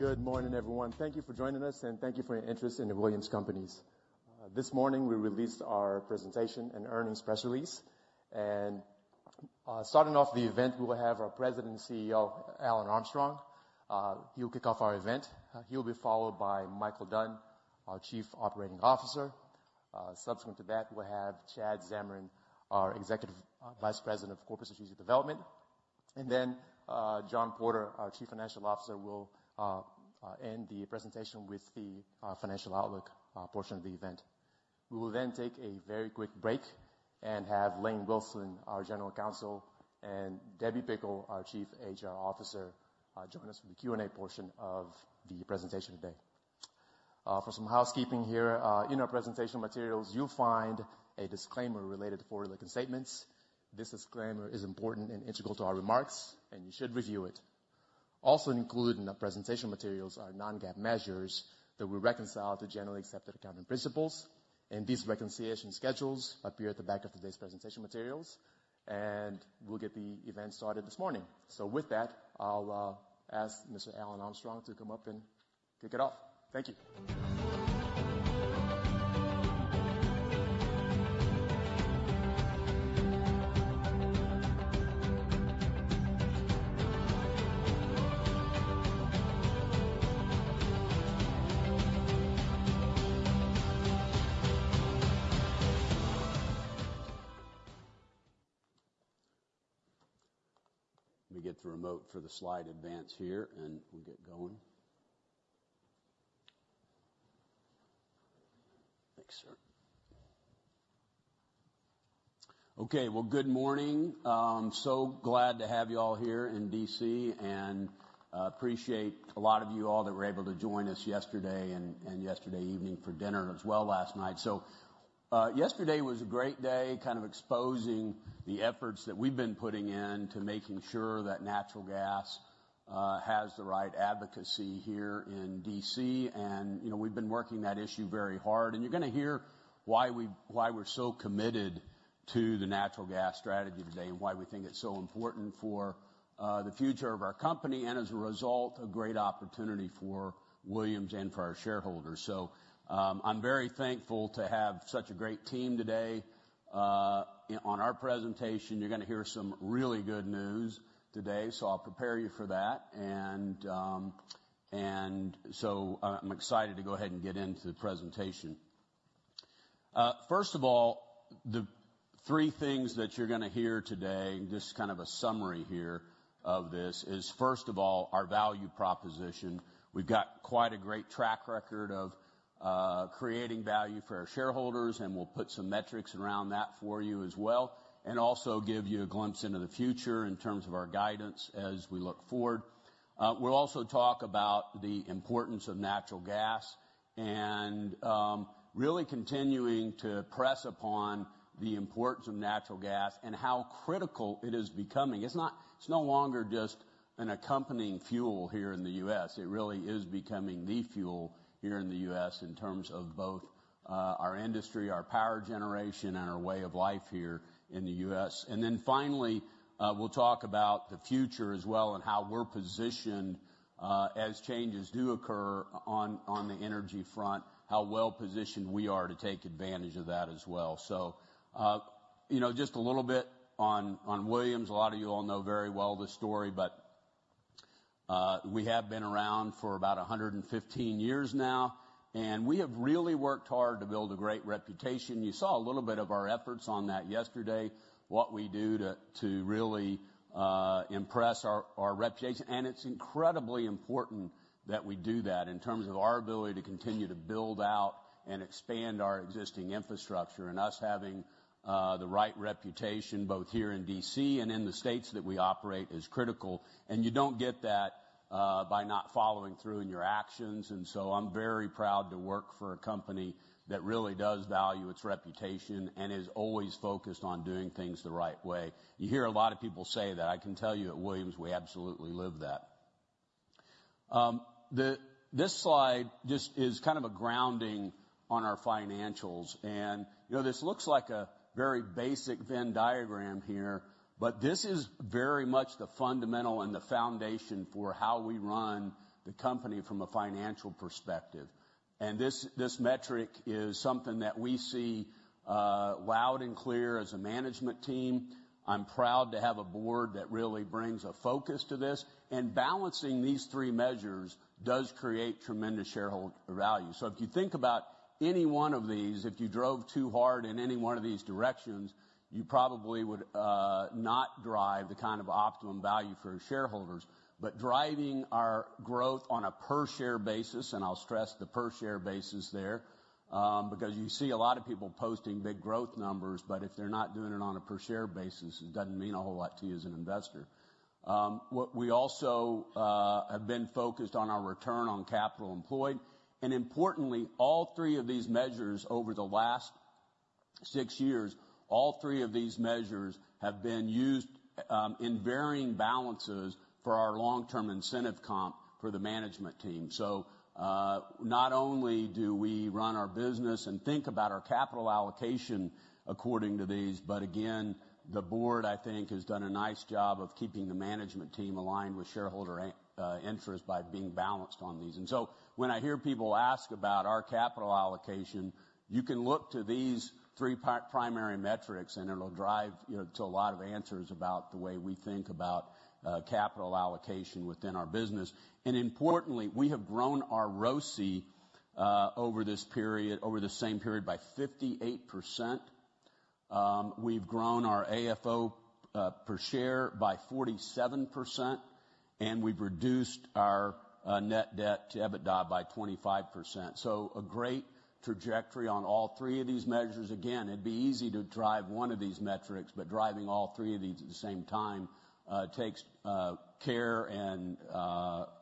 Good morning, everyone. Thank you for joining us, and thank you for your interest in The Williams Companies. This morning we released our presentation and earnings press release. Starting off the event, we will have our President and CEO, Alan Armstrong. He will kick off our event. He will be followed by Michael Dunn, our Chief Operating Officer. Subsequent to that, we'll have Chad Zamarin, our Executive Vice President of Corporate Strategic Development. Then John Porter, our Chief Financial Officer, will end the presentation with the financial outlook portion of the event. We will then take a very quick break and have Lane Wilson, our General Counsel, and Debbie Pickle, our Chief HR Officer, join us for the Q&A portion of the presentation today. For some housekeeping here, in our presentation materials you'll find a disclaimer related to forward-looking statements. This disclaimer is important and integral to our remarks, and you should review it. Also included in the presentation materials are non-GAAP measures that we reconcile to generally accepted accounting principles. These reconciliation schedules appear at the back of today's presentation materials. We'll get the event started this morning. With that, I'll ask Mr. Alan Armstrong to come up and kick it off. Thank you. Let me get the remote for the slide advance here, and we'll get going. Thanks, sir. Okay, well, good morning. So glad to have you all here in D.C., and appreciate a lot of you all that were able to join us yesterday and yesterday evening for dinner as well last night. So yesterday was a great day, kind of exposing the efforts that we've been putting in to making sure that natural gas has the right advocacy here in D.C. And we've been working that issue very hard. And you're going to hear why we're so committed to the natural gas strategy today and why we think it's so important for the future of our company and, as a result, a great opportunity for Williams and for our shareholders. So I'm very thankful to have such a great team today. On our presentation, you're going to hear some really good news today, so I'll prepare you for that. And so I'm excited to go ahead and get into the presentation. First of all, the three things that you're going to hear today, just kind of a summary here of this, is, first of all, our value proposition. We've got quite a great track record of creating value for our shareholders, and we'll put some metrics around that for you as well, and also give you a glimpse into the future in terms of our guidance as we look forward. We'll also talk about the importance of natural gas and really continuing to press upon the importance of natural gas and how critical it is becoming. It's no longer just an accompanying fuel here in the U.S. It really is becoming the fuel here in the U.S. In terms of both our industry, our power generation, and our way of life here in the U.S. And then finally, we'll talk about the future as well and how we're positioned as changes do occur on the energy front, how well positioned we are to take advantage of that as well. So just a little bit on Williams. A lot of you all know very well the story, but we have been around for about 115 years now, and we have really worked hard to build a great reputation. You saw a little bit of our efforts on that yesterday, what we do to really impress our reputation. And it's incredibly important that we do that in terms of our ability to continue to build out and expand our existing infrastructure and us having the right reputation both here in D.C. In the states that we operate is critical. You don't get that by not following through in your actions. So I'm very proud to work for a company that really does value its reputation and is always focused on doing things the right way. You hear a lot of people say that. I can tell you at Williams, we absolutely live that. This slide just is kind of a grounding on our financials. This looks like a very basic Venn diagram here, but this is very much the fundamental and the foundation for how we run the company from a financial perspective. This metric is something that we see loud and clear as a management team. I'm proud to have a board that really brings a focus to this. Balancing these three measures does create tremendous shareholder value. If you think about any one of these, if you drove too hard in any one of these directions, you probably would not drive the kind of optimum value for shareholders. But driving our growth on a per-share basis and I'll stress the per-share basis there because you see a lot of people posting big growth numbers, but if they're not doing it on a per-share basis, it doesn't mean a whole lot to you as an investor. We also have been focused on our return on capital employed. Importantly, all three of these measures over the last six years, all three of these measures have been used in varying balances for our long-term incentive comp for the management team. So not only do we run our business and think about our capital allocation according to these, but again, the board, I think, has done a nice job of keeping the management team aligned with shareholder interests by being balanced on these. And so when I hear people ask about our capital allocation, you can look to these three primary metrics, and it'll drive to a lot of answers about the way we think about capital allocation within our business. And importantly, we have grown our ROCE over this period, over the same period, by 58%. We've grown our AFFO per share by 47%, and we've reduced our net debt to EBITDA by 25%. So a great trajectory on all three of these measures. Again, it'd be easy to drive one of these metrics, but driving all three of these at the same time takes care and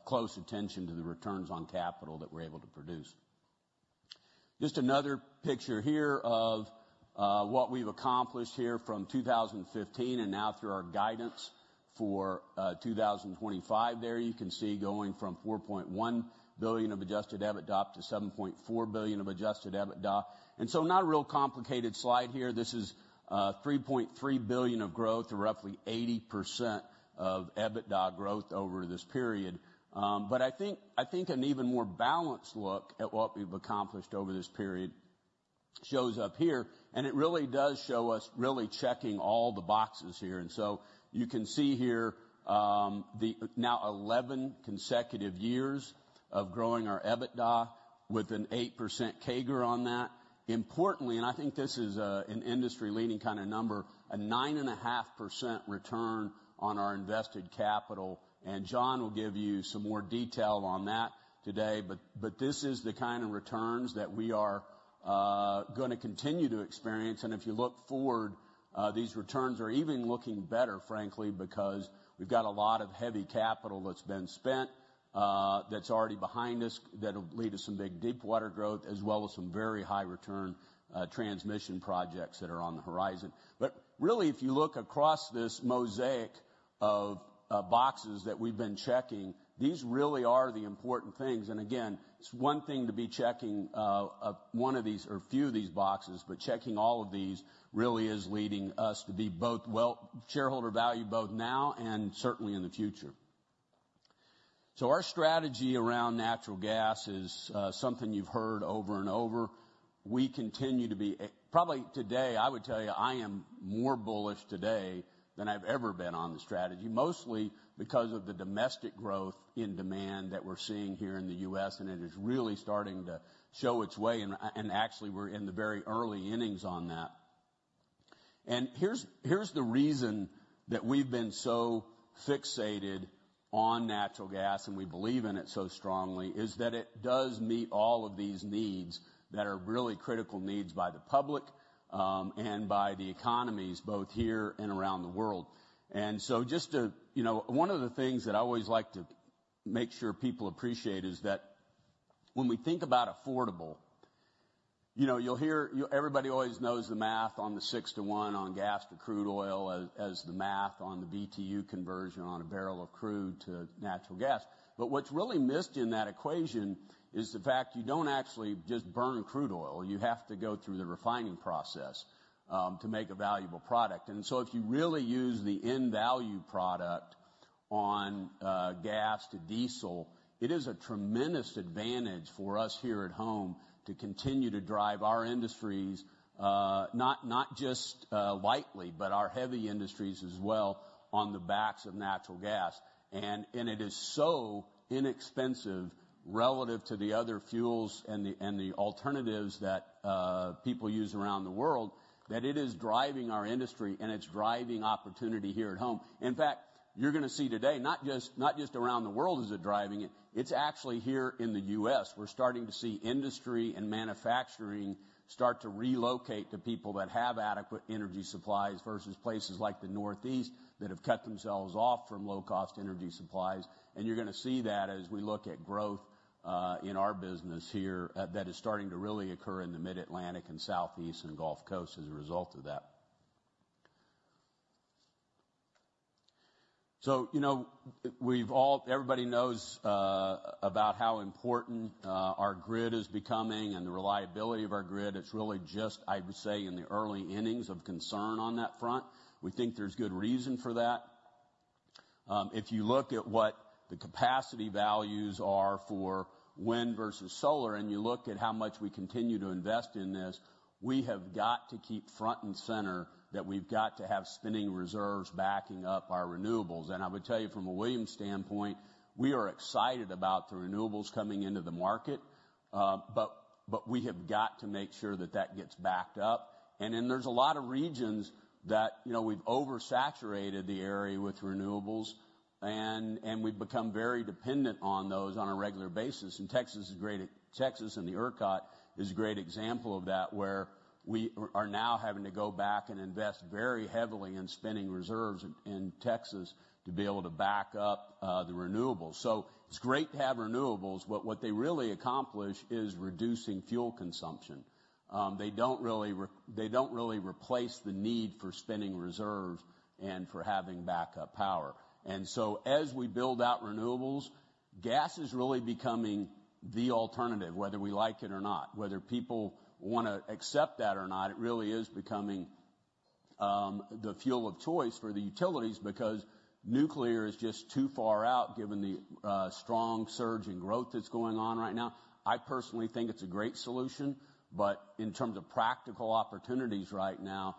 close attention to the returns on capital that we're able to produce. Just another picture here of what we've accomplished here from 2015 and now through our guidance for 2025. There you can see going from $4.1 billion of adjusted EBITDA up to $7.4 billion of adjusted EBITDA. And so not a real complicated slide here. This is $3.3 billion of growth or roughly 80% of EBITDA growth over this period. But I think an even more balanced look at what we've accomplished over this period shows up here. And it really does show us really checking all the boxes here. And so you can see here the now 11 consecutive years of growing our EBITDA with an 8% CAGR on that. Importantly, and I think this is an industry-leading kind of number, a 9.5% return on our invested capital. And John will give you some more detail on that today. But this is the kind of returns that we are going to continue to experience. And if you look forward, these returns are even looking better, frankly, because we've got a lot of heavy capital that's been spent that's already behind us that'll lead to some big deepwater growth as well as some very high return transmission projects that are on the horizon. But really, if you look across this mosaic of boxes that we've been checking, these really are the important things. And again, it's one thing to be checking one of these or few of these boxes, but checking all of these really is leading us to be both shareholder value both now and certainly in the future. Our strategy around natural gas is something you've heard over and over. We continue to be probably today, I would tell you, I am more bullish today than I've ever been on the strategy, mostly because of the domestic growth in demand that we're seeing here in the U.S. It is really starting to show its way. Actually, we're in the very early innings on that. Here's the reason that we've been so fixated on natural gas and we believe in it so strongly is that it does meet all of these needs that are really critical needs by the public and by the economies both here and around the world. And so just one of the things that I always like to make sure people appreciate is that when we think about affordable, you'll hear everybody always knows the math on the 6-to-1 on gas to crude oil as the math on the BTU conversion on a barrel of crude to natural gas. But what's really missed in that equation is the fact you don't actually just burn crude oil. You have to go through the refining process to make a valuable product. And so if you really use the end value product on gas to diesel, it is a tremendous advantage for us here at home to continue to drive our industries, not just lightly, but our heavy industries as well, on the backs of natural gas. It is so inexpensive relative to the other fuels and the alternatives that people use around the world that it is driving our industry, and it's driving opportunity here at home. In fact, you're going to see today, not just around the world is it driving it, it's actually here in the U.S. We're starting to see industry and manufacturing start to relocate to people that have adequate energy supplies versus places like the Northeast that have cut themselves off from low-cost energy supplies. You're going to see that as we look at growth in our business here that is starting to really occur in the Mid-Atlantic and Southeast and Gulf Coast as a result of that. Everybody knows about how important our grid is becoming and the reliability of our grid. It's really just, I would say, in the early innings of concern on that front. We think there's good reason for that. If you look at what the capacity values are for wind versus solar and you look at how much we continue to invest in this, we have got to keep front and center that we've got to have spinning reserves backing up our renewables. And I would tell you, from a Williams standpoint, we are excited about the renewables coming into the market, but we have got to make sure that that gets backed up. And then there's a lot of regions that we've oversaturated the area with renewables, and we've become very dependent on those on a regular basis. And Texas and the ERCOT is a great example of that, where we are now having to go back and invest very heavily in spinning reserves in Texas to be able to back up the renewables. It's great to have renewables, but what they really accomplish is reducing fuel consumption. They don't really replace the need for spinning reserves and for having backup power. And so as we build out renewables, gas is really becoming the alternative, whether we like it or not. Whether people want to accept that or not, it really is becoming the fuel of choice for the utilities because nuclear is just too far out given the strong surge in growth that's going on right now. I personally think it's a great solution. In terms of practical opportunities right now,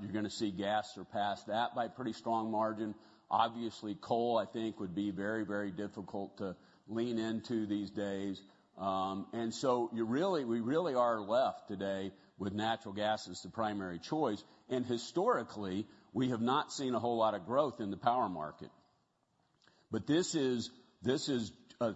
you're going to see gas surpass that by a pretty strong margin. Obviously, coal, I think, would be very, very difficult to lean into these days. And so we really are left today with natural gas as the primary choice. Historically, we have not seen a whole lot of growth in the power market. This is a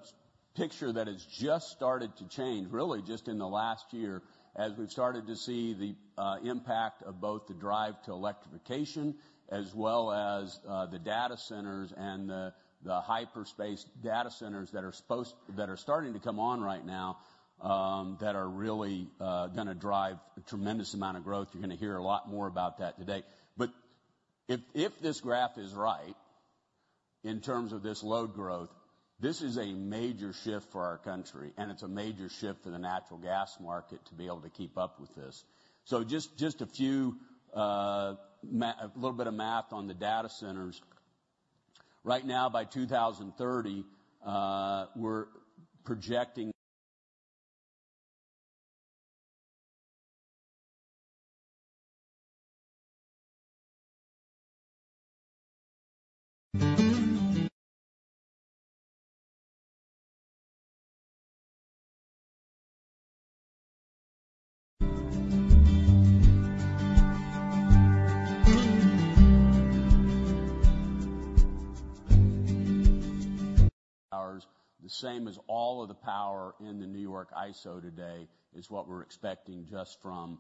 picture that has just started to change, really, just in the last year as we've started to see the impact of both the drive to electrification as well as the data centers and the hyperscale data centers that are starting to come on right now that are really going to drive a tremendous amount of growth. You're going to hear a lot more about that today. If this graph is right in terms of this load growth, this is a major shift for our country, and it's a major shift for the natural gas market to be able to keep up with this. Just a little bit of math on the data centers. Right now, by 2030, we're projecting. Hours, the same as all of the power in the New York ISO today is what we're expecting just from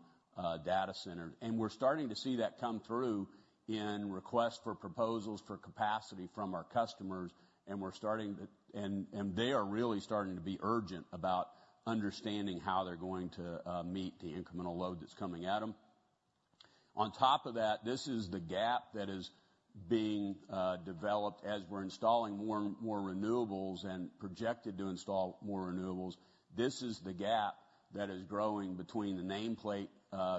data centers. We're starting to see that come through in requests for proposals for capacity from our customers. They are really starting to be urgent about understanding how they're going to meet the incremental load that's coming at them. On top of that, this is the gap that is being developed as we're installing more renewables and projected to install more renewables. This is the gap that is growing between the nameplate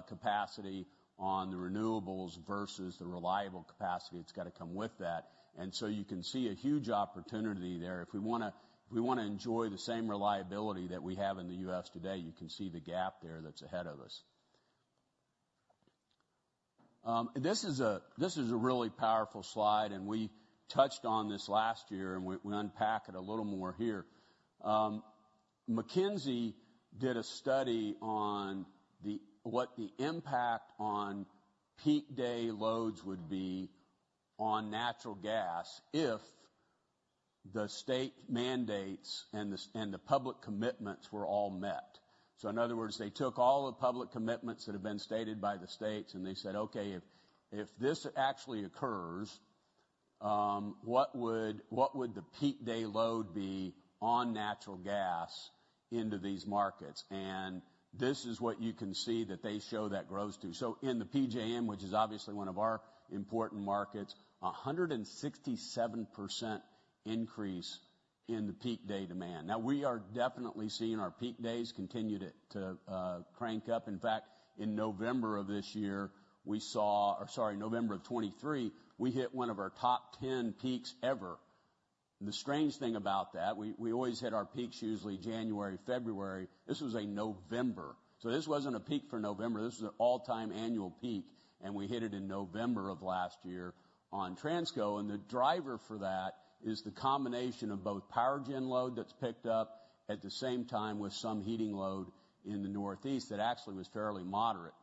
capacity on the renewables versus the reliable capacity. It's got to come with that. So you can see a huge opportunity there. If we want to enjoy the same reliability that we have in the U.S. today, you can see the gap there that's ahead of us. This is a really powerful slide. And we touched on this last year, and we unpack it a little more here. McKinsey did a study on what the impact on peak day loads would be on natural gas if the state mandates and the public commitments were all met. So in other words, they took all the public commitments that have been stated by the states, and they said, "Okay, if this actually occurs, what would the peak day load be on natural gas into these markets?" And this is what you can see that they show that grows to. So in the PJM, which is obviously one of our important markets, 167% increase in the peak day demand. Now, we are definitely seeing our peak days continue to crank up. In fact, in November of this year, we saw or sorry, November of 2023, we hit one of our top 10 peaks ever. The strange thing about that, we always hit our peaks usually January, February. This was a November. So this wasn't a peak for November. This was an all-time annual peak. And we hit it in November of last year on Transco. And the driver for that is the combination of both power gen load that's picked up at the same time with some heating load in the Northeast that actually was fairly moderate.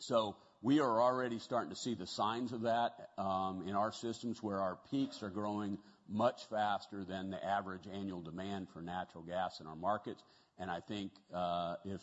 So we are already starting to see the signs of that in our systems where our peaks are growing much faster than the average annual demand for natural gas in our markets. I think if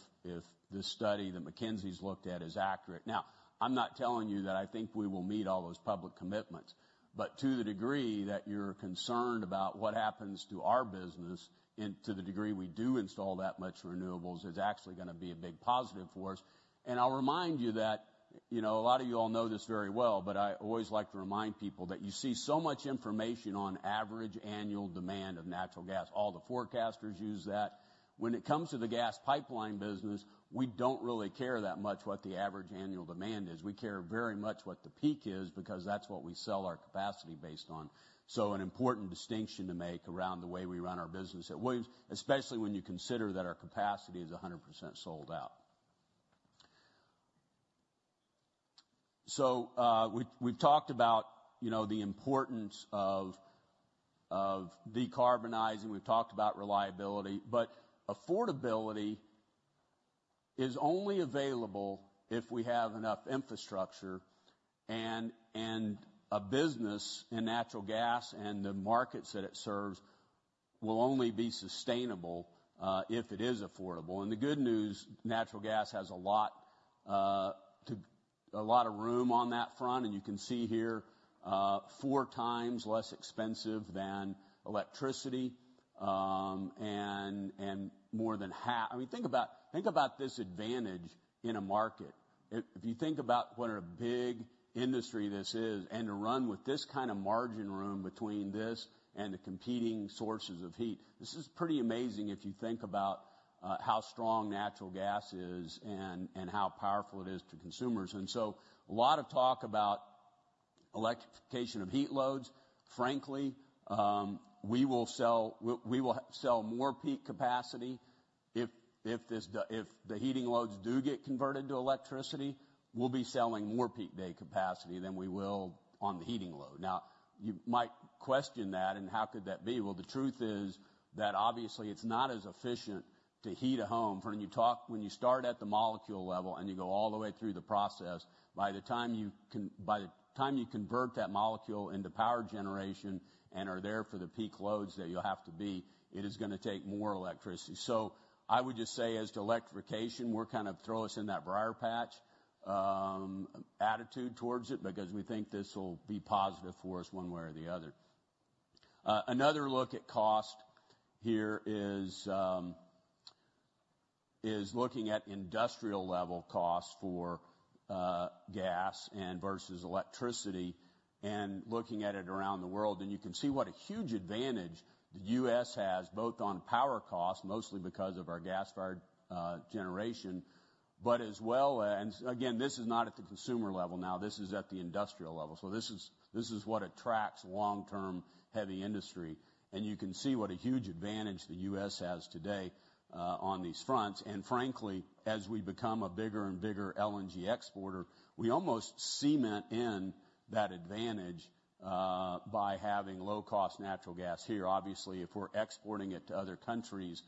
this study that McKinsey's looked at is accurate now, I'm not telling you that I think we will meet all those public commitments, but to the degree that you're concerned about what happens to our business and to the degree we do install that much renewables, it's actually going to be a big positive for us. And I'll remind you that a lot of you all know this very well, but I always like to remind people that you see so much information on average annual demand of natural gas. All the forecasters use that. When it comes to the gas pipeline business, we don't really care that much what the average annual demand is. We care very much what the peak is because that's what we sell our capacity based on. So an important distinction to make around the way we run our business at Williams, especially when you consider that our capacity is 100% sold out. So we've talked about the importance of decarbonizing. We've talked about reliability. But affordability is only available if we have enough infrastructure and a business in natural gas and the markets that it serves will only be sustainable if it is affordable. And the good news, natural gas has a lot of room on that front. And you can see here, four times less expensive than electricity and more than half. I mean, think about this advantage in a market. If you think about what a big industry this is and to run with this kind of margin room between this and the competing sources of heat, this is pretty amazing if you think about how strong natural gas is and how powerful it is to consumers. So a lot of talk about electrification of heat loads. Frankly, we will sell more peak capacity. If the heating loads do get converted to electricity, we'll be selling more peak day capacity than we will on the heating load. Now, you might question that, and how could that be? Well, the truth is that obviously, it's not as efficient to heat a home. When you start at the molecule level and you go all the way through the process, by the time you convert that molecule into power generation and are there for the peak loads that you'll have to be, it is going to take more electricity. So I would just say, as to electrification, we're kind of throw us in that briar patch attitude towards it because we think this will be positive for us one way or the other. Another look at cost here is looking at industrial level costs for gas versus electricity and looking at it around the world. You can see what a huge advantage the U.S. has both on power costs, mostly because of our gas-fired generation, but as well and again, this is not at the consumer level now. This is at the industrial level. So this is what attracts long-term heavy industry. You can see what a huge advantage the U.S. has today on these fronts. And frankly, as we become a bigger and bigger LNG exporter, we almost cement in that advantage by having low-cost natural gas here. Obviously, if we're exporting it to other countries,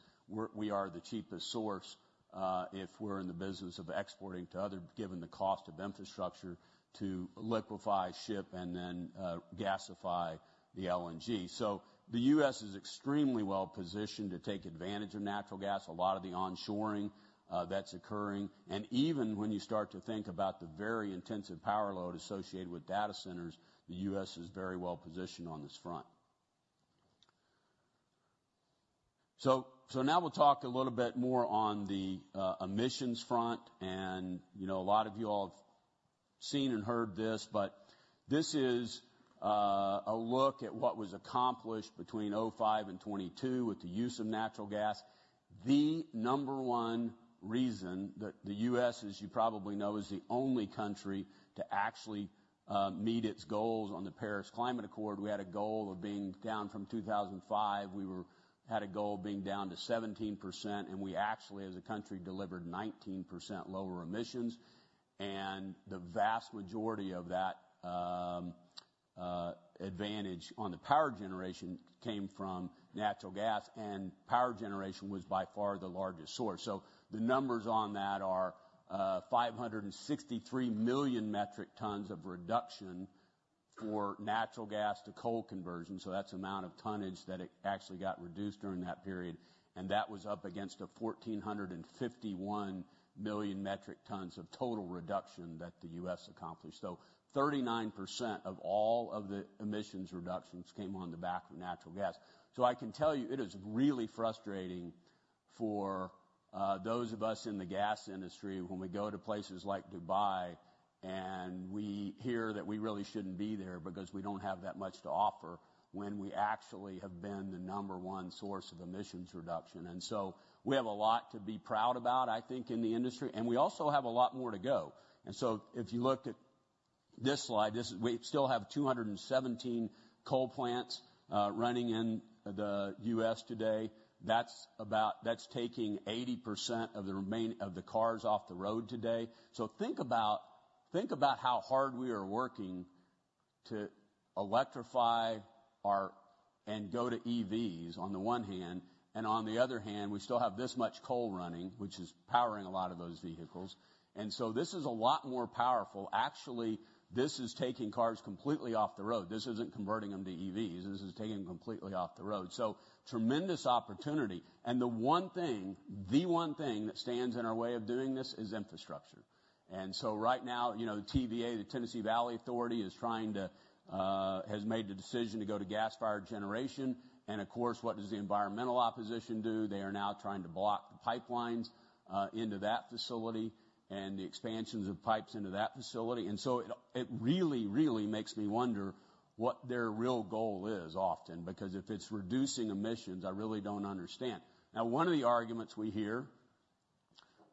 we are the cheapest source if we're in the business of exporting to other, given the cost of infrastructure, to liquefy, ship, and then gasify the LNG. So the U.S. is extremely well positioned to take advantage of natural gas, a lot of the onshoring that's occurring. And even when you start to think about the very intensive power load associated with data centers, the U.S. is very well positioned on this front. So now we'll talk a little bit more on the emissions front. A lot of you all have seen and heard this, but this is a look at what was accomplished between 2005 and 2022 with the use of natural gas. The number one reason that the U.S., as you probably know, is the only country to actually meet its goals on the Paris Climate Accord. We had a goal of being down from 2005. We had a goal of being down to 17%. And we actually, as a country, delivered 19% lower emissions. And the vast majority of that advantage on the power generation came from natural gas. And power generation was by far the largest source. The numbers on that are 563 million metric tons of reduction for natural gas to coal conversion. That's the amount of tonnage that it actually got reduced during that period. That was up against a 1,451 million metric tons of total reduction that the U.S. accomplished. So 39% of all of the emissions reductions came on the back of natural gas. So I can tell you, it is really frustrating for those of us in the gas industry when we go to places like Dubai and we hear that we really shouldn't be there because we don't have that much to offer when we actually have been the number one source of emissions reduction. And so we have a lot to be proud about, I think, in the industry. And we also have a lot more to go. And so if you look at this slide, we still have 217 coal plants running in the U.S. today. That's taking 80% of the cars off the road today. So think about how hard we are working to electrify and go to EVs on the one hand. And on the other hand, we still have this much coal running, which is powering a lot of those vehicles. And so this is a lot more powerful. Actually, this is taking cars completely off the road. This isn't converting them to EVs. This is taking them completely off the road. So tremendous opportunity. And the one thing, the one thing that stands in our way of doing this is infrastructure. And so right now, the TVA, the Tennessee Valley Authority, has made the decision to go to gas-fired generation. And of course, what does the environmental opposition do? They are now trying to block the pipelines into that facility and the expansions of pipes into that facility. And so it really, really makes me wonder what their real goal is often because if it's reducing emissions, I really don't understand. Now, one of the arguments we hear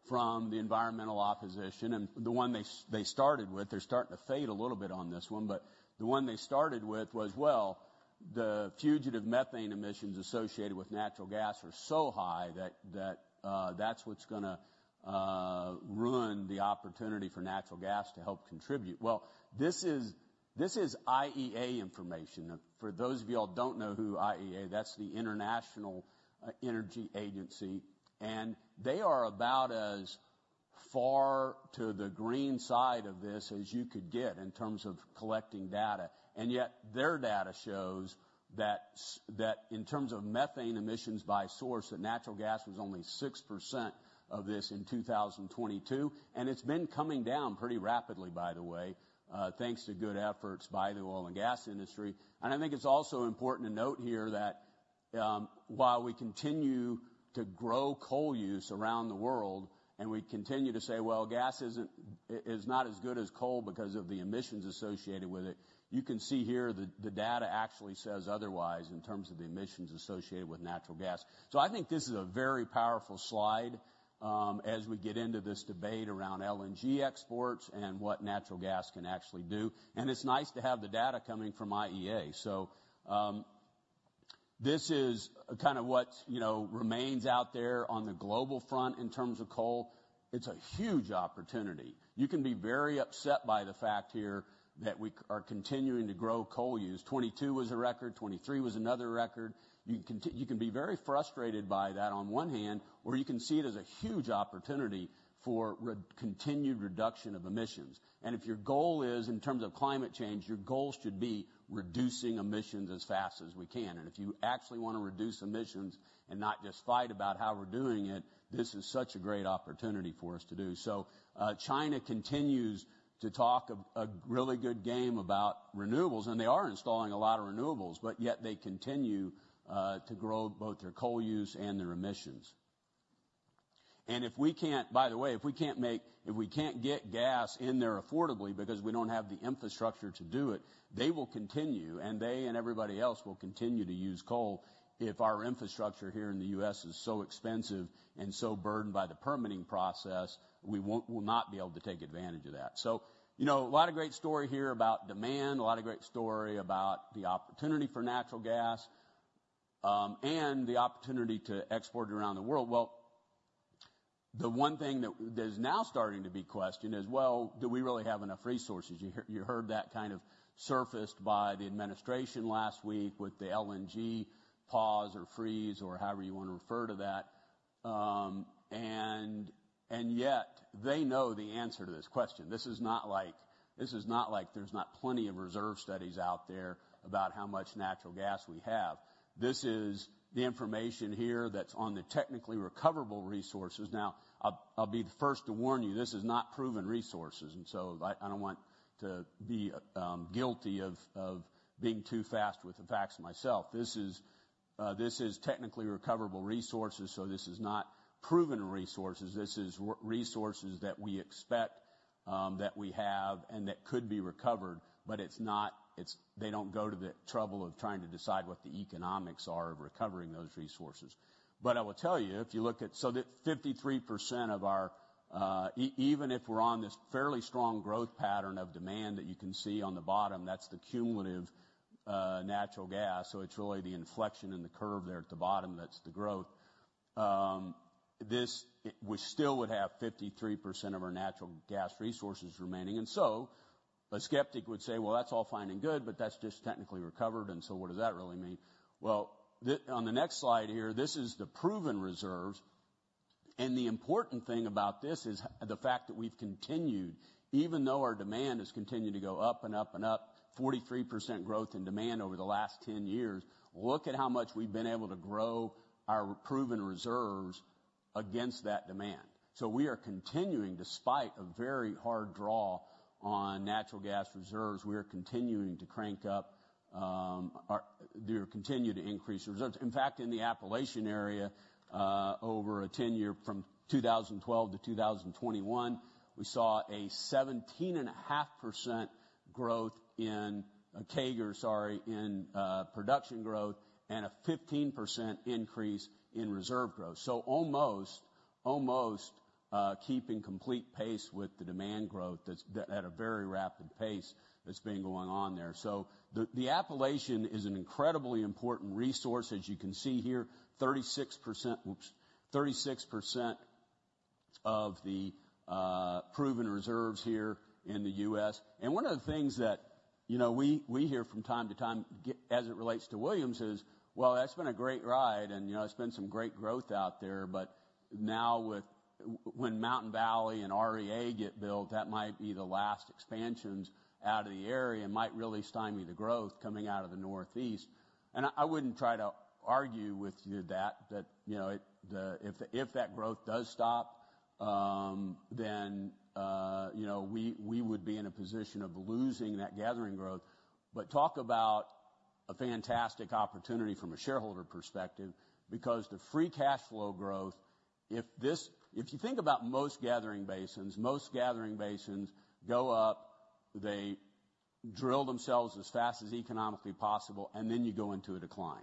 from the environmental opposition and the one they started with they're starting to fade a little bit on this one. But the one they started with was, "Well, the fugitive methane emissions associated with natural gas are so high that that's what's going to ruin the opportunity for natural gas to help contribute." Well, this is IEA information. For those of you all who don't know who IEA, that's the International Energy Agency. And they are about as far to the green side of this as you could get in terms of collecting data. And yet, their data shows that in terms of methane emissions by source, that natural gas was only 6% of this in 2022. It's been coming down pretty rapidly, by the way, thanks to good efforts by the oil and gas industry. I think it's also important to note here that while we continue to grow coal use around the world and we continue to say, "Well, gas is not as good as coal because of the emissions associated with it," you can see here the data actually says otherwise in terms of the emissions associated with natural gas. I think this is a very powerful slide as we get into this debate around LNG exports and what natural gas can actually do. It's nice to have the data coming from IEA. This is kind of what remains out there on the global front in terms of coal. It's a huge opportunity. You can be very upset by the fact here that we are continuing to grow coal use. 2022 was a record. 2023 was another record. You can be very frustrated by that on one hand, or you can see it as a huge opportunity for continued reduction of emissions. If your goal is in terms of climate change, your goals should be reducing emissions as fast as we can. If you actually want to reduce emissions and not just fight about how we're doing it, this is such a great opportunity for us to do. China continues to talk a really good game about renewables. They are installing a lot of renewables, but yet they continue to grow both their coal use and their emissions. And if we can't—by the way, if we can't get gas in there affordably because we don't have the infrastructure to do it, they will continue. And they and everybody else will continue to use coal. If our infrastructure here in the U.S. is so expensive and so burdened by the permitting process, we will not be able to take advantage of that. So a lot of great story here about demand, a lot of great story about the opportunity for natural gas and the opportunity to export it around the world. Well, the one thing that is now starting to be questioned is, "Well, do we really have enough resources?" You heard that kind of surfaced by the administration last week with the LNG pause or freeze or however you want to refer to that. And yet, they know the answer to this question. This is not like there's not plenty of reserve studies out there about how much natural gas we have. This is the information here that's on the technically recoverable resources. Now, I'll be the first to warn you, this is not proven resources. And so I don't want to be guilty of being too fast with the facts myself. This is technically recoverable resources. So this is not proven resources. This is resources that we expect that we have and that could be recovered. But they don't go to the trouble of trying to decide what the economics are of recovering those resources. But I will tell you, if you look at so that 53% of our even if we're on this fairly strong growth pattern of demand that you can see on the bottom, that's the cumulative natural gas. So it's really the inflection in the curve there at the bottom that's the growth. We still would have 53% of our natural gas resources remaining. And so a skeptic would say, "Well, that's all fine and good, but that's just technically recovered. And so what does that really mean?" Well, on the next slide here, this is the proven reserves. And the important thing about this is the fact that we've continued, even though our demand has continued to go up and up and up, 43% growth in demand over the last 10 years, look at how much we've been able to grow our proven reserves against that demand. So we are continuing, despite a very hard draw on natural gas reserves, we are continuing to crank up or continue to increase reserves. In fact, in the Appalachian area, over a 10-year from 2012 to 2021, we saw a 17.5% growth in CAGR, sorry, in production growth and a 15% increase in reserve growth. So almost keeping complete pace with the demand growth at a very rapid pace that's been going on there. So the Appalachian is an incredibly important resource, as you can see here, 36% of the proven reserves here in the U.S. And one of the things that we hear from time to time as it relates to Williams is, "Well, that's been a great ride. And there's been some great growth out there. But now when Mountain Valley and REA get built, that might be the last expansions out of the area and might really stymie the growth coming out of the Northeast." And I wouldn't try to argue with you that if that growth does stop, then we would be in a position of losing that gathering growth. But talk about a fantastic opportunity from a shareholder perspective because the free cash flow growth, if you think about most gathering basins, most gathering basins go up, they drill themselves as fast as economically possible, and then you go into a decline.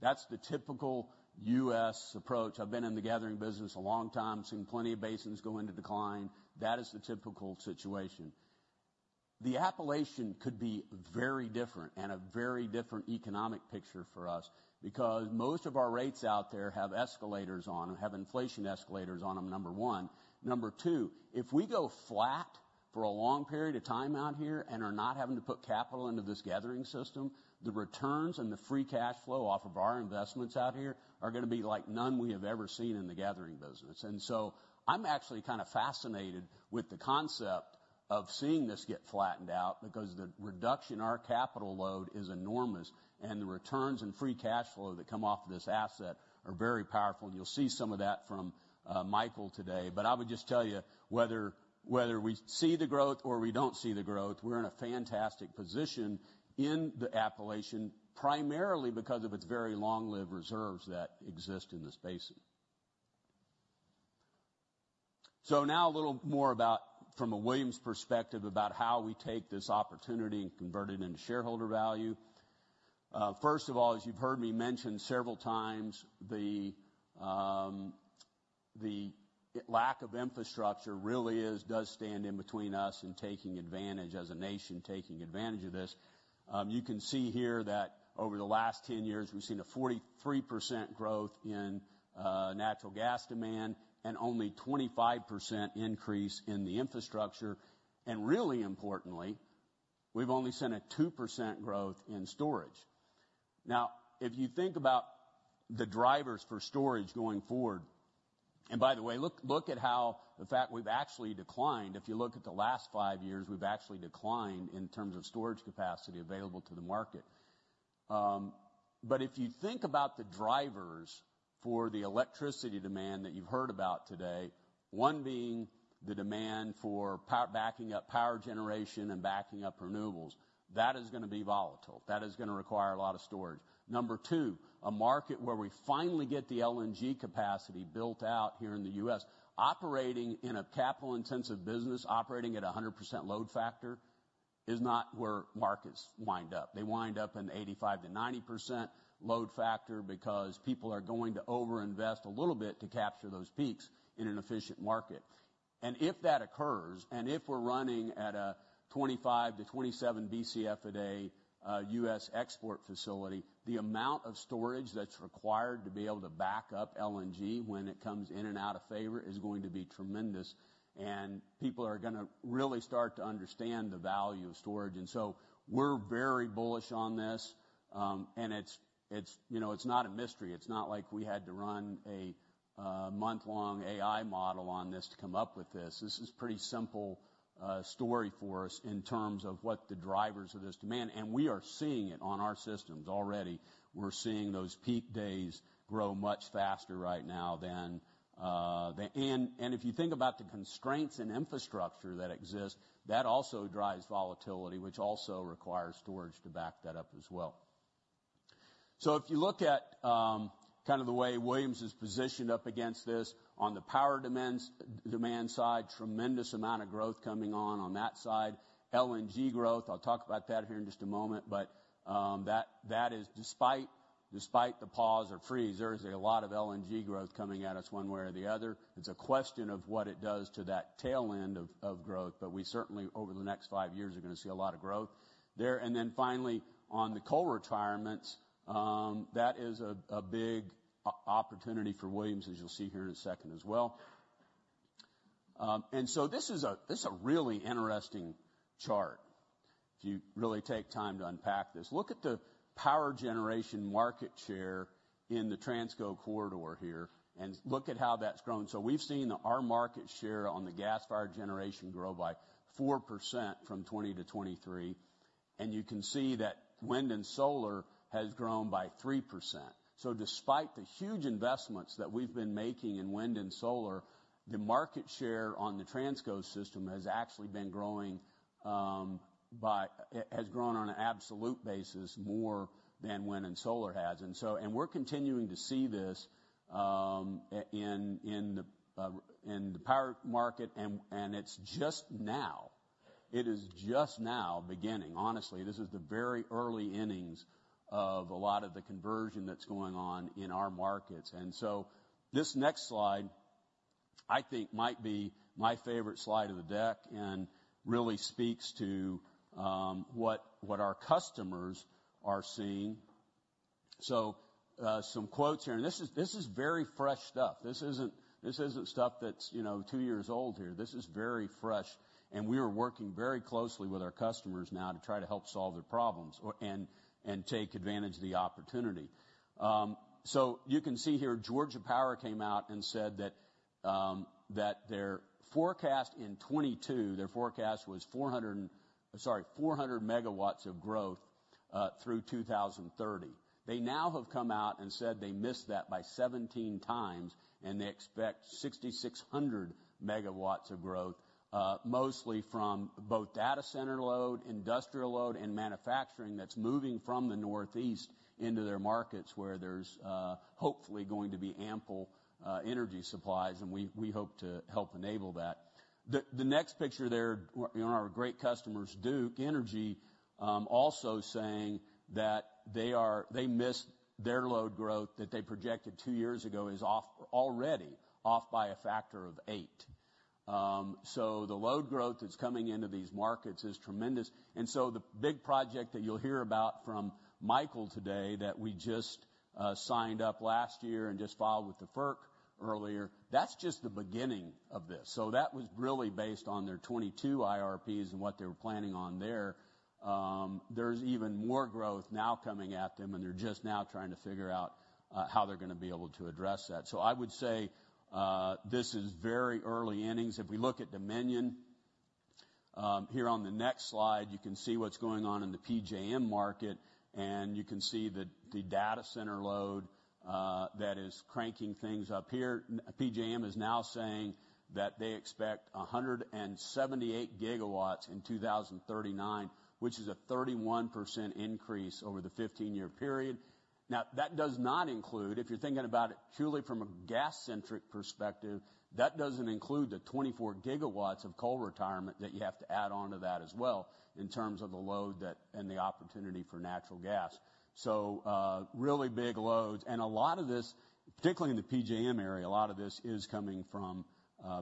That's the typical U.S. approach. I've been in the gathering business a long time, seen plenty of basins go into decline. That is the typical situation. The Appalachian could be very different and a very different economic picture for us because most of our rates out there have escalators on them, have inflation escalators on them, number one. Number two, if we go flat for a long period of time out here and are not having to put capital into this gathering system, the returns and the free cash flow off of our investments out here are going to be like none we have ever seen in the gathering business. And so I'm actually kind of fascinated with the concept of seeing this get flattened out because the reduction in our capital load is enormous. And the returns and free cash flow that come off of this asset are very powerful. And you'll see some of that from Michael today. But I would just tell you, whether we see the growth or we don't see the growth, we're in a fantastic position in the Appalachian primarily because of its very long-lived reserves that exist in this basin. So now a little more from a Williams perspective about how we take this opportunity and convert it into shareholder value. First of all, as you've heard me mention several times, the lack of infrastructure really does stand in between us and taking advantage as a nation, taking advantage of this. You can see here that over the last 10 years, we've seen a 43% growth in natural gas demand and only 25% increase in the infrastructure. And really importantly, we've only seen a 2% growth in storage. Now, if you think about the drivers for storage going forward and by the way, look at how the fact we've actually declined. If you look at the last 5 years, we've actually declined in terms of storage capacity available to the market. But if you think about the drivers for the electricity demand that you've heard about today, one being the demand for backing up power generation and backing up renewables, that is going to be volatile. That is going to require a lot of storage. Number two, a market where we finally get the LNG capacity built out here in the U.S., operating in a capital-intensive business, operating at a 100% load factor is not where markets wind up. They wind up in the 85%-90% load factor because people are going to overinvest a little bit to capture those peaks in an efficient market. And if that occurs and if we're running at a 25-27 Bcf/d U.S. export facility, the amount of storage that's required to be able to back up LNG when it comes in and out of favor is going to be tremendous. People are going to really start to understand the value of storage. So we're very bullish on this. It's not a mystery. It's not like we had to run a month-long AI model on this to come up with this. This is a pretty simple story for us in terms of what the drivers of this demand, and we are seeing it on our systems already. We're seeing those peak days grow much faster right now. If you think about the constraints and infrastructure that exist, that also drives volatility, which also requires storage to back that up as well. So if you look at kind of the way Williams is positioned up against this on the power demand side, tremendous amount of growth coming on that side, LNG growth, I'll talk about that here in just a moment. But that is despite the pause or freeze, there is a lot of LNG growth coming at us one way or the other. It's a question of what it does to that tail end of growth. But we certainly, over the next five years, are going to see a lot of growth there. And then finally, on the coal retirements, that is a big opportunity for Williams, as you'll see here in a second as well. And so this is a really interesting chart if you really take time to unpack this. Look at the power generation market share in the Transco corridor here and look at how that's grown. So we've seen our market share on the gas-fired generation grow by 4% from 2020 to 2023. And you can see that wind and solar has grown by 3%. So despite the huge investments that we've been making in wind and solar, the market share on the Transco system has actually been growing, has grown on an absolute basis more than wind and solar has. And we're continuing to see this in the power market. And it's just now. It is just now beginning. Honestly, this is the very early innings of a lot of the conversion that's going on in our markets. And so this next slide, I think, might be my favorite slide of the deck and really speaks to what our customers are seeing. So some quotes here. And this is very fresh stuff. This isn't stuff that's two years old here. This is very fresh. And we are working very closely with our customers now to try to help solve their problems and take advantage of the opportunity. So you can see here, Georgia Power came out and said that their forecast in 2022, their forecast was 400 sorry, 400 megawatts of growth through 2030. They now have come out and said they missed that by 17 times. And they expect 6,600 megawatts of growth, mostly from both data center load, industrial load, and manufacturing that's moving from the Northeast into their markets where there's hopefully going to be ample energy supplies. And we hope to help enable that. The next picture there, one of our great customers, Duke Energy, also saying that they missed their load growth that they projected two years ago is already off by a factor of 8. So the load growth that's coming into these markets is tremendous. The big project that you'll hear about from Michael today that we just signed up last year and just filed with the FERC earlier, that's just the beginning of this. That was really based on their 2022 IRPs and what they were planning on there. There's even more growth now coming at them. They're just now trying to figure out how they're going to be able to address that. I would say this is very early innings. If we look at Dominion here on the next slide, you can see what's going on in the PJM market. You can see the data center load that is cranking things up here. PJM is now saying that they expect 178 GW in 2039, which is a 31% increase over the 15-year period. Now, that does not include if you're thinking about it truly from a gas-centric perspective, that doesn't include the 24 gigawatts of coal retirement that you have to add on to that as well in terms of the load and the opportunity for natural gas. So really big loads. And a lot of this, particularly in the PJM area, a lot of this is coming from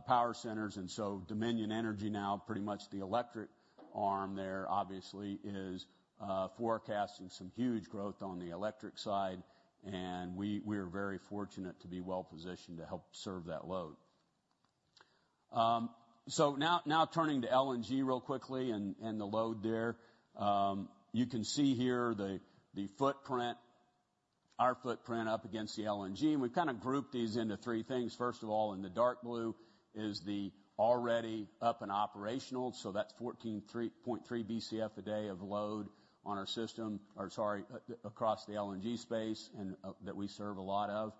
power centers. And so Dominion Energy now, pretty much the electric arm there, obviously is forecasting some huge growth on the electric side. And we are very fortunate to be well-positioned to help serve that load. So now turning to LNG real quickly and the load there, you can see here our footprint up against the LNG. And we've kind of grouped these into three things. First of all, in the dark blue is the already up and operational. So that's 14.3 Bcf/d of load on our system or sorry, across the LNG space that we serve a lot of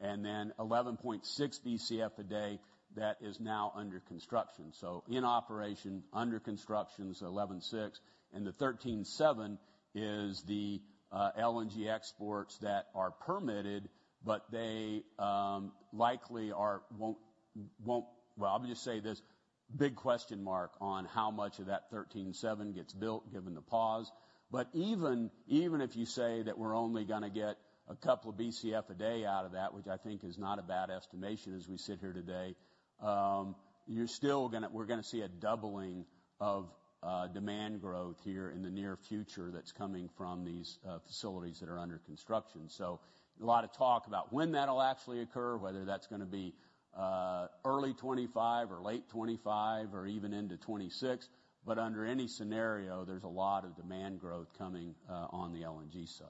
and then 11.6 Bcf/d that is now under construction. So in operation, under construction is 11.6. And the 13.7 is the LNG exports that are permitted, but they likely won't well, I'll just say this big question mark on how much of that 13.7 gets built given the pause. But even if you say that we're only going to get a couple of Bcf/d out of that, which I think is not a bad estimation as we sit here today, we're going to see a doubling of demand growth here in the near future that's coming from these facilities that are under construction. So a lot of talk about when that'll actually occur, whether that's going to be early 2025 or late 2025 or even into 2026. But under any scenario, there's a lot of demand growth coming on the LNG side.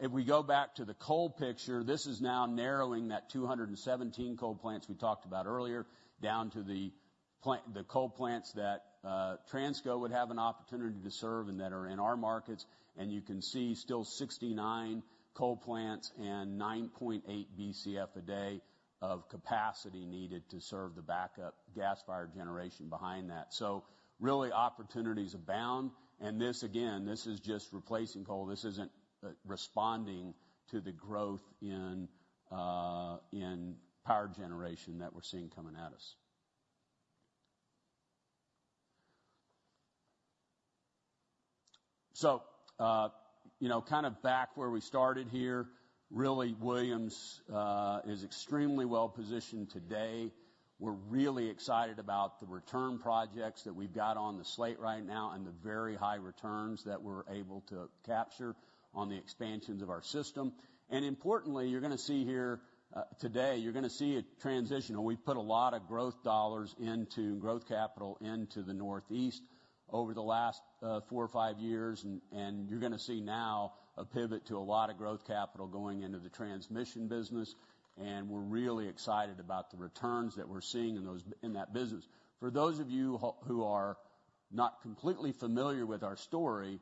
If we go back to the coal picture, this is now narrowing that 217 coal plants we talked about earlier down to the coal plants that Transco would have an opportunity to serve and that are in our markets. And you can see still 69 coal plants and 9.8 Bcf/d of capacity needed to serve the backup gas-fired generation behind that. So really, opportunities abound. And again, this is just replacing coal. This isn't responding to the growth in power generation that we're seeing coming at us. So kind of back where we started here, really, Williams is extremely well-positioned today. We're really excited about the return projects that we've got on the slate right now and the very high returns that we're able to capture on the expansions of our system. Importantly, you're going to see here today, you're going to see a transition. We've put a lot of growth dollars into growth capital into the Northeast over the last four or five years. You're going to see now a pivot to a lot of growth capital going into the transmission business. We're really excited about the returns that we're seeing in that business. For those of you who are not completely familiar with our story,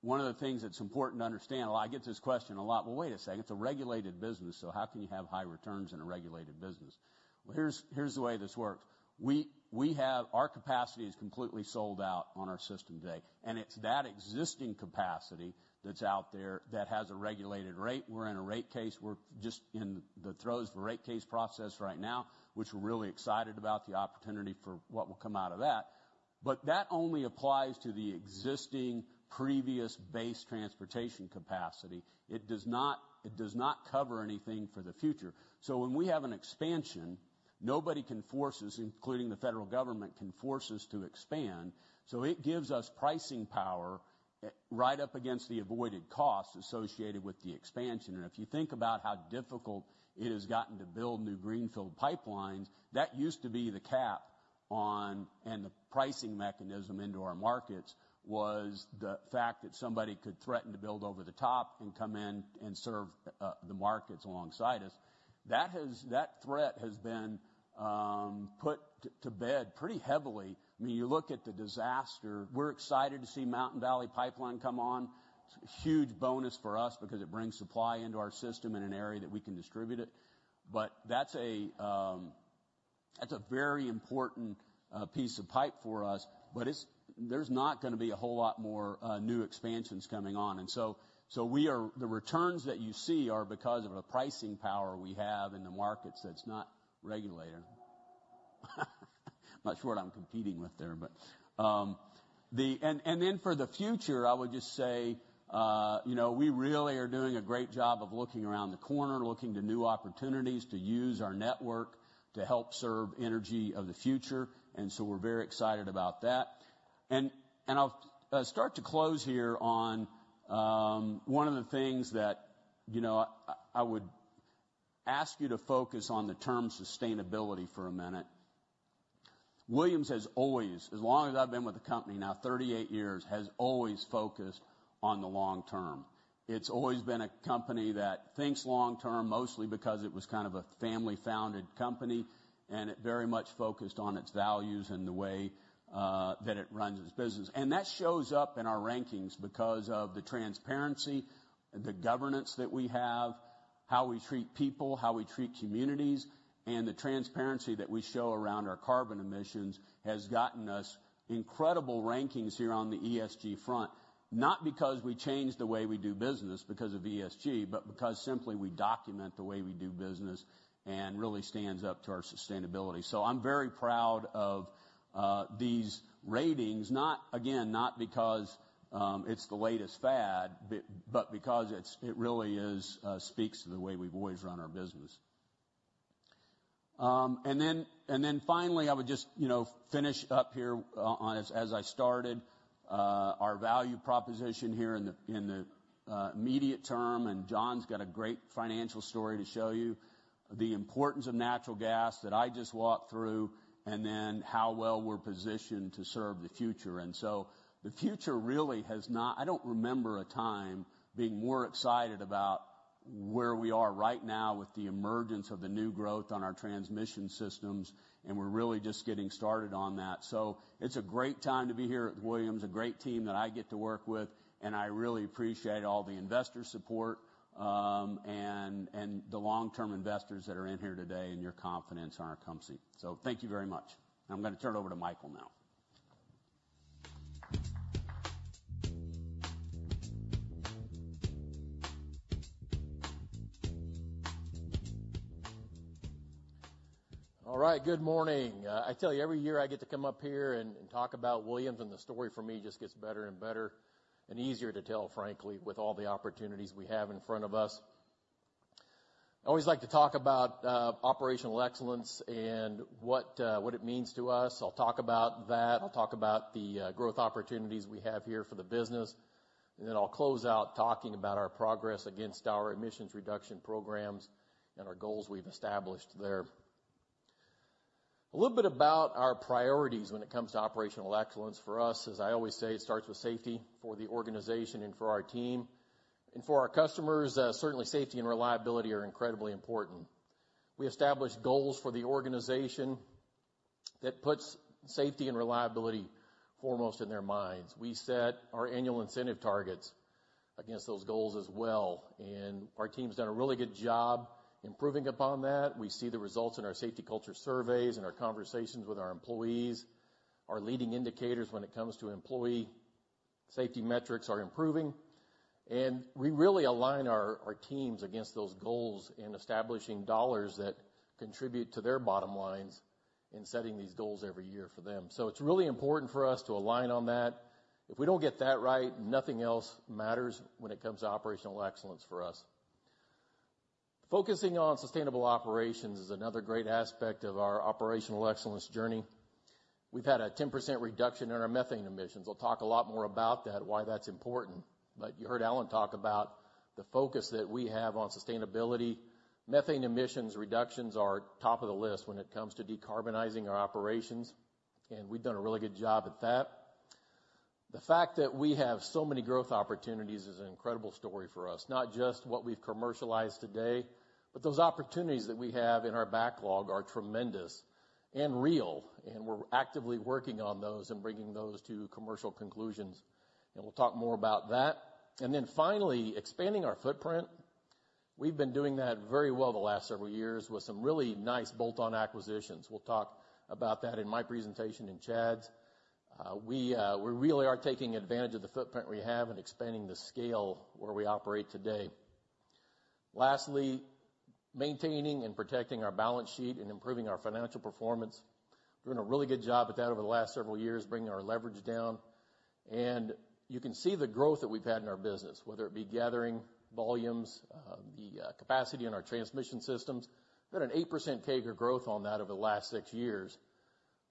one of the things that's important to understand well, I get this question a lot. "Well, wait a second. It's a regulated business. So how can you have high returns in a regulated business?" Well, here's the way this works. Our capacity is completely sold out on our system today. It's that existing capacity that's out there that has a regulated rate. We're in a rate case. We're just in the throes of a rate case process right now, which we're really excited about the opportunity for what will come out of that. That only applies to the existing previous base transportation capacity. It does not cover anything for the future. When we have an expansion, nobody can force us, including the federal government, can force us to expand. It gives us pricing power right up against the avoided costs associated with the expansion. If you think about how difficult it has gotten to build new greenfield pipelines, that used to be the cap on and the pricing mechanism into our markets was the fact that somebody could threaten to build over the top and come in and serve the markets alongside us. That threat has been put to bed pretty heavily. I mean, you look at the disaster. We're excited to see Mountain Valley Pipeline come on. It's a huge bonus for us because it brings supply into our system in an area that we can distribute it. But that's a very important piece of pipe for us. But there's not going to be a whole lot more new expansions coming on. And so the returns that you see are because of the pricing power we have in the markets that's not regulated. I'm not sure what I'm competing with there. And then for the future, I would just say we really are doing a great job of looking around the corner, looking to new opportunities to use our network to help serve energy of the future. And so we're very excited about that. And I'll start to close here on one of the things that I would ask you to focus on the term sustainability for a minute. Williams has always, as long as I've been with the company now, 38 years, has always focused on the long term. It's always been a company that thinks long term, mostly because it was kind of a family-founded company. And it very much focused on its values and the way that it runs its business. And that shows up in our rankings because of the transparency, the governance that we have, how we treat people, how we treat communities. The transparency that we show around our carbon emissions has gotten us incredible rankings here on the ESG front, not because we changed the way we do business because of ESG, but because simply we document the way we do business and really stands up to our sustainability. So I'm very proud of these ratings, again, not because it's the latest fad, but because it really speaks to the way we've always run our business. Then finally, I would just finish up here as I started, our value proposition here in the immediate term. And John's got a great financial story to show you, the importance of natural gas that I just walked through, and then how well we're positioned to serve the future. And so the future really has not. I don't remember a time being more excited about where we are right now with the emergence of the new growth on our transmission systems. And we're really just getting started on that. So it's a great time to be here at Williams, a great team that I get to work with. And I really appreciate all the investor support and the long-term investors that are in here today and your confidence on our companies. So thank you very much. And I'm going to turn it over to Michael now. All right. Good morning. I tell you, every year I get to come up here and talk about Williams, and the story for me just gets better and better and easier to tell, frankly, with all the opportunities we have in front of us. I always like to talk about operational excellence and what it means to us. I'll talk about that. I'll talk about the growth opportunities we have here for the business. And then I'll close out talking about our progress against our emissions reduction programs and our goals we've established there. A little bit about our priorities when it comes to operational excellence. For us, as I always say, it starts with safety for the organization and for our team. And for our customers, certainly, safety and reliability are incredibly important. We established goals for the organization that puts safety and reliability foremost in their minds. We set our annual incentive targets against those goals as well. Our team's done a really good job improving upon that. We see the results in our safety culture surveys and our conversations with our employees. Our leading indicators when it comes to employee safety metrics are improving. We really align our teams against those goals in establishing dollars that contribute to their bottom lines in setting these goals every year for them. It's really important for us to align on that. If we don't get that right, nothing else matters when it comes to operational excellence for us. Focusing on sustainable operations is another great aspect of our operational excellence journey. We've had a 10% reduction in our methane emissions. I'll talk a lot more about that, why that's important. You heard Alan talk about the focus that we have on sustainability. Methane emissions reductions are top of the list when it comes to decarbonizing our operations. We've done a really good job at that. The fact that we have so many growth opportunities is an incredible story for us, not just what we've commercialized today, but those opportunities that we have in our backlog are tremendous and real. We're actively working on those and bringing those to commercial conclusions. We'll talk more about that. Finally, expanding our footprint. We've been doing that very well the last several years with some really nice bolt-on acquisitions. We'll talk about that in my presentation and Chad's. We really are taking advantage of the footprint we have and expanding the scale where we operate today. Lastly, maintaining and protecting our balance sheet and improving our financial performance. We're doing a really good job at that over the last several years, bringing our leverage down. You can see the growth that we've had in our business, whether it be gathering volumes, the capacity in our transmission systems. We've had an 8% CAGR growth on that over the last six years,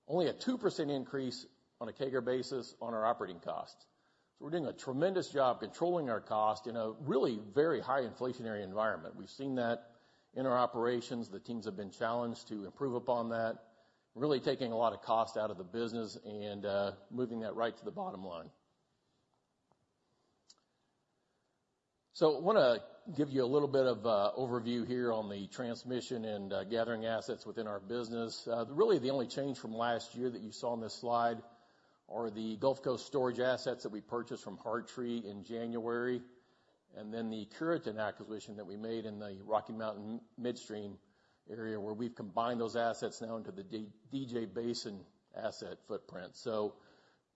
only a 2% increase on a CAGR basis on our operating costs. We're doing a tremendous job controlling our cost in a really very high inflationary environment. We've seen that in our operations. The teams have been challenged to improve upon that, really taking a lot of cost out of the business and moving that right to the bottom line. I want to give you a little bit of overview here on the transmission and gathering assets within our business. Really, the only change from last year that you saw on this slide are the Gulf Coast storage assets that we purchased from Hartree in January and then the Cureton acquisition that we made in the Rocky Mountain Midstream area where we've combined those assets now into the DJ Basin asset footprint. So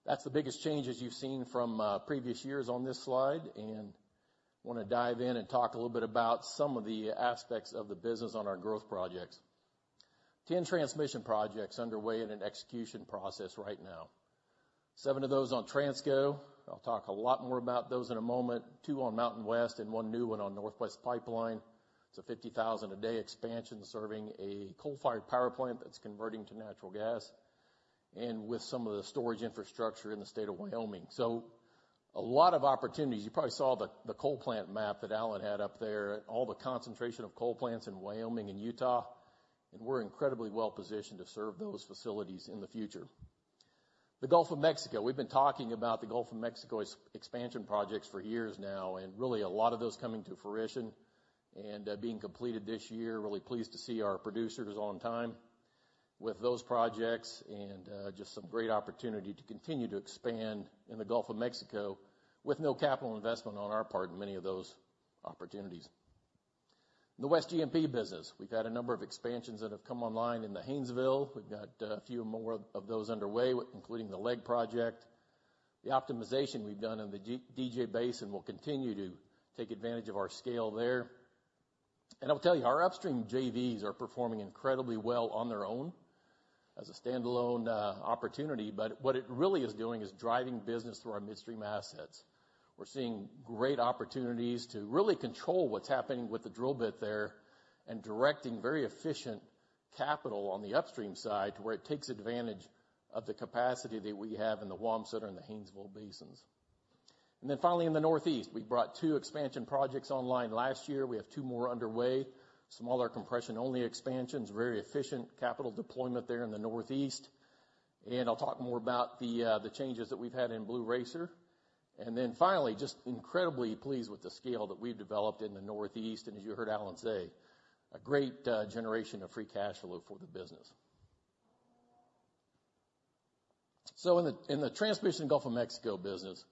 that's the biggest change as you've seen from previous years on this slide. And I want to dive in and talk a little bit about some of the aspects of the business on our growth projects. 10 transmission projects underway in an execution process right now. Seven of those on Transco. I'll talk a lot more about those in a moment, two on MountainWest and one new one on Northwest Pipeline. It's a 50,000-a-day expansion serving a coal-fired power plant that's converting to natural gas and with some of the storage infrastructure in the state of Wyoming. So a lot of opportunities. You probably saw the coal plant map that Alan had up there, all the concentration of coal plants in Wyoming and Utah. And we're incredibly well-positioned to serve those facilities in the future. The Gulf of Mexico. We've been talking about the Gulf of Mexico expansion projects for years now and really a lot of those coming to fruition and being completed this year. Really pleased to see our producers on time with those projects and just some great opportunity to continue to expand in the Gulf of Mexico with no capital investment on our part in many of those opportunities. The West G&P business. We've had a number of expansions that have come online in the Haynesville. We've got a few more of those underway, including the LEG project, the optimization we've done in the DJ Basin, and we'll continue to take advantage of our scale there. And I'll tell you, our upstream JVs are performing incredibly well on their own as a standalone opportunity. But what it really is doing is driving business through our midstream assets. We're seeing great opportunities to really control what's happening with the drill bit there and directing very efficient capital on the upstream side to where it takes advantage of the capacity that we have in the Wamsutter and the Haynesville basins. And then finally, in the Northeast, we brought two expansion projects online last year. We have two more underway, smaller compression-only expansions, very efficient capital deployment there in the Northeast. And I'll talk more about the changes that we've had in Blue Racer. Then finally, just incredibly pleased with the scale that we've developed in the Northeast. As you heard Alan say, a great generation of free cash flow for the business. In the transmission Gulf of Mexico business,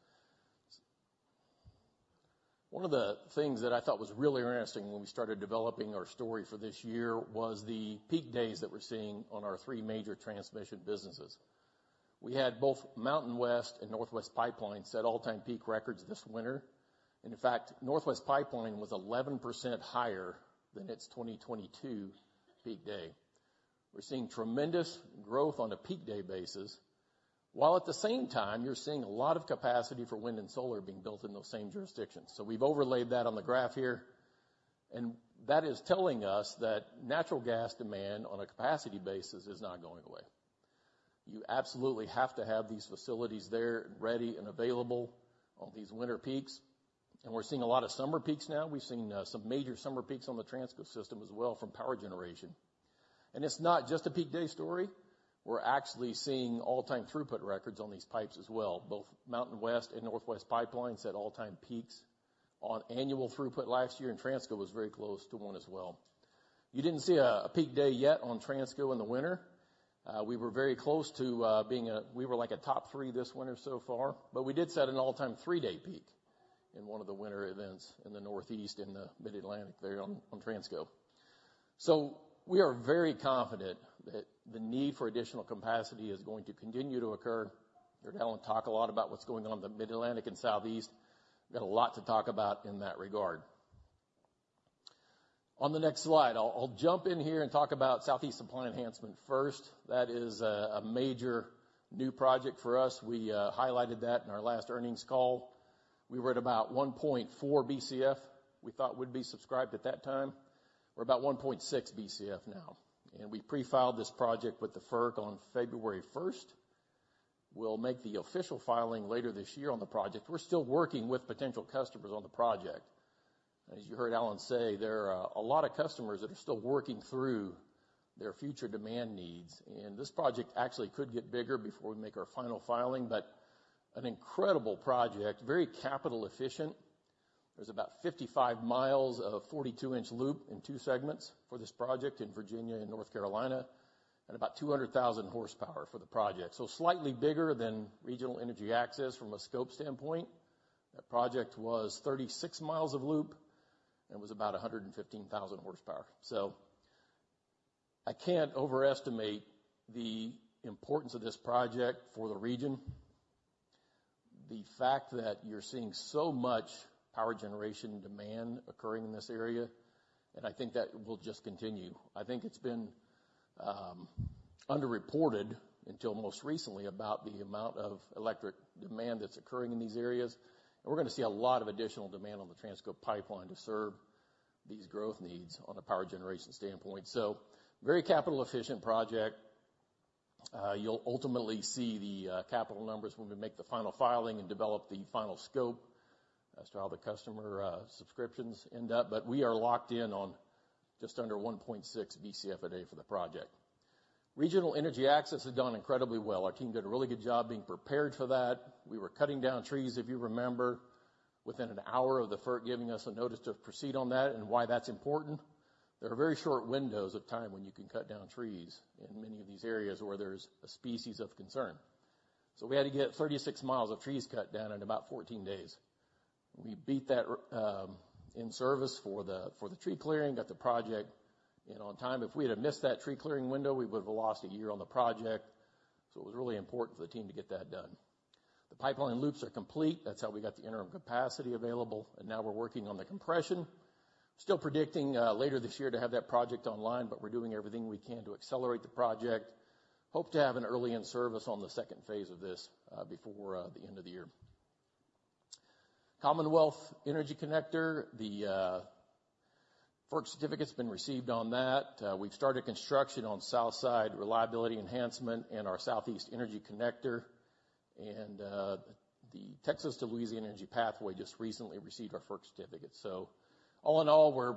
one of the things that I thought was really interesting when we started developing our story for this year was the peak days that we're seeing on our three major transmission businesses. We had both MountainWest and Northwest Pipeline set all-time peak records this winter. In fact, Northwest Pipeline was 11% higher than its 2022 peak day. We're seeing tremendous growth on a peak day basis while at the same time, you're seeing a lot of capacity for wind and solar being built in those same jurisdictions. We've overlaid that on the graph here. That is telling us that natural gas demand on a capacity basis is not going away. You absolutely have to have these facilities there ready and available on these winter peaks. And we're seeing a lot of summer peaks now. We've seen some major summer peaks on the Transco system as well from power generation. And it's not just a peak day story. We're actually seeing all-time throughput records on these pipes as well, both MountainWest and Northwest Pipeline set all-time peaks on annual throughput last year. And Transco was very close to one as well. You didn't see a peak day yet on Transco in the winter. We were very close to being like a top three this winter so far. But we did set an all-time three-day peak in one of the winter events in the Northeast, in the Mid-Atlantic there on Transco. We are very confident that the need for additional capacity is going to continue to occur. I heard Alan talk a lot about what's going on in the Mid-Atlantic and Southeast. We've got a lot to talk about in that regard. On the next slide, I'll jump in here and talk about Southeast Supply Enhancement first. That is a major new project for us. We highlighted that in our last earnings call. We were at about 1.4 Bcf we thought would be subscribed at that time. We're about 1.6 Bcf now. We prefiled this project with the FERC on February 1st. We'll make the official filing later this year on the project. We're still working with potential customers on the project. As you heard Alan say, there are a lot of customers that are still working through their future demand needs. This project actually could get bigger before we make our final filing, but an incredible project, very capital-efficient. There's about 55 miles of 42-inch loop in two segments for this project in Virginia and North Carolina and about 200,000 horsepower for the project. So slightly bigger than Regional Energy Access from a scope standpoint. That project was 36 miles of loop and was about 115,000 horsepower. So I can't overestimate the importance of this project for the region, the fact that you're seeing so much power generation demand occurring in this area. I think that will just continue. I think it's been underreported until most recently about the amount of electric demand that's occurring in these areas. We're going to see a lot of additional demand on the Transco pipeline to serve these growth needs on a power generation standpoint. Very capital-efficient project. You'll ultimately see the capital numbers when we make the final filing and develop the final scope as to how the customer subscriptions end up. But we are locked in on just under 1.6 Bcf/d for the project. Regional Energy Access has done incredibly well. Our team did a really good job being prepared for that. We were cutting down trees, if you remember, within an hour of the FERC giving us a notice to proceed on that and why that's important. There are very short windows of time when you can cut down trees in many of these areas where there's a species of concern. So we had to get 36 miles of trees cut down in about 14 days. We beat that in service for the tree clearing, got the project in on time. If we had missed that tree clearing window, we would have lost a year on the project. So it was really important for the team to get that done. The pipeline loops are complete. That's how we got the interim capacity available. Now we're working on the compression. Still predicting later this year to have that project online, but we're doing everything we can to accelerate the project. Hope to have an early in-service on the second phase of this before the end of the year. Commonwealth Energy Connector, the FERC certificate's been received on that. We've started construction on Southside Reliability Enhancement and our Southeast Energy Connector. The Texas to Louisiana Energy Pathway just recently received our FERC certificate. So all in all, we're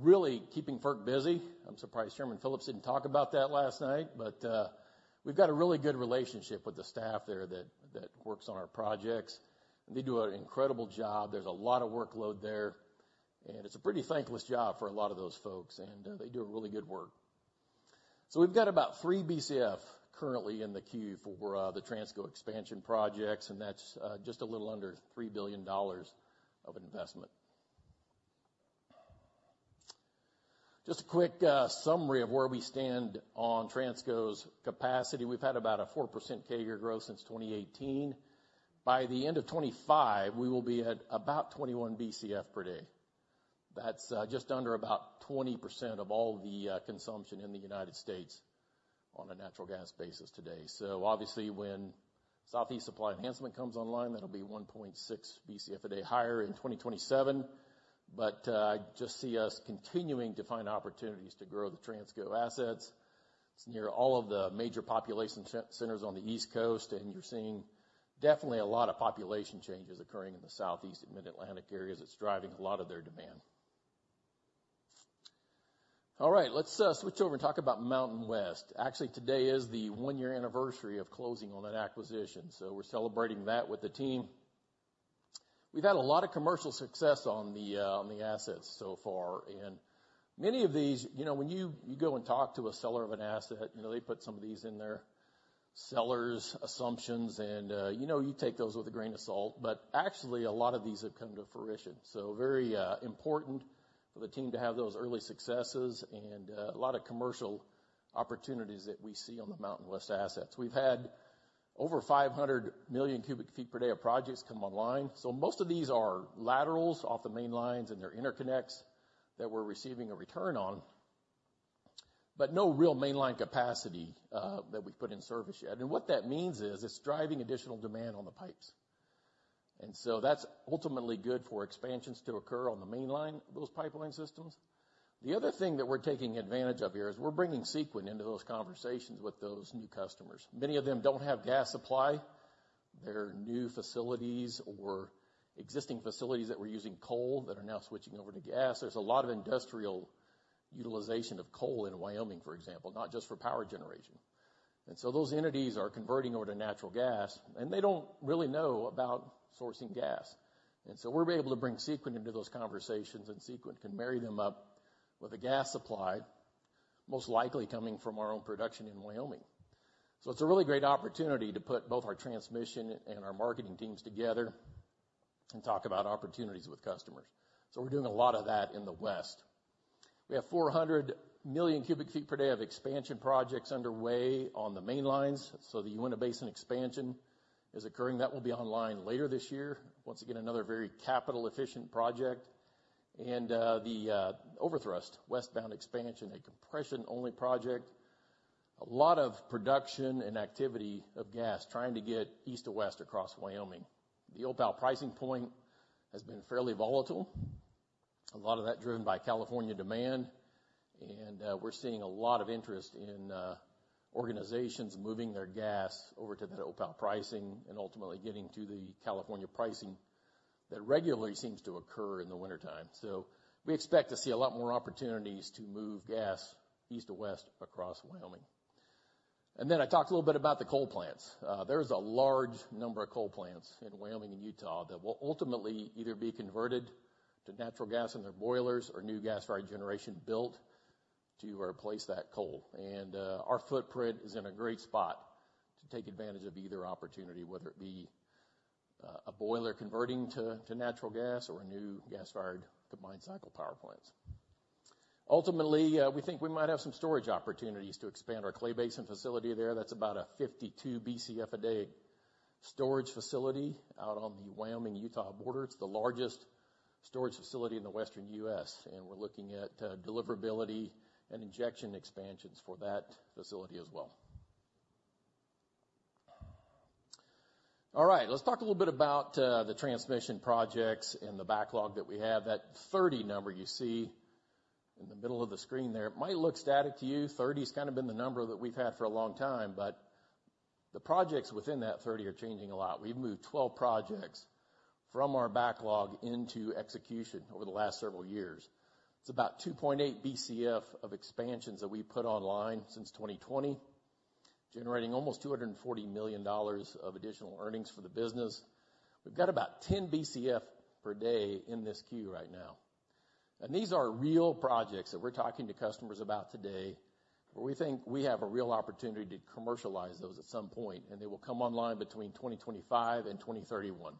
really keeping FERC busy. I'm surprised Chairman Phillips didn't talk about that last night. But we've got a really good relationship with the staff there that works on our projects. They do an incredible job. There's a lot of workload there. And it's a pretty thankless job for a lot of those folks. And they do a really good work. So we've got about 3 Bcf currently in the queue for the Transco expansion projects. And that's just a little under $3 billion of investment. Just a quick summary of where we stand on Transco's capacity. We've had about a 4% CAGR growth since 2018. By the end of 2025, we will be at about 21 Bcf per day. That's just under about 20% of all the consumption in the United States on a natural gas basis today. So obviously, when Southeast Supply Enhancement comes online, that'll be 1.6 Bcf a day higher in 2027. But I just see us continuing to find opportunities to grow the Transco assets. It's near all of the major population centers on the East Coast. And you're seeing definitely a lot of population changes occurring in the Southeast and Mid-Atlantic areas. It's driving a lot of their demand. All right. Let's switch over and talk about MountainWest. Actually, today is the one-year anniversary of closing on that acquisition. So we're celebrating that with the team. We've had a lot of commercial success on the assets so far. And many of these when you go and talk to a seller of an asset, they put some of these in their seller's assumptions. And you take those with a grain of salt. But actually, a lot of these have come to fruition. So very important for the team to have those early successes and a lot of commercial opportunities that we see on the MountainWest assets. We've had over 500 million cubic feet per day of projects come online. So most of these are laterals off the main lines and their interconnects that we're receiving a return on, but no real mainline capacity that we've put in service yet. And what that means is it's driving additional demand on the pipes. And so that's ultimately good for expansions to occur on the mainline of those pipeline systems. The other thing that we're taking advantage of here is we're bringing Sequent into those conversations with those new customers. Many of them don't have gas supply. They're new facilities or existing facilities that were using coal that are now switching over to gas. There's a lot of industrial utilization of coal in Wyoming, for example, not just for power generation. And so those entities are converting over to natural gas. And they don't really know about sourcing gas. And so we're able to bring Sequent into those conversations. And Sequent can marry them up with a gas supply, most likely coming from our own production in Wyoming. So it's a really great opportunity to put both our transmission and our marketing teams together and talk about opportunities with customers. So we're doing a lot of that in the West. We have 400 million cubic feet per day of expansion projects underway on the main lines. So the Uinta Basin Expansion is occurring. That will be online later this year. Once again, another very capital-efficient project. The Overthrust Westbound Expansion, a compression-only project, a lot of production and activity of gas trying to get east to west across Wyoming. The Opal pricing point has been fairly volatile, a lot of that driven by California demand. We're seeing a lot of interest in organizations moving their gas over to that Opal pricing and ultimately getting to the California pricing that regularly seems to occur in the wintertime. We expect to see a lot more opportunities to move gas east to west across Wyoming. Then I talked a little bit about the coal plants. There's a large number of coal plants in Wyoming and Utah that will ultimately either be converted to natural gas in their boilers or new gas-fired generation built to replace that coal. Our footprint is in a great spot to take advantage of either opportunity, whether it be a boiler converting to natural gas or new gas-fired combined cycle power plants. Ultimately, we think we might have some storage opportunities to expand our Clay Basin facility there. That's about a 52 Bcf a day storage facility out on the Wyoming-Utah border. It's the largest storage facility in the Western U.S. We're looking at deliverability and injection expansions for that facility as well. All right. Let's talk a little bit about the transmission projects and the backlog that we have. That 30 number you see in the middle of the screen there, it might look static to you. 30's kind of been the number that we've had for a long time. The projects within that 30 are changing a lot. We've moved 12 projects from our backlog into execution over the last several years. It's about 2.8 Bcf of expansions that we put online since 2020, generating almost $240 million of additional earnings for the business. We've got about 10 Bcf per day in this queue right now. These are real projects that we're talking to customers about today where we think we have a real opportunity to commercialize those at some point. They will come online between 2025 and 2031.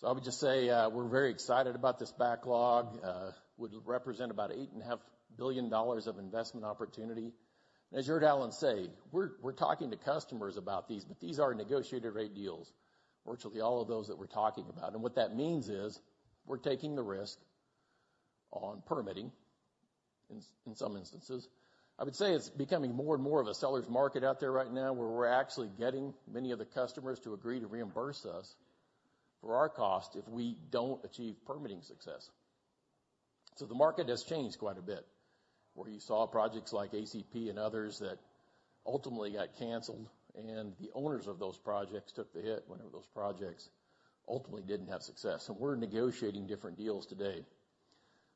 So I would just say we're very excited about this backlog. It would represent about $8.5 billion of investment opportunity. As you heard Alan say, we're talking to customers about these. But these are negotiated-rate deals, virtually all of those that we're talking about. What that means is we're taking the risk on permitting in some instances. I would say it's becoming more and more of a seller's market out there right now where we're actually getting many of the customers to agree to reimburse us for our cost if we don't achieve permitting success. So the market has changed quite a bit where you saw projects like ACP and others that ultimately got canceled. And the owners of those projects took the hit whenever those projects ultimately didn't have success. And we're negotiating different deals today.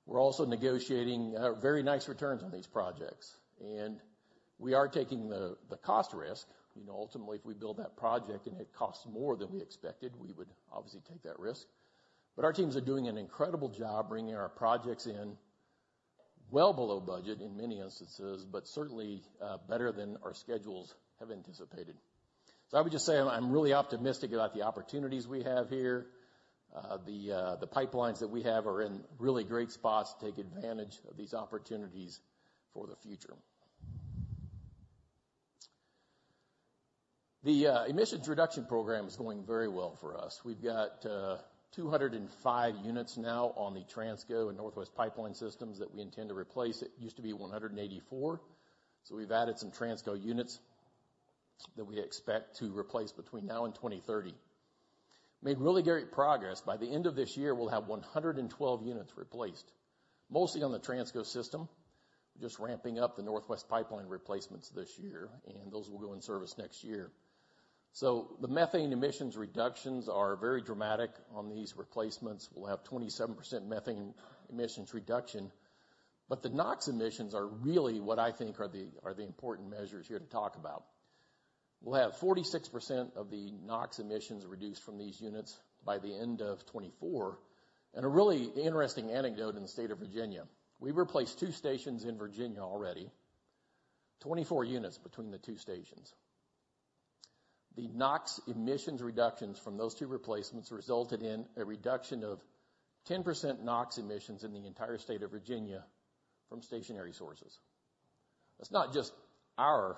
We're also negotiating very nice returns on these projects. And we are taking the cost risk. Ultimately, if we build that project and it costs more than we expected, we would obviously take that risk. But our teams are doing an incredible job bringing our projects in well below budget in many instances, but certainly better than our schedules have anticipated. So I would just say I'm really optimistic about the opportunities we have here. The pipelines that we have are in really great spots to take advantage of these opportunities for the future. The Emissions Reduction Program is going very well for us. We've got 205 units now on the Transco and Northwest Pipeline Systems that we intend to replace. It used to be 184. So we've added some Transco units that we expect to replace between now and 2030. Made really great progress. By the end of this year, we'll have 112 units replaced, mostly on the Transco system. We're just ramping up the Northwest Pipeline replacements this year. And those will go in service next year. So the methane emissions reductions are very dramatic on these replacements. We'll have 27% methane emissions reduction. But the NOx emissions are really what I think are the important measures here to talk about. We'll have 46% of the NOx emissions reduced from these units by the end of 2024. And a really interesting anecdote in the state of Virginia, we replaced two stations in Virginia already, 24 units between the two stations. The NOx emissions reductions from those two replacements resulted in a reduction of 10% NOx emissions in the entire state of Virginia from stationary sources. That's not just our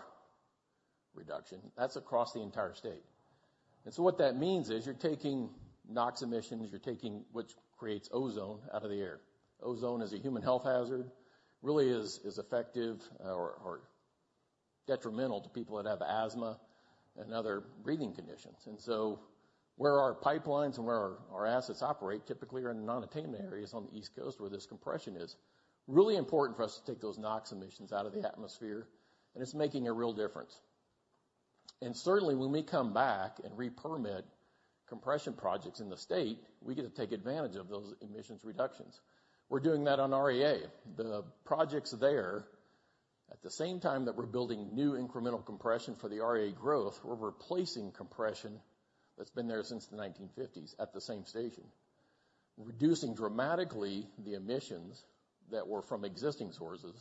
reduction. That's across the entire state. And so what that means is you're taking NOx emissions, which creates ozone out of the air. Ozone is a human health hazard, really is effective or detrimental to people that have asthma and other breathing conditions. Where our pipelines and where our assets operate typically are in non-attainment areas on the East Coast where this compression is. Really important for us to take those NOx emissions out of the atmosphere. It's making a real difference. Certainly, when we come back and repermit compression projects in the state, we get to take advantage of those emissions reductions. We're doing that on REA. The projects there, at the same time that we're building new incremental compression for the REA growth, we're replacing compression that's been there since the 1950s at the same station, reducing dramatically the emissions that were from existing sources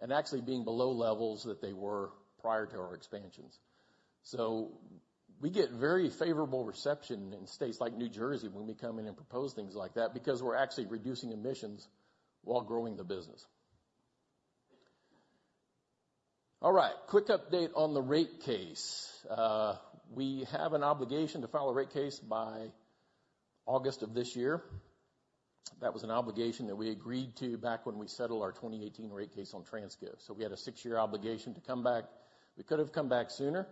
and actually being below levels that they were prior to our expansions. We get very favorable reception in states like New Jersey when we come in and propose things like that because we're actually reducing emissions while growing the business. All right. Quick update on the rate case. We have an obligation to file a rate case by August of this year. That was an obligation that we agreed to back when we settled our 2018 rate case on Transco. We had a six-year obligation to come back. We could have come back sooner,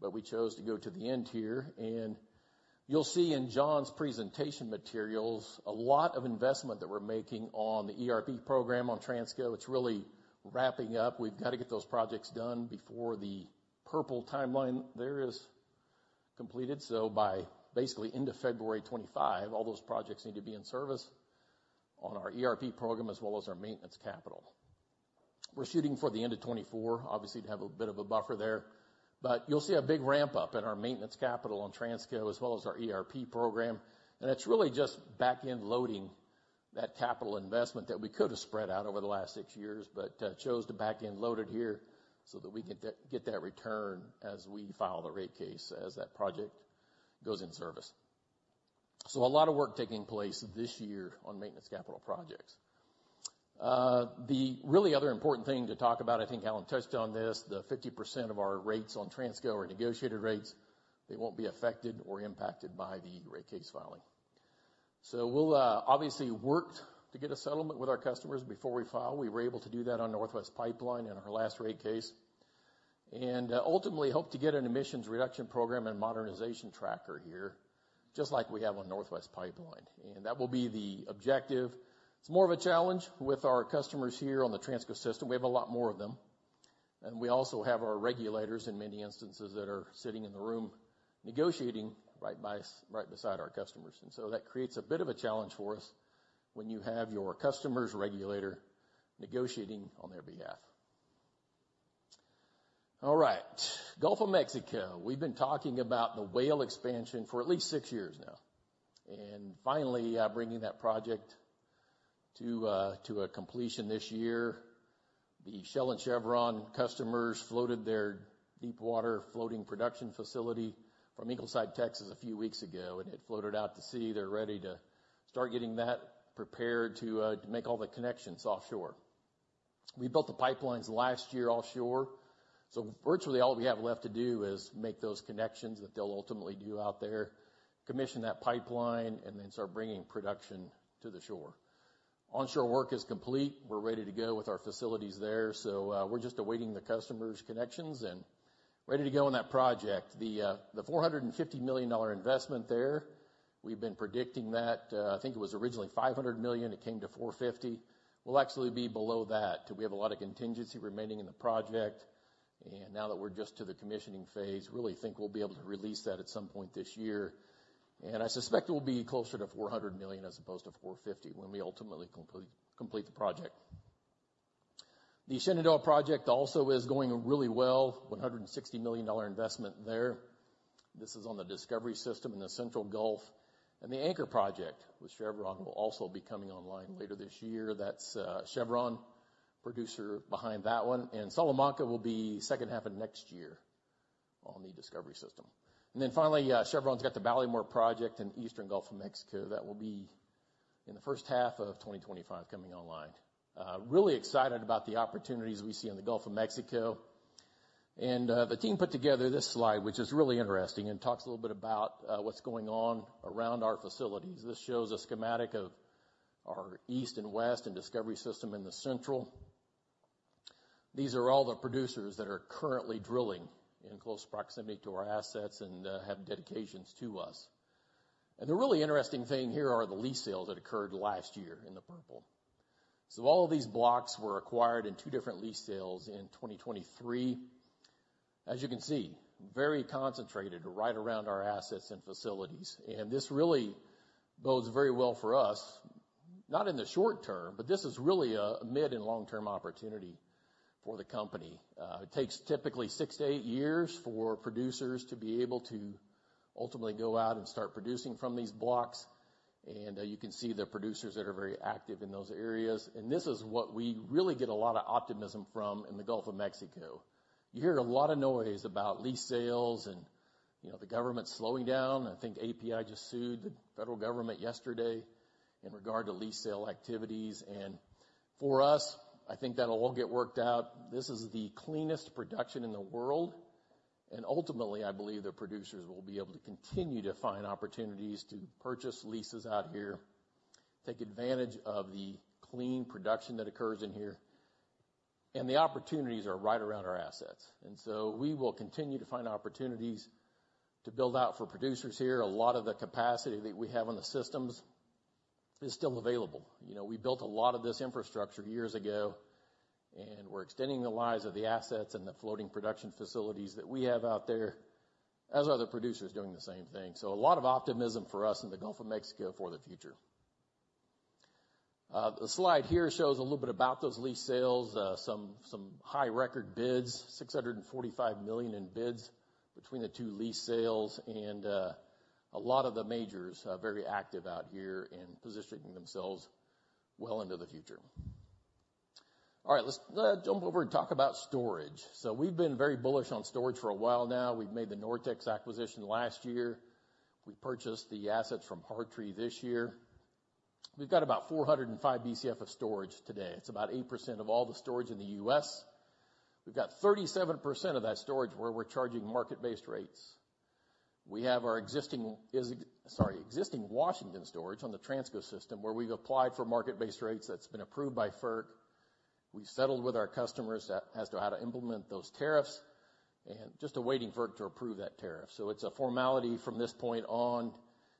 but we chose to go to the end here. You'll see in John's presentation materials a lot of investment that we're making on the ERP program on Transco. It's really wrapping up. We've got to get those projects done before the purple timeline there is completed. By basically end of February 2025, all those projects need to be in service on our ERP program as well as our maintenance capital. We're shooting for the end of 2024, obviously, to have a bit of a buffer there. But you'll see a big ramp-up in our maintenance capital on Transco as well as our ERP program. And it's really just back-end loading that capital investment that we could have spread out over the last six years but chose to back-end load it here so that we get that return as we file the rate case, as that project goes in service. So a lot of work taking place this year on maintenance capital projects. The really other important thing to talk about, I think Alan touched on this, 50% of our rates on Transco are negotiated rates. They won't be affected or impacted by the rate case filing. So we'll obviously work to get a settlement with our customers before we file. We were able to do that on Northwest Pipeline in our last rate case. Ultimately, hope to get an Emissions Reduction Program and modernization tracker here just like we have on Northwest Pipeline. That will be the objective. It's more of a challenge with our customers here on the Transco system. We have a lot more of them. We also have our regulators in many instances that are sitting in the room negotiating right beside our customers. So that creates a bit of a challenge for us when you have your customer's regulator negotiating on their behalf. All right. Gulf of Mexico, we've been talking about the Whale expansion for at least six years now and finally bringing that project to a completion this year. The Shell and Chevron customers floated their deep-water floating production facility from Ingleside, Texas, a few weeks ago. It floated out to sea. They're ready to start getting that prepared to make all the connections offshore. We built the pipelines last year offshore. So virtually, all we have left to do is make those connections that they'll ultimately do out there, commission that pipeline, and then start bringing production to the shore. Onshore work is complete. We're ready to go with our facilities there. So we're just awaiting the customer's connections and ready to go on that project. The $450 million investment there, we've been predicting that. I think it was originally $500 million. It came to $450 million. We'll actually be below that. We have a lot of contingency remaining in the project. And now that we're just to the commissioning phase, really think we'll be able to release that at some point this year. I suspect it will be closer to $400 million as opposed to $450 million when we ultimately complete the project. The Shenandoah project also is going really well, $160 million investment there. This is on the Discovery system in the Central Gulf. The Anchor project with Chevron will also be coming online later this year. That's Chevron producer behind that one. Salamanca will be second half of next year on the Discovery system. Then finally, Chevron's got the Ballymore project in Eastern Gulf of Mexico. That will be in the first half of 2025 coming online. Really excited about the opportunities we see in the Gulf of Mexico. The team put together this slide, which is really interesting and talks a little bit about what's going on around our facilities. This shows a schematic of our east and west and Discovery system in the central. These are all the producers that are currently drilling in close proximity to our assets and have dedications to us. The really interesting thing here are the lease sales that occurred last year in the purple. So all of these blocks were acquired in two different lease sales in 2023, as you can see, very concentrated right around our assets and facilities. This really bodes very well for us, not in the short term, but this is really a mid and long-term opportunity for the company. It takes typically six to eight years for producers to be able to ultimately go out and start producing from these blocks. You can see the producers that are very active in those areas. This is what we really get a lot of optimism from in the Gulf of Mexico. You hear a lot of noise about lease sales and the government slowing down. I think API just sued the federal government yesterday in regard to lease sale activities. And for us, I think that'll all get worked out. This is the cleanest production in the world. And ultimately, I believe the producers will be able to continue to find opportunities to purchase leases out here, take advantage of the clean production that occurs in here. And the opportunities are right around our assets. And so we will continue to find opportunities to build out for producers here. A lot of the capacity that we have on the systems is still available. We built a lot of this infrastructure years ago. And we're extending the lives of the assets and the floating production facilities that we have out there as are the producers doing the same thing. So a lot of optimism for us in the Gulf of Mexico for the future. The slide here shows a little bit about those lease sales, some high-record bids, $645 million in bids between the two lease sales. And a lot of the majors are very active out here and positioning themselves well into the future. All right. Let's jump over and talk about storage. So we've been very bullish on storage for a while now. We've made the NorTex acquisition last year. We purchased the assets from Hartree this year. We've got about 405 BCF of storage today. It's about 8% of all the storage in the U.S. We've got 37% of that storage where we're charging market-based rates. We have our existing sorry, existing Washington Storage on the Transco system where we've applied for market-based rates that's been approved by FERC. We've settled with our customers as to how to implement those tariffs and just awaiting FERC to approve that tariff. So it's a formality from this point on.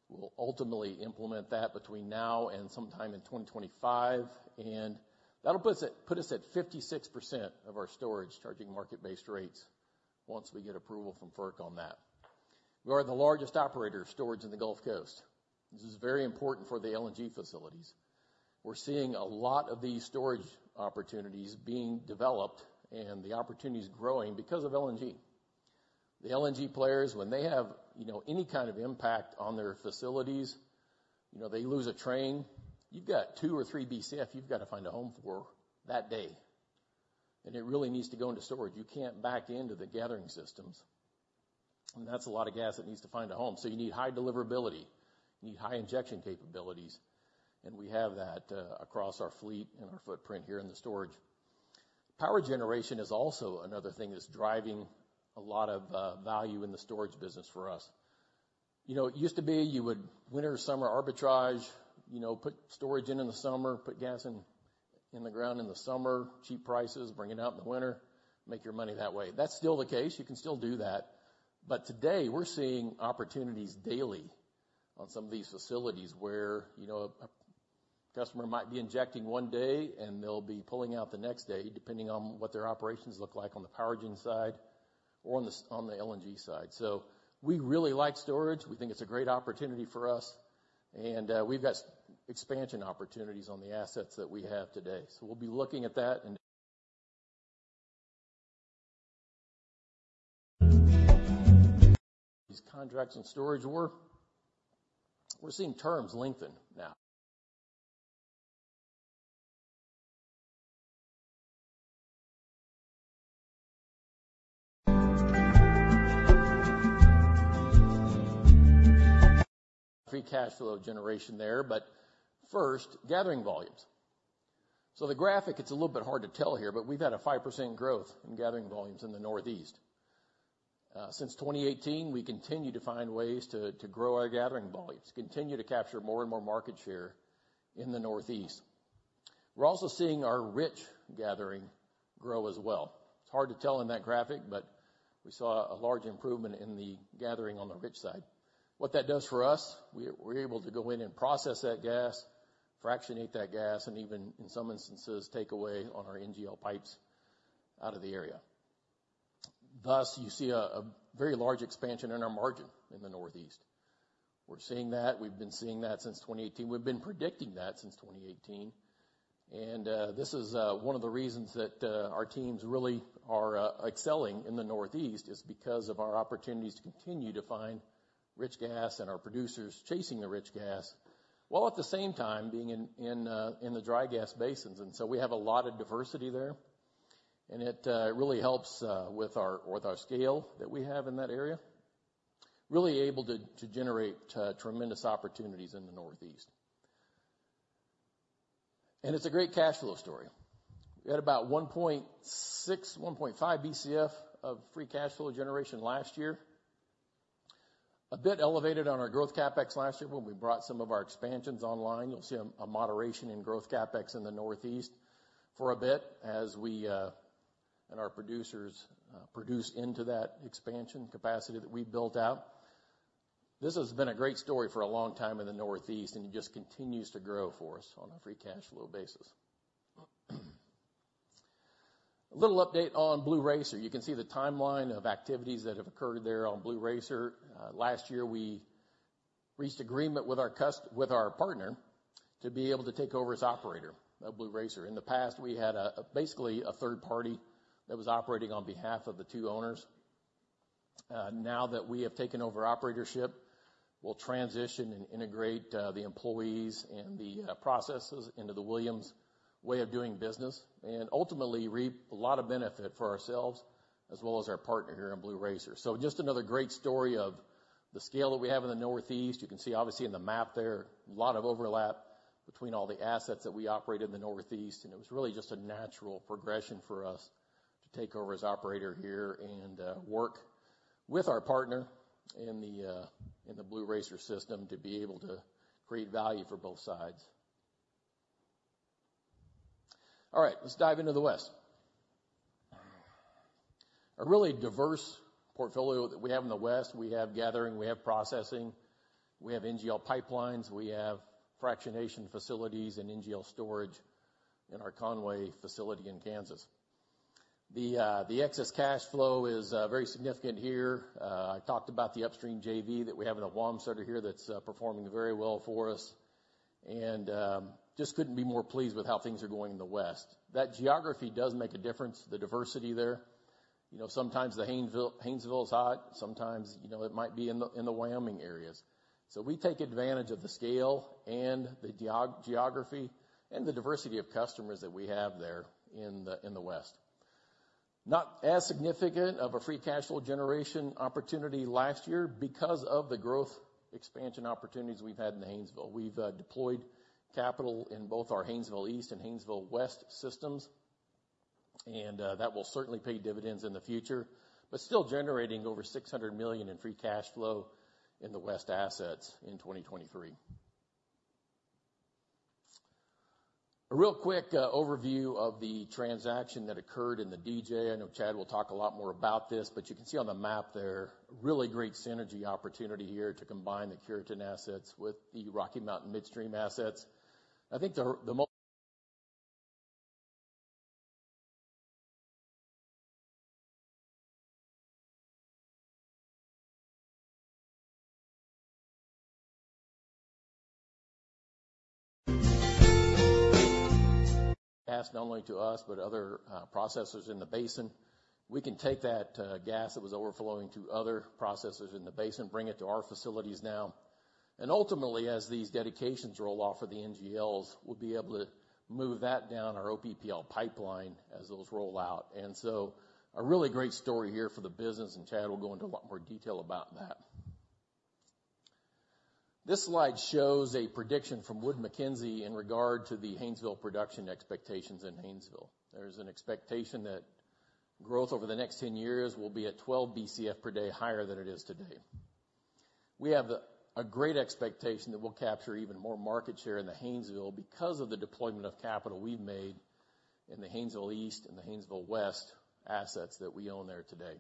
We'll ultimately implement that between now and sometime in 2025. That'll put us at 56% of our storage charging market-based rates once we get approval from FERC on that. We are the largest operator of storage in the Gulf Coast. This is very important for the LNG facilities. We're seeing a lot of these storage opportunities being developed and the opportunities growing because of LNG. The LNG players, when they have any kind of impact on their facilities, they lose a train. You've got 2 or 3 Bcf. You've got to find a home for that day. It really needs to go into storage. You can't back into the gathering systems. And that's a lot of gas that needs to find a home. So you need high deliverability. You need high injection capabilities. And we have that across our fleet and our footprint here in the storage. Power generation is also another thing that's driving a lot of value in the storage business for us. It used to be you would winter, summer arbitrage, put storage in in the summer, put gas in the ground in the summer, cheap prices, bring it out in the winter, make your money that way. That's still the case. You can still do that. But today, we're seeing opportunities daily on some of these facilities where a customer might be injecting one day, and they'll be pulling out the next day depending on what their operations look like on the power gen side or on the LNG side. So we really like storage. We think it's a great opportunity for us. And we've got expansion opportunities on the assets that we have today. So we'll be looking at that and these contracts on storage. We're seeing terms lengthen now. Free cash flow generation there. But first, gathering volumes. So the graphic, it's a little bit hard to tell here, but we've had a 5% growth in gathering volumes in the Northeast. Since 2018, we continue to find ways to grow our gathering volumes, continue to capture more and more market share in the Northeast. We're also seeing our rich gathering grow as well. It's hard to tell in that graphic, but we saw a large improvement in the gathering on the rich side. What that does for us, we're able to go in and process that gas, fractionate that gas, and even in some instances, take away on our NGL pipes out of the area. Thus, you see a very large expansion in our margin in the Northeast. We're seeing that. We've been seeing that since 2018. We've been predicting that since 2018. And this is one of the reasons that our teams really are excelling in the Northeast is because of our opportunities to continue to find rich gas and our producers chasing the rich gas while at the same time being in the dry gas basins. And so we have a lot of diversity there. And it really helps with our scale that we have in that area, really able to generate tremendous opportunities in the Northeast. And it's a great cash flow story. We had about 1.5 Bcf of free cash flow generation last year, a bit elevated on our growth CapEx last year when we brought some of our expansions online. You'll see a moderation in growth CapEx in the Northeast for a bit as we and our producers produce into that expansion capacity that we built out. This has been a great story for a long time in the Northeast, and it just continues to grow for us on a free cash flow basis. A little update on Blue Racer. You can see the timeline of activities that have occurred there on Blue Racer. Last year, we reached agreement with our partner to be able to take over as operator of Blue Racer. In the past, we had basically a third party that was operating on behalf of the two owners. Now that we have taken over operatorship, we'll transition and integrate the employees and the processes into the Williams' way of doing business and ultimately reap a lot of benefit for ourselves as well as our partner here in Blue Racer. So just another great story of the scale that we have in the Northeast. You can see, obviously, in the map there, a lot of overlap between all the assets that we operate in the Northeast. It was really just a natural progression for us to take over as operator here and work with our partner in the Blue Racer system to be able to create value for both sides. All right. Let's dive into the West. A really diverse portfolio that we have in the West. We have gathering. We have processing. We have NGL pipelines. We have fractionation facilities and NGL storage in our Conway facility in Kansas. The excess cash flow is very significant here. I talked about the upstream JV that we have in the Wamsutter here that's performing very well for us and just couldn't be more pleased with how things are going in the west. That geography does make a difference, the diversity there. Sometimes the Haynesville is hot. Sometimes it might be in the Wyoming areas. So we take advantage of the scale and the geography and the diversity of customers that we have there in the west. Not as significant of a free cash flow generation opportunity last year because of the growth expansion opportunities we've had in the Haynesville. We've deployed capital in both our Haynesville East and Haynesville West systems. That will certainly pay dividends in the future, but still generating over $600 million in free cash flow in the West assets in 2023. A real quick overview of the transaction that occurred in the DJ. I know Chad will talk a lot more about this, but you can see on the map there, really great synergy opportunity here to combine the Cureton assets with the Rocky Mountain Midstream assets. I think the most. Passed not only to us but other processors in the basin. We can take that gas that was overflowing to other processors in the basin, bring it to our facilities now. And ultimately, as these dedications roll off for the NGLs, we'll be able to move that down our OPPL pipeline as those roll out. And so a really great story here for the business, and Chad will go into a lot more detail about that. This slide shows a prediction from Wood Mackenzie in regard to the Haynesville production expectations in Haynesville. There's an expectation that growth over the next 10 years will be at 12 Bcf/d higher than it is today. We have a great expectation that we'll capture even more market share in the Haynesville because of the deployment of capital we've made in the Haynesville East and the Haynesville West assets that we own there today.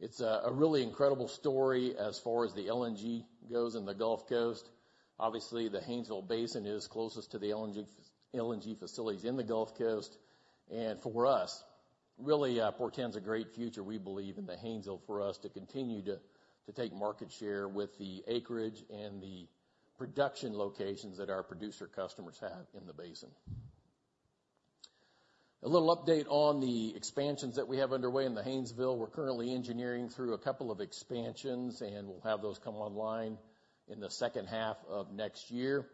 It's a really incredible story as far as the LNG goes in the Gulf Coast. Obviously, the Haynesville basin is closest to the LNG facilities in the Gulf Coast. For us, really, the potential is a great future, we believe, in the Haynesville for us to continue to take market share with the acreage and the production locations that our producer customers have in the basin. A little update on the expansions that we have underway in the Haynesville. We're currently engineering through a couple of expansions, and we'll have those come online in the second half of next year.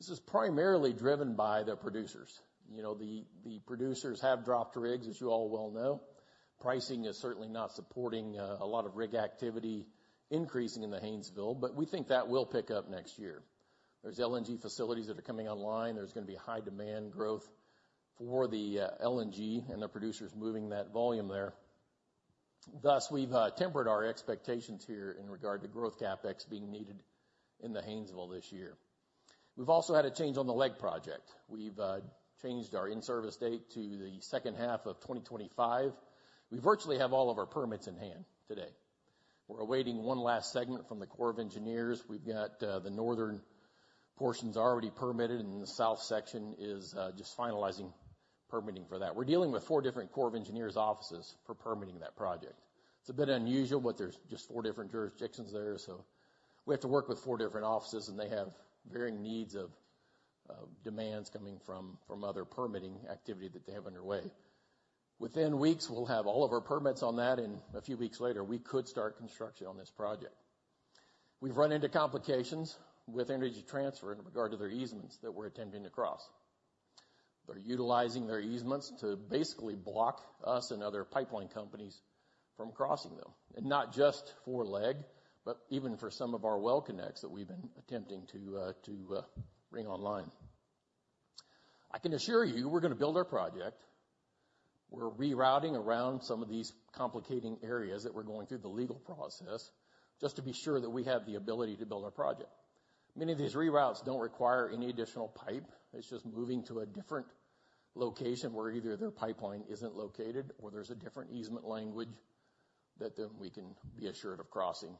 This is primarily driven by the producers. The producers have dropped rigs, as you all well know. Pricing is certainly not supporting a lot of rig activity increasing in the Haynesville, but we think that will pick up next year. There's LNG facilities that are coming online. There's going to be high demand growth for the LNG and the producers moving that volume there. Thus, we've tempered our expectations here in regard to growth CapEx being needed in the Haynesville this year. We've also had a change on the LEG project. We've changed our in-service date to the second half of 2025. We virtually have all of our permits in hand today. We're awaiting one last segment from the Corps of Engineers. We've got the northern portions already permitted, and the south section is just finalizing permitting for that. We're dealing with four different Corps of Engineers offices for permitting that project. It's a bit unusual, but there's just four different jurisdictions there. So we have to work with four different offices, and they have varying needs of demands coming from other permitting activity that they have underway. Within weeks, we'll have all of our permits on that. And a few weeks later, we could start construction on this project. We've run into complications with Energy Transfer in regard to their easements that we're attempting to cross. They're utilizing their easements to basically block us and other pipeline companies from crossing them, and not just for LEG, but even for some of our well connects that we've been attempting to bring online. I can assure you we're going to build our project. We're rerouting around some of these complicating areas that we're going through the legal process just to be sure that we have the ability to build our project. Many of these reroutes don't require any additional pipe. It's just moving to a different location where either their pipeline isn't located or there's a different easement language that then we can be assured of crossing.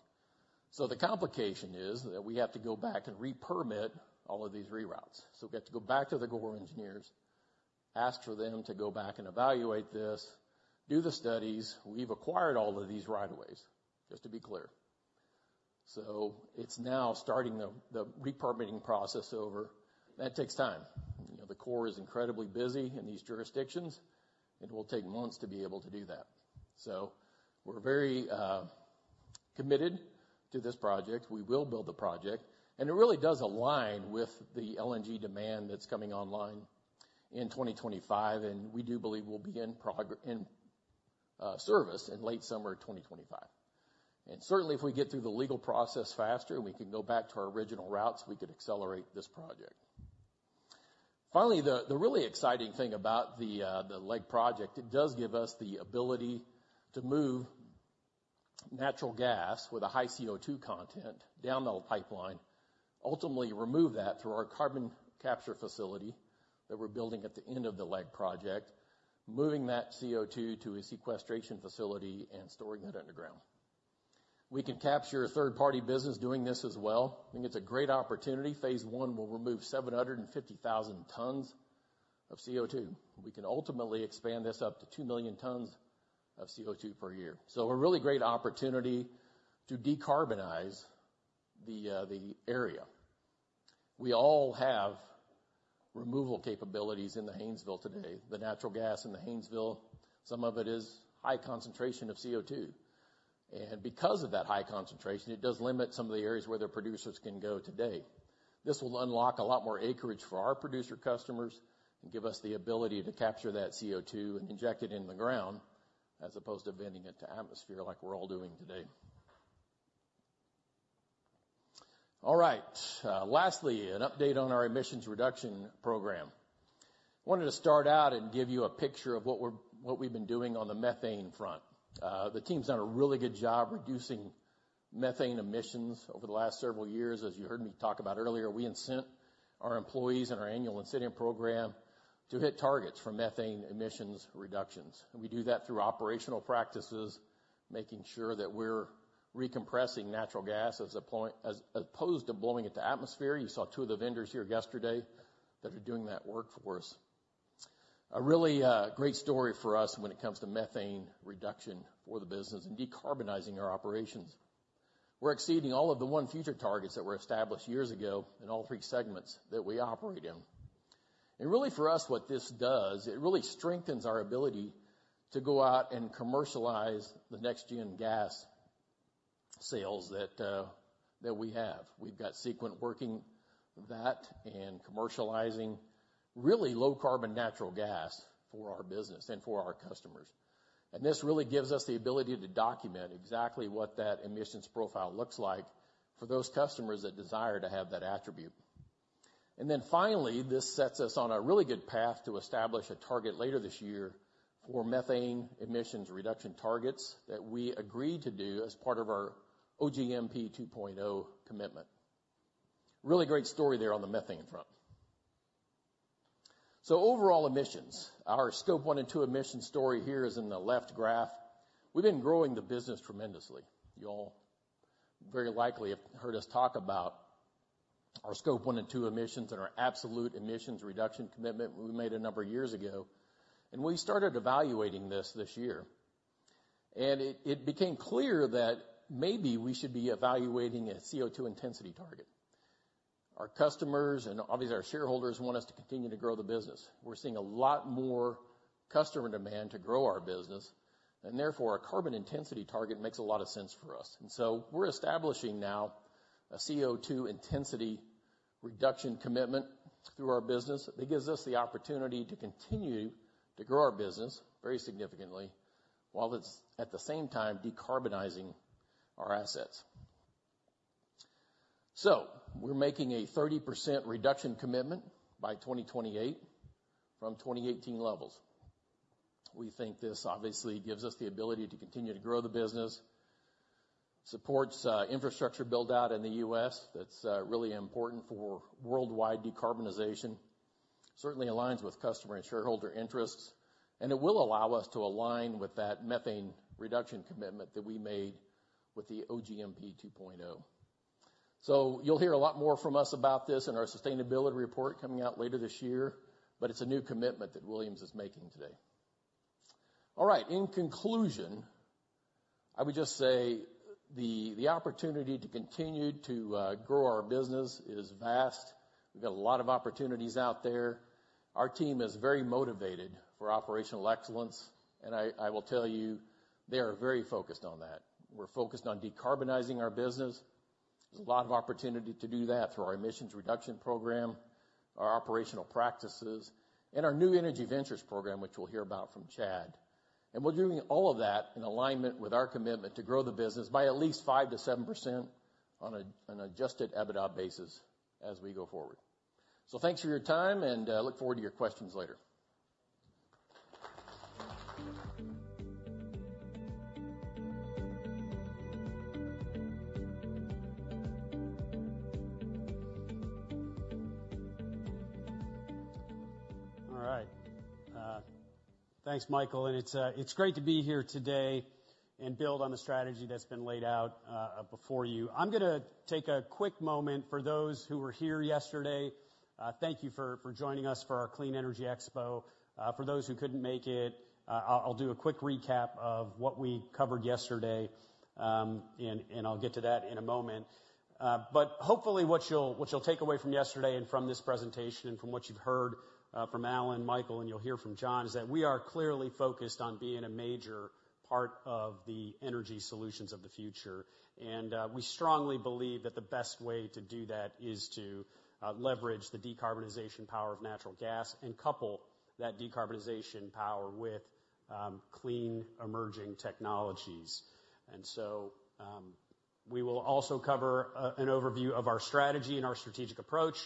So the complication is that we have to go back and repermit all of these reroutes. So we have to go back to the Corps of Engineers, ask for them to go back and evaluate this, do the studies. We've acquired all of these right of ways, just to be clear. It's now starting the repermitting process over. That takes time. The Corps is incredibly busy in these jurisdictions, and it will take months to be able to do that. We're very committed to this project. We will build the project. It really does align with the LNG demand that's coming online in 2025. We do believe we'll be in service in late summer 2025. Certainly, if we get through the legal process faster and we can go back to our original routes, we could accelerate this project. Finally, the really exciting thing about the LEG project, it does give us the ability to move natural gas with a high CO2 content down the pipeline, ultimately remove that through our carbon capture facility that we're building at the end of the LEG project, moving that CO2 to a sequestration facility and storing that underground. We can capture third-party business doing this as well. I think it's a great opportunity. Phase one will remove 750,000 tons of CO2. We can ultimately expand this up to 2 million tons of CO2 per year. A really great opportunity to decarbonize the area. We all have removal capabilities in the Haynesville today. The natural gas in the Haynesville, some of it is high concentration of CO2. Because of that high concentration, it does limit some of the areas where their producers can go today. This will unlock a lot more acreage for our producer customers and give us the ability to capture that CO2 and inject it in the ground as opposed to venting it to atmosphere like we're all doing today. All right. Lastly, an update on our Emissions Reduction Program. I wanted to start out and give you a picture of what we've been doing on the methane front. The team's done a really good job reducing methane emissions over the last several years. As you heard me talk about earlier, we incent our employees in our annual incentive program to hit targets for methane emissions reductions. We do that through operational practices, making sure that we're recompressing natural gas as opposed to blowing it to atmosphere. You saw two of the vendors here yesterday that are doing that work for us. A really great story for us when it comes to methane reduction for the business and decarbonizing our operations. We're exceeding all of the ONE Future targets that were established years ago in all three segments that we operate in. And really, for us, what this does, it really strengthens our ability to go out and commercialize the NextGen Gas sales that we have. We've got Sequent working that and commercializing really low-carbon natural gas for our business and for our customers. And this really gives us the ability to document exactly what that emissions profile looks like for those customers that desire to have that attribute. And then finally, this sets us on a really good path to establish a target later this year for methane emissions reduction targets that we agreed to do as part of our OGMP 2.0 commitment. Really great story there on the methane front. So overall emissions, our Scope 1 and 2 emissions story here is in the left graph. We've been growing the business tremendously. You all very likely have heard us talk about our Scope 1 and 2 emissions and our absolute emissions reduction commitment we made a number of years ago. We started evaluating this year. It became clear that maybe we should be evaluating a CO2 intensity target. Our customers and obviously, our shareholders want us to continue to grow the business. We're seeing a lot more customer demand to grow our business. Therefore, a carbon intensity target makes a lot of sense for us. So we're establishing now a CO2 intensity reduction commitment through our business that gives us the opportunity to continue to grow our business very significantly while at the same time decarbonizing our assets. So we're making a 30% reduction commitment by 2028 from 2018 levels. We think this, obviously, gives us the ability to continue to grow the business, supports infrastructure buildout in the U.S. that's really important for worldwide decarbonization, certainly aligns with customer and shareholder interests, and it will allow us to align with that methane reduction commitment that we made with the OGMP 2.0. So you'll hear a lot more from us about this in our sustainability report coming out later this year. But it's a new commitment that Williams is making today. All right. In conclusion, I would just say the opportunity to continue to grow our business is vast. We've got a lot of opportunities out there. Our team is very motivated for operational excellence. And I will tell you, they are very focused on that. We're focused on decarbonizing our business. There's a lot of opportunity to do that through our Emissions Reduction Program, our operational practices, and our New Energy Ventures program, which we'll hear about from Chad. And we're doing all of that in alignment with our commitment to grow the business by at least 5%-7% on an adjusted EBITDA basis as we go forward. So thanks for your time, and I look forward to your questions later. All right. Thanks, Michael. And it's great to be here today and build on the strategy that's been laid out before you. I'm going to take a quick moment for those who were here yesterday. Thank you for joining us for our Clean Energy Expo. For those who couldn't make it, I'll do a quick recap of what we covered yesterday, and I'll get to that in a moment. Hopefully, what you'll take away from yesterday and from this presentation and from what you've heard from Alan, Michael, and you'll hear from John is that we are clearly focused on being a major part of the energy solutions of the future. We strongly believe that the best way to do that is to leverage the decarbonization power of natural gas and couple that decarbonization power with clean emerging technologies. So we will also cover an overview of our strategy and our strategic approach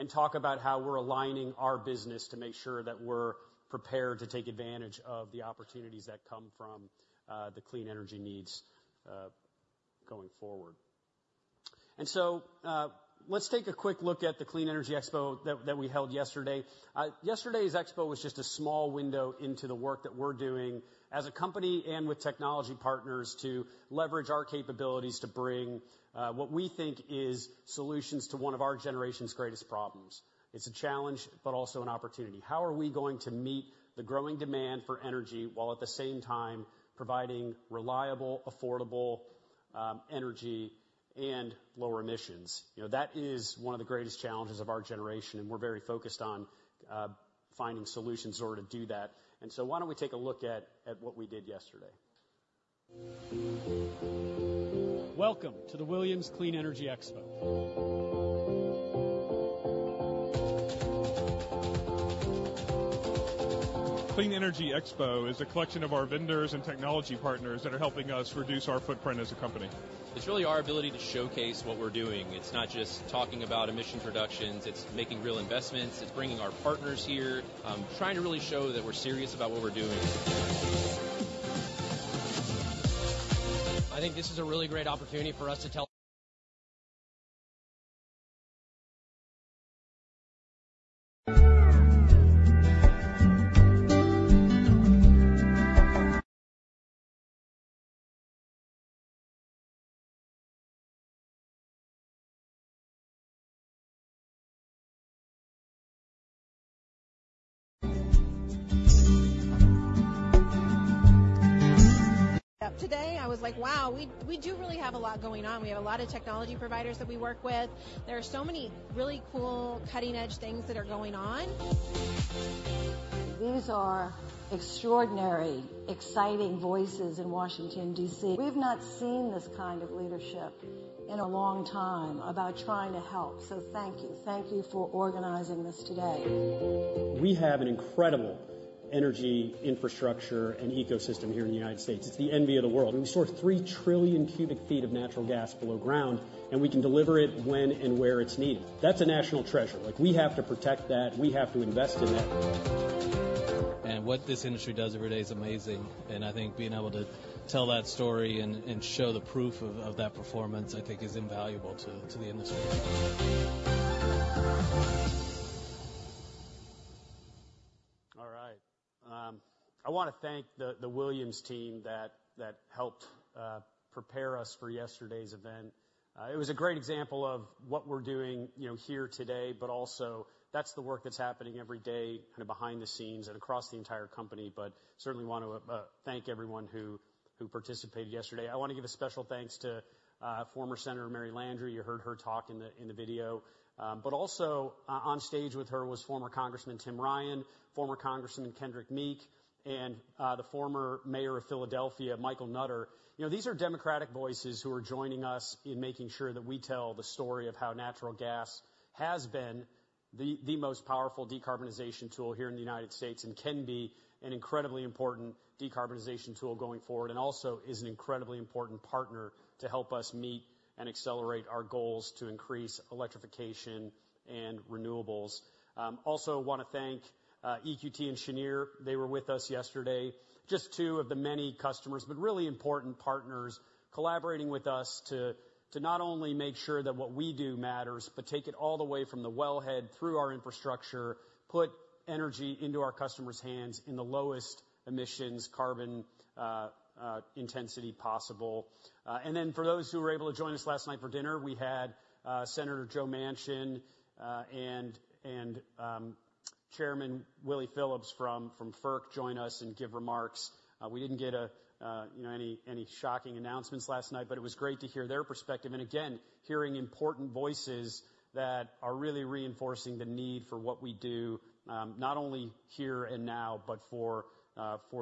and talk about how we're aligning our business to make sure that we're prepared to take advantage of the opportunities that come from the clean energy needs going forward. Let's take a quick look at the Clean Energy Expo that we held yesterday. Yesterday's expo was just a small window into the work that we're doing as a company and with technology partners to leverage our capabilities to bring what we think is solutions to one of our generation's greatest problems. It's a challenge but also an opportunity. How are we going to meet the growing demand for energy while at the same time providing reliable, affordable energy and lower emissions? That is one of the greatest challenges of our generation, and we're very focused on finding solutions in order to do that. And so why don't we take a look at what we did yesterday? Welcome to The Williams Clean Energy Expo. Clean Energy Expo is a collection of our vendors and technology partners that are helping us reduce our footprint as a company. It's really our ability to showcase what we're doing. It's not just talking about emissions reductions. It's making real investments. It's bringing our partners here, trying to really show that we're serious about what we're doing. I think this is a really great opportunity for us to tell. Today, I was like, "Wow, we do really have a lot going on. We have a lot of technology providers that we work with. There are so many really cool, cutting-edge things that are going on. These are extraordinary, exciting voices in Washington, D.C. We've not seen this kind of leadership in a long time about trying to help. So thank you. Thank you for organizing this today. We have an incredible energy infrastructure and ecosystem here in the United States. It's the envy of the world. We store 3 trillion cubic feet of natural gas below ground, and we can deliver it when and where it's needed. That's a national treasure. We have to protect that. We have to invest in that. What this industry does every day is amazing. I think being able to tell that story and show the proof of that performance, I think, is invaluable to the industry. All right. I want to thank the Williams team that helped prepare us for yesterday's event. It was a great example of what we're doing here today, but also that's the work that's happening every day kind of behind the scenes and across the entire company. But certainly, I want to thank everyone who participated yesterday. I want to give a special thanks to former Senator Mary Landrieu. You heard her talk in the video. But also on stage with her was former Congressman Tim Ryan, former Congressman Kendrick Meek, and the former mayor of Philadelphia, Michael Nutter. These are Democratic voices who are joining us in making sure that we tell the story of how natural gas has been the most powerful decarbonization tool here in the United States and can be an incredibly important decarbonization tool going forward and also is an incredibly important partner to help us meet and accelerate our goals to increase electrification and renewables. Also, I want to thank EQT engineers. They were with us yesterday, just two of the many customers but really important partners collaborating with us to not only make sure that what we do matters but take it all the way from the wellhead through our infrastructure, put energy into our customers' hands in the lowest emissions carbon intensity possible. And then for those who were able to join us last night for dinner, we had Senator Joe Manchin and Chairman Willie Phillips from FERC join us and give remarks. We didn't get any shocking announcements last night, but it was great to hear their perspective and, again, hearing important voices that are really reinforcing the need for what we do not only here and now but for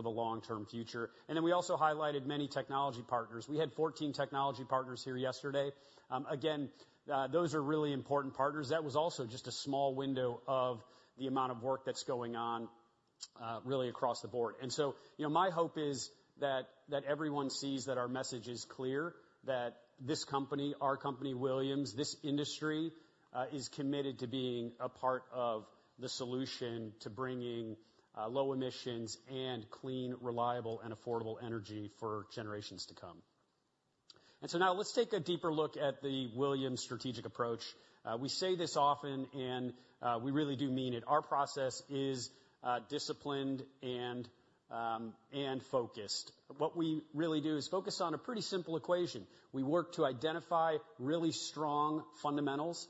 the long-term future. And then we also highlighted many technology partners. We had 14 technology partners here yesterday. Again, those are really important partners. That was also just a small window of the amount of work that's going on really across the board. My hope is that everyone sees that our message is clear, that this company, our company, Williams, this industry is committed to being a part of the solution to bringing low emissions and clean, reliable, and affordable energy for generations to come. Now let's take a deeper look at the Williams strategic approach. We say this often, and we really do mean it. Our process is disciplined and focused. What we really do is focus on a pretty simple equation. We work to identify really strong fundamentals,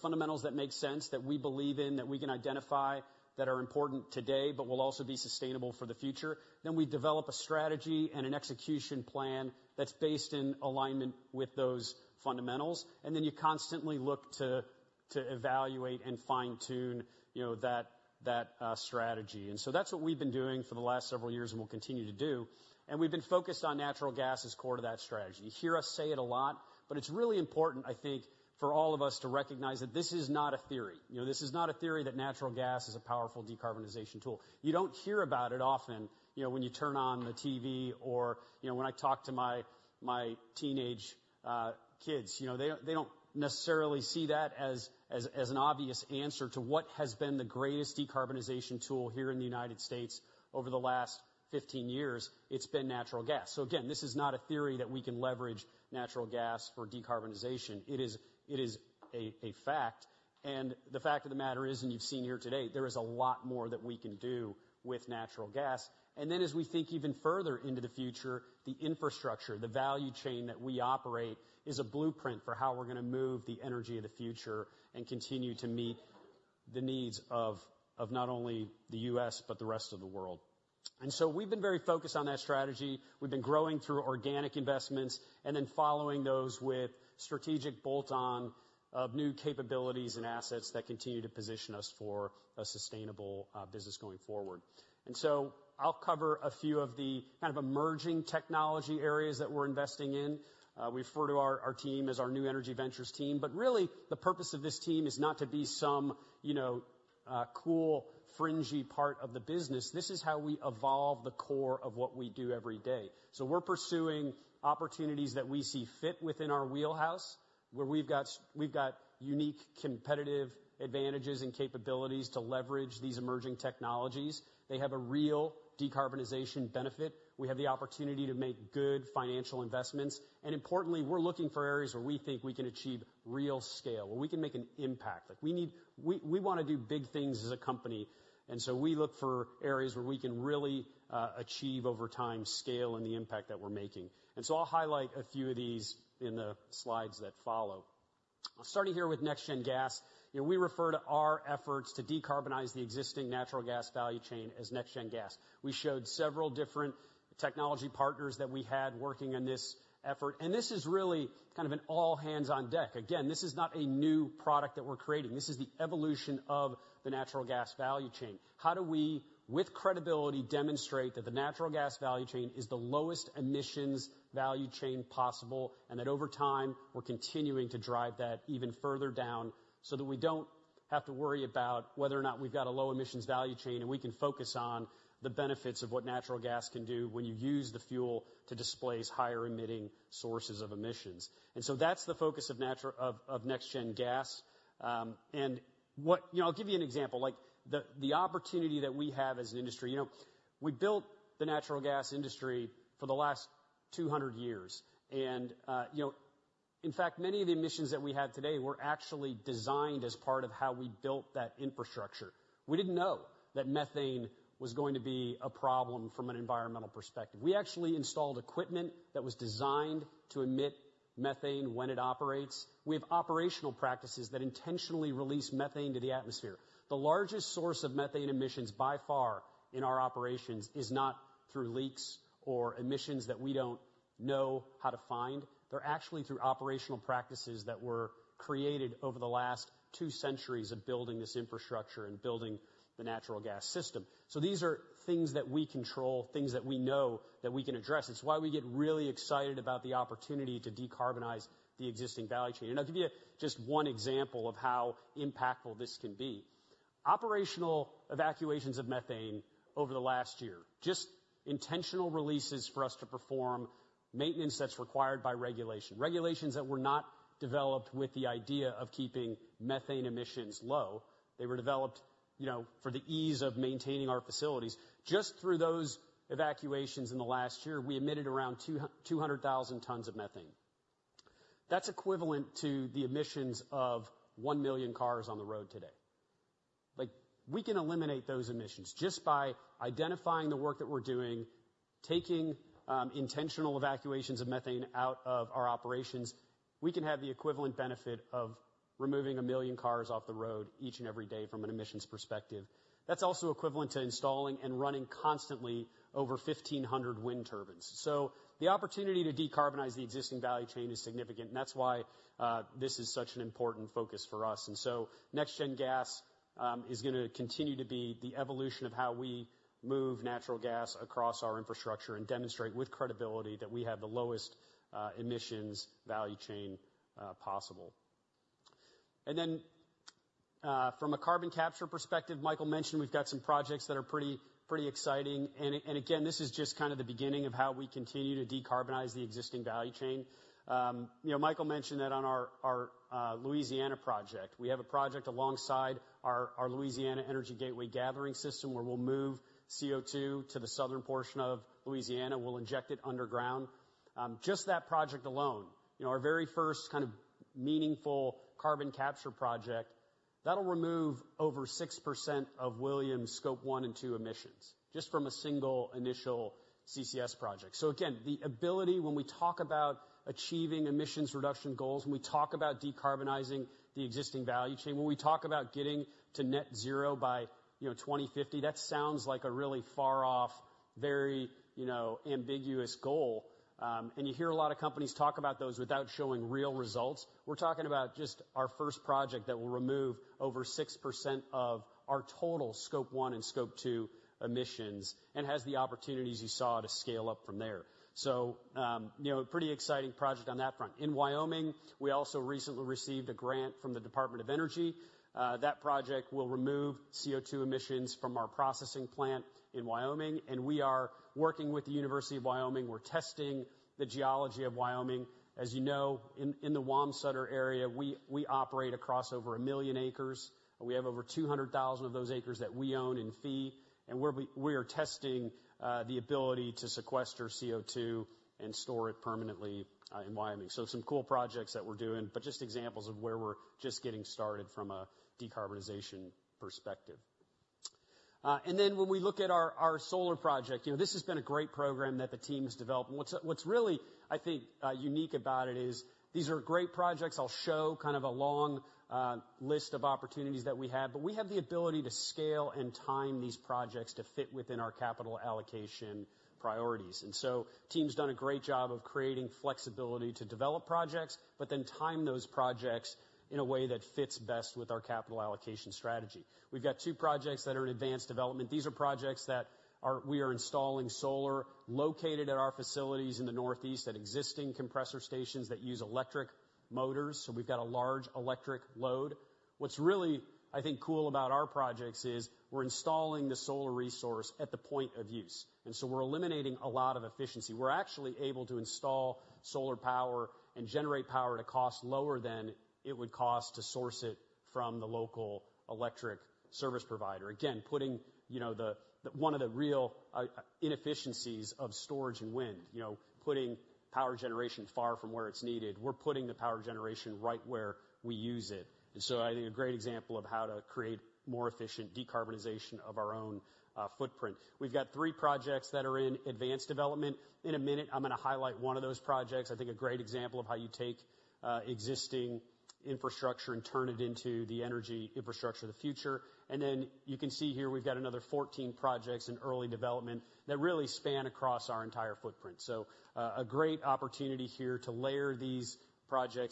fundamentals that make sense, that we believe in, that we can identify that are important today but will also be sustainable for the future. Then we develop a strategy and an execution plan that's based in alignment with those fundamentals. Then you constantly look to evaluate and fine-tune that strategy. That's what we've been doing for the last several years and will continue to do. We've been focused on natural gas as core to that strategy. You hear us say it a lot, but it's really important, I think, for all of us to recognize that this is not a theory. This is not a theory that natural gas is a powerful decarbonization tool. You don't hear about it often when you turn on the TV or when I talk to my teenage kids. They don't necessarily see that as an obvious answer to what has been the greatest decarbonization tool here in the United States over the last 15 years. It's been natural gas. So again, this is not a theory that we can leverage natural gas for decarbonization. It is a fact. The fact of the matter is, and you've seen here today, there is a lot more that we can do with natural gas. Then as we think even further into the future, the infrastructure, the value chain that we operate is a blueprint for how we're going to move the energy of the future and continue to meet the needs of not only the U.S. but the rest of the world. So we've been very focused on that strategy. We've been growing through organic investments and then following those with strategic bolt-on new capabilities and assets that continue to position us for a sustainable business going forward. So I'll cover a few of the kind of emerging technology areas that we're investing in. We refer to our team as our New Energy Ventures team. But really, the purpose of this team is not to be some cool, fringy part of the business. This is how we evolve the core of what we do every day. So we're pursuing opportunities that we see fit within our wheelhouse where we've got unique competitive advantages and capabilities to leverage these emerging technologies. They have a real decarbonization benefit. We have the opportunity to make good financial investments. And importantly, we're looking for areas where we think we can achieve real scale, where we can make an impact. We want to do big things as a company. And so we look for areas where we can really achieve over time scale and the impact that we're making. And so I'll highlight a few of these in the slides that follow. Starting here with NextGen Gas, we refer to our efforts to decarbonize the existing natural gas value chain as NextGen Gas. We showed several different technology partners that we had working on this effort. This is really kind of an all-hands-on deck. Again, this is not a new product that we're creating. This is the evolution of the natural gas value chain. How do we, with credibility, demonstrate that the natural gas value chain is the lowest emissions value chain possible and that over time, we're continuing to drive that even further down so that we don't have to worry about whether or not we've got a low emissions value chain and we can focus on the benefits of what natural gas can do when you use the fuel to displace higher-emitting sources of emissions? So that's the focus of NextGen Gas. I'll give you an example. The opportunity that we have as an industry, we built the natural gas industry for the last 200 years. And in fact, many of the emissions that we have today were actually designed as part of how we built that infrastructure. We didn't know that methane was going to be a problem from an environmental perspective. We actually installed equipment that was designed to emit methane when it operates. We have operational practices that intentionally release methane to the atmosphere. The largest source of methane emissions by far in our operations is not through leaks or emissions that we don't know how to find. They're actually through operational practices that were created over the last two centuries of building this infrastructure and building the natural gas system. So these are things that we control, things that we know that we can address. It's why we get really excited about the opportunity to decarbonize the existing value chain. I'll give you just one example of how impactful this can be. Operational evacuations of methane over the last year, just intentional releases for us to perform maintenance that's required by regulation. Regulations that were not developed with the idea of keeping methane emissions low. They were developed for the ease of maintaining our facilities. Just through those evacuations in the last year, we emitted around 200,000 tons of methane. That's equivalent to the emissions of one million cars on the road today. We can eliminate those emissions just by identifying the work that we're doing, taking intentional evacuations of methane out of our operations. We can have the equivalent benefit of removing one million cars off the road each and every day from an emissions perspective. That's also equivalent to installing and running constantly over 1,500 wind turbines. So the opportunity to decarbonize the existing value chain is significant, and that's why this is such an important focus for us. And so NextGen Gas is going to continue to be the evolution of how we move natural gas across our infrastructure and demonstrate with credibility that we have the lowest emissions value chain possible. And then from a carbon capture perspective, Michael mentioned we've got some projects that are pretty exciting. And again, this is just kind of the beginning of how we continue to decarbonize the existing value chain. Michael mentioned that on our Louisiana project, we have a project alongside our Louisiana Energy Gateway gathering system where we'll move CO2 to the southern portion of Louisiana. We'll inject it underground. Just that project alone, our very first kind of meaningful carbon capture project, that'll remove over 6% of Williams Scope 1 and 2 emissions just from a single initial CCS project. So again, the ability when we talk about achieving emissions reduction goals, when we talk about decarbonizing the existing value chain, when we talk about getting to net zero by 2050, that sounds like a really far-off, very ambiguous goal. And you hear a lot of companies talk about those without showing real results. We're talking about just our first project that will remove over 6% of our total Scope 1 and Scope 2 emissions and has the opportunities you saw to scale up from there. So pretty exciting project on that front. In Wyoming, we also recently received a grant from the Department of Energy. That project will remove CO2 emissions from our processing plant in Wyoming. We are working with the University of Wyoming. We're testing the geology of Wyoming. As you know, in the Wamsutter area, we operate across over 1 million acres. We have over 200,000 of those acres that we own in fee. And we are testing the ability to sequester CO2 and store it permanently in Wyoming. So some cool projects that we're doing, but just examples of where we're just getting started from a decarbonization perspective. And then when we look at our solar project, this has been a great program that the team has developed. What's really, I think, unique about it is these are great projects. I'll show kind of a long list of opportunities that we have. But we have the ability to scale and time these projects to fit within our capital allocation priorities. The team's done a great job of creating flexibility to develop projects but then time those projects in a way that fits best with our capital allocation strategy. We've got two projects that are in advanced development. These are projects that we are installing solar located at our facilities in the Northeast at existing compressor stations that use electric motors. So we've got a large electric load. What's really, I think, cool about our projects is we're installing the solar resource at the point of use. And so we're eliminating a lot of efficiency. We're actually able to install solar power and generate power at a cost lower than it would cost to source it from the local electric service provider, again, putting one of the real inefficiencies of storage and wind, putting power generation far from where it's needed. We're putting the power generation right where we use it. And so I think a great example of how to create more efficient decarbonization of our own footprint. We've got three projects that are in advanced development. In a minute, I'm going to highlight one of those projects, I think, a great example of how you take existing infrastructure and turn it into the energy infrastructure of the future. And then you can see here we've got another 14 projects in early development that really span across our entire footprint. So a great opportunity here to layer these projects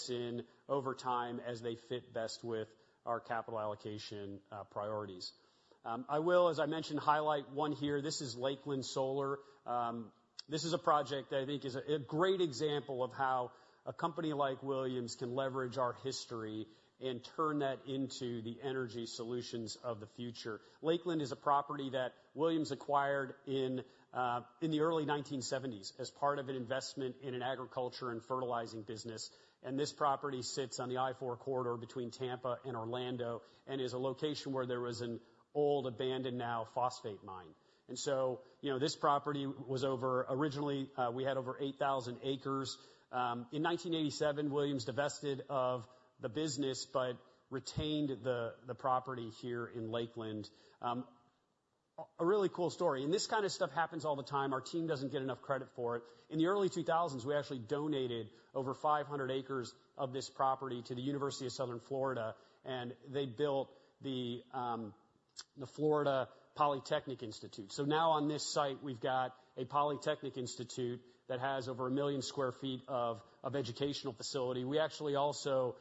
in over time as they fit best with our capital allocation priorities. I will, as I mentioned, highlight one here. This is Lakeland Solar. This is a project that I think is a great example of how a company like Williams can leverage our history and turn that into the energy solutions of the future. Lakeland is a property that Williams acquired in the early 1970s as part of an investment in an agriculture and fertilizing business. And this property sits on the I-4 corridor between Tampa and Orlando and is a location where there was an old, abandoned now phosphate mine. And so this property was over originally, we had over 8,000 acres. In 1987, Williams divested of the business but retained the property here in Lakeland. A really cool story. And this kind of stuff happens all the time. Our team doesn't get enough credit for it. In the early 2000s, we actually donated over 500 acres of this property to the University of South Florida, and they built the Florida Polytechnic Institute. So now on this site, we've got a polytechnic institute that has over 1 million sq ft of educational facility. We actually also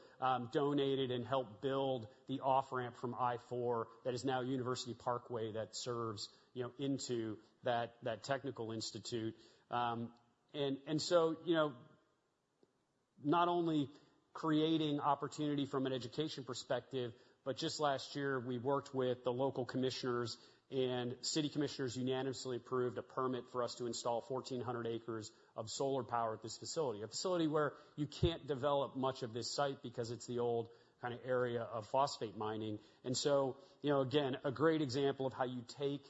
donated and helped build the off-ramp from I-4 that is now University Parkway that serves into that technical institute. And so not only creating opportunity from an education perspective, but just last year, we worked with the local commissioners, and city commissioners unanimously approved a permit for us to install 1,400 acres of solar power at this facility, a facility where you can't develop much of this site because it's the old kind of area of phosphate mining. So again, a great example of how you take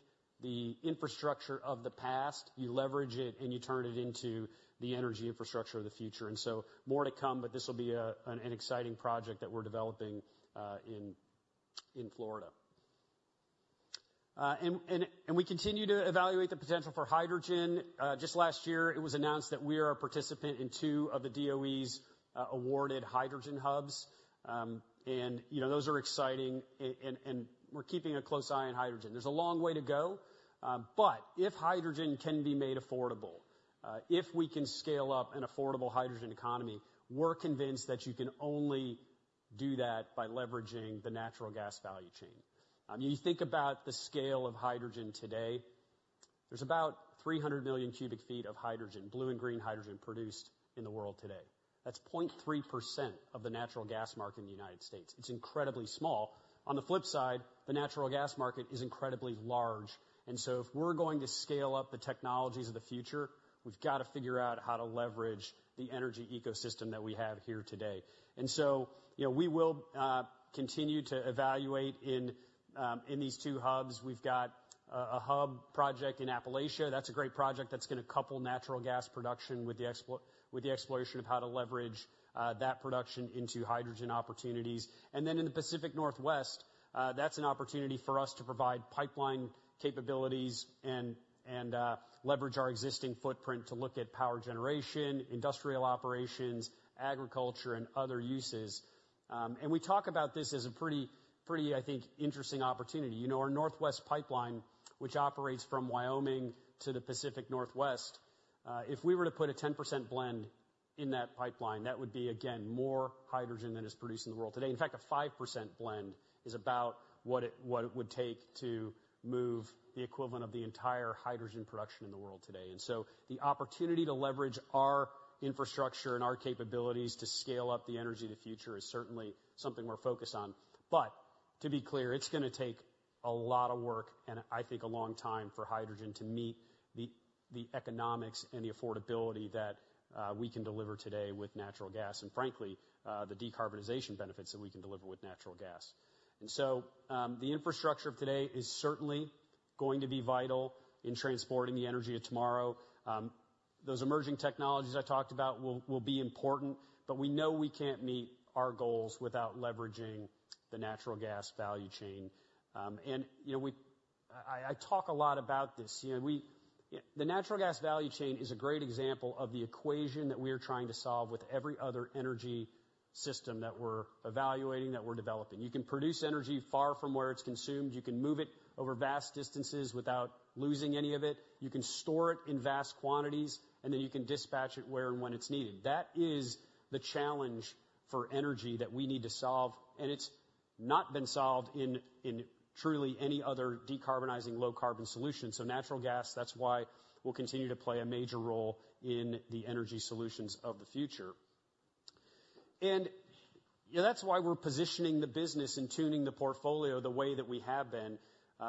the infrastructure of the past, you leverage it, and you turn it into the energy infrastructure of the future. So more to come, but this will be an exciting project that we're developing in Florida. And we continue to evaluate the potential for hydrogen. Just last year, it was announced that we are a participant in two of the DOE's awarded hydrogen hubs. And those are exciting, and we're keeping a close eye on hydrogen. There's a long way to go. But if hydrogen can be made affordable, if we can scale up an affordable hydrogen economy, we're convinced that you can only do that by leveraging the natural gas value chain. You think about the scale of hydrogen today. There's about 300 million cubic feet of hydrogen, blue and green hydrogen, produced in the world today. That's 0.3% of the natural gas market in the United States. It's incredibly small. On the flip side, the natural gas market is incredibly large. And so if we're going to scale up the technologies of the future, we've got to figure out how to leverage the energy ecosystem that we have here today. And so we will continue to evaluate in these two hubs. We've got a hub project in Appalachia. That's a great project that's going to couple natural gas production with the exploration of how to leverage that production into hydrogen opportunities. And then in the Pacific Northwest, that's an opportunity for us to provide pipeline capabilities and leverage our existing footprint to look at power generation, industrial operations, agriculture, and other uses. And we talk about this as a pretty, I think, interesting opportunity. Our Northwest Pipeline, which operates from Wyoming to the Pacific Northwest, if we were to put a 10% blend in that pipeline, that would be, again, more hydrogen than is produced in the world today. In fact, a 5% blend is about what it would take to move the equivalent of the entire hydrogen production in the world today. And so the opportunity to leverage our infrastructure and our capabilities to scale up the energy of the future is certainly something we're focused on. But to be clear, it's going to take a lot of work and, I think, a long time for hydrogen to meet the economics and the affordability that we can deliver today with natural gas and, frankly, the decarbonization benefits that we can deliver with natural gas. And so the infrastructure of today is certainly going to be vital in transporting the energy of tomorrow. Those emerging technologies I talked about will be important, but we know we can't meet our goals without leveraging the natural gas value chain. I talk a lot about this. The natural gas value chain is a great example of the equation that we are trying to solve with every other energy system that we're evaluating, that we're developing. You can produce energy far from where it's consumed. You can move it over vast distances without losing any of it. You can store it in vast quantities, and then you can dispatch it where and when it's needed. That is the challenge for energy that we need to solve. It's not been solved in truly any other decarbonizing, low-carbon solution. Natural gas, that's why we'll continue to play a major role in the energy solutions of the future. And that's why we're positioning the business and tuning the portfolio the way that we have been,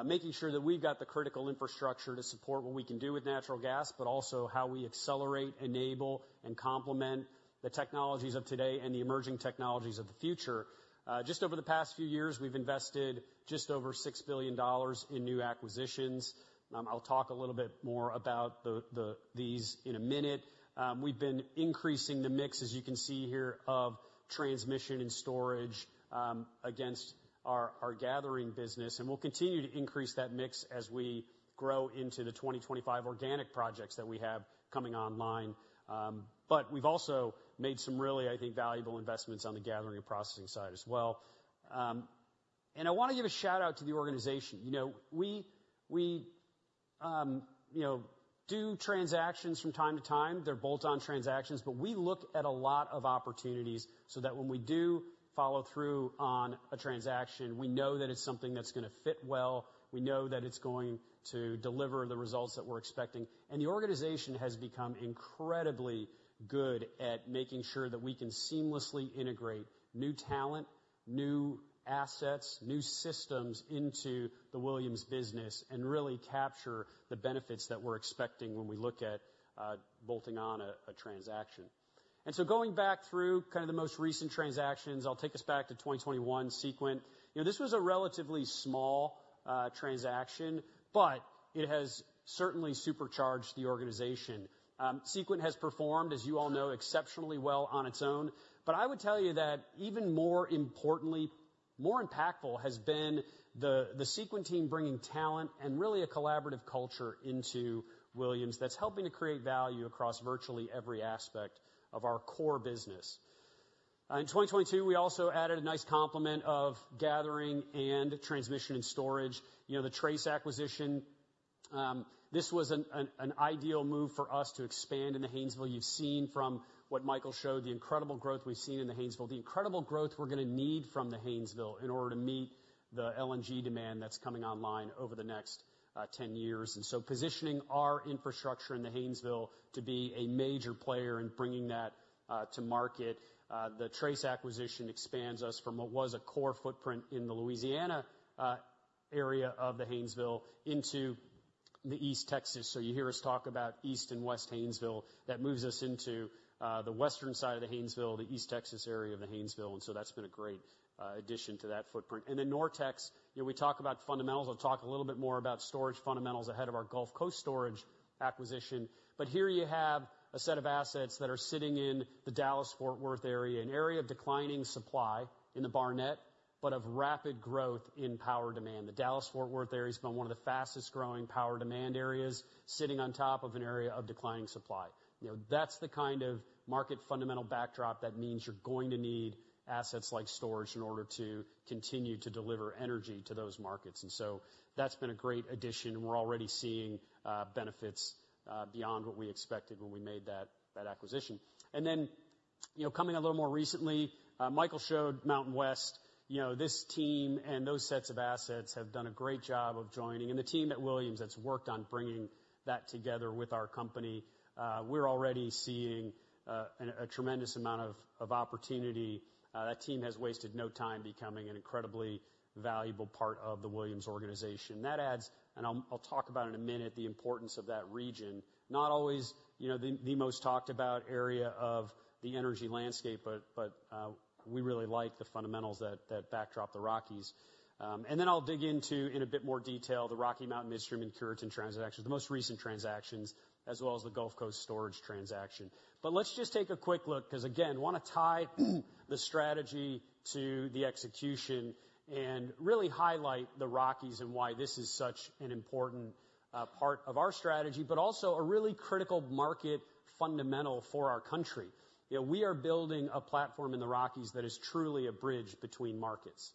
making sure that we've got the critical infrastructure to support what we can do with natural gas, but also how we accelerate, enable, and complement the technologies of today and the emerging technologies of the future. Just over the past few years, we've invested just over $6 billion in new acquisitions. I'll talk a little bit more about these in a minute. We've been increasing the mix, as you can see here, of transmission and storage against our gathering business. And we'll continue to increase that mix as we grow into the 2025 organic projects that we have coming online. But we've also made some really, I think, valuable investments on the gathering and processing side as well. And I want to give a shout-out to the organization. We do transactions from time to time. They're bolt-on transactions, but we look at a lot of opportunities so that when we do follow through on a transaction, we know that it's something that's going to fit well. We know that it's going to deliver the results that we're expecting. And the organization has become incredibly good at making sure that we can seamlessly integrate new talent, new assets, new systems into the Williams business and really capture the benefits that we're expecting when we look at bolting on a transaction. Going back through kind of the most recent transactions, I'll take us back to 2021 Sequent. This was a relatively small transaction, but it has certainly supercharged the organization. Sequent has performed, as you all know, exceptionally well on its own. But I would tell you that even more importantly, more impactful has been the Sequent team bringing talent and really a collaborative culture into Williams that's helping to create value across virtually every aspect of our core business. In 2022, we also added a nice complement of gathering and transmission and storage, the Trace acquisition. This was an ideal move for us to expand in the Haynesville. You've seen from what Michael showed, the incredible growth we've seen in the Haynesville, the incredible growth we're going to need from the Haynesville in order to meet the LNG demand that's coming online over the next 10 years. And so positioning our infrastructure in the Haynesville to be a major player in bringing that to market. The Trace acquisition expands us from what was a core footprint in the Louisiana area of the Haynesville into the East Texas. So you hear us talk about East and West Haynesville. That moves us into the western side of the Haynesville, the East Texas area of the Haynesville. And so that's been a great addition to that footprint. And then NorTex, we talk about fundamentals. I'll talk a little bit more about storage fundamentals ahead of our Gulf Coast storage acquisition. But here you have a set of assets that are sitting in the Dallas-Fort Worth area, an area of declining supply in the Barnett but of rapid growth in power demand. The Dallas-Fort Worth area has been one of the fastest-growing power demand areas, sitting on top of an area of declining supply. That's the kind of market fundamental backdrop that means you're going to need assets like storage in order to continue to deliver energy to those markets. That's been a great addition, and we're already seeing benefits beyond what we expected when we made that acquisition. Then coming a little more recently, Michael showed MountainWest. This team and those sets of assets have done a great job of joining. And the team at Williams that's worked on bringing that together with our company, we're already seeing a tremendous amount of opportunity. That team has wasted no time becoming an incredibly valuable part of the Williams organization. And I'll talk about in a minute the importance of that region, not always the most talked about area of the energy landscape, but we really like the fundamentals that backdrop the Rockies. Then I'll dig into in a bit more detail the Rocky Mountain Midstream and Cureton transactions, the most recent transactions, as well as the Gulf Coast storage transaction. But let's just take a quick look because, again, want to tie the strategy to the execution and really highlight the Rockies and why this is such an important part of our strategy, but also a really critical market fundamental for our country. We are building a platform in the Rockies that is truly a bridge between markets.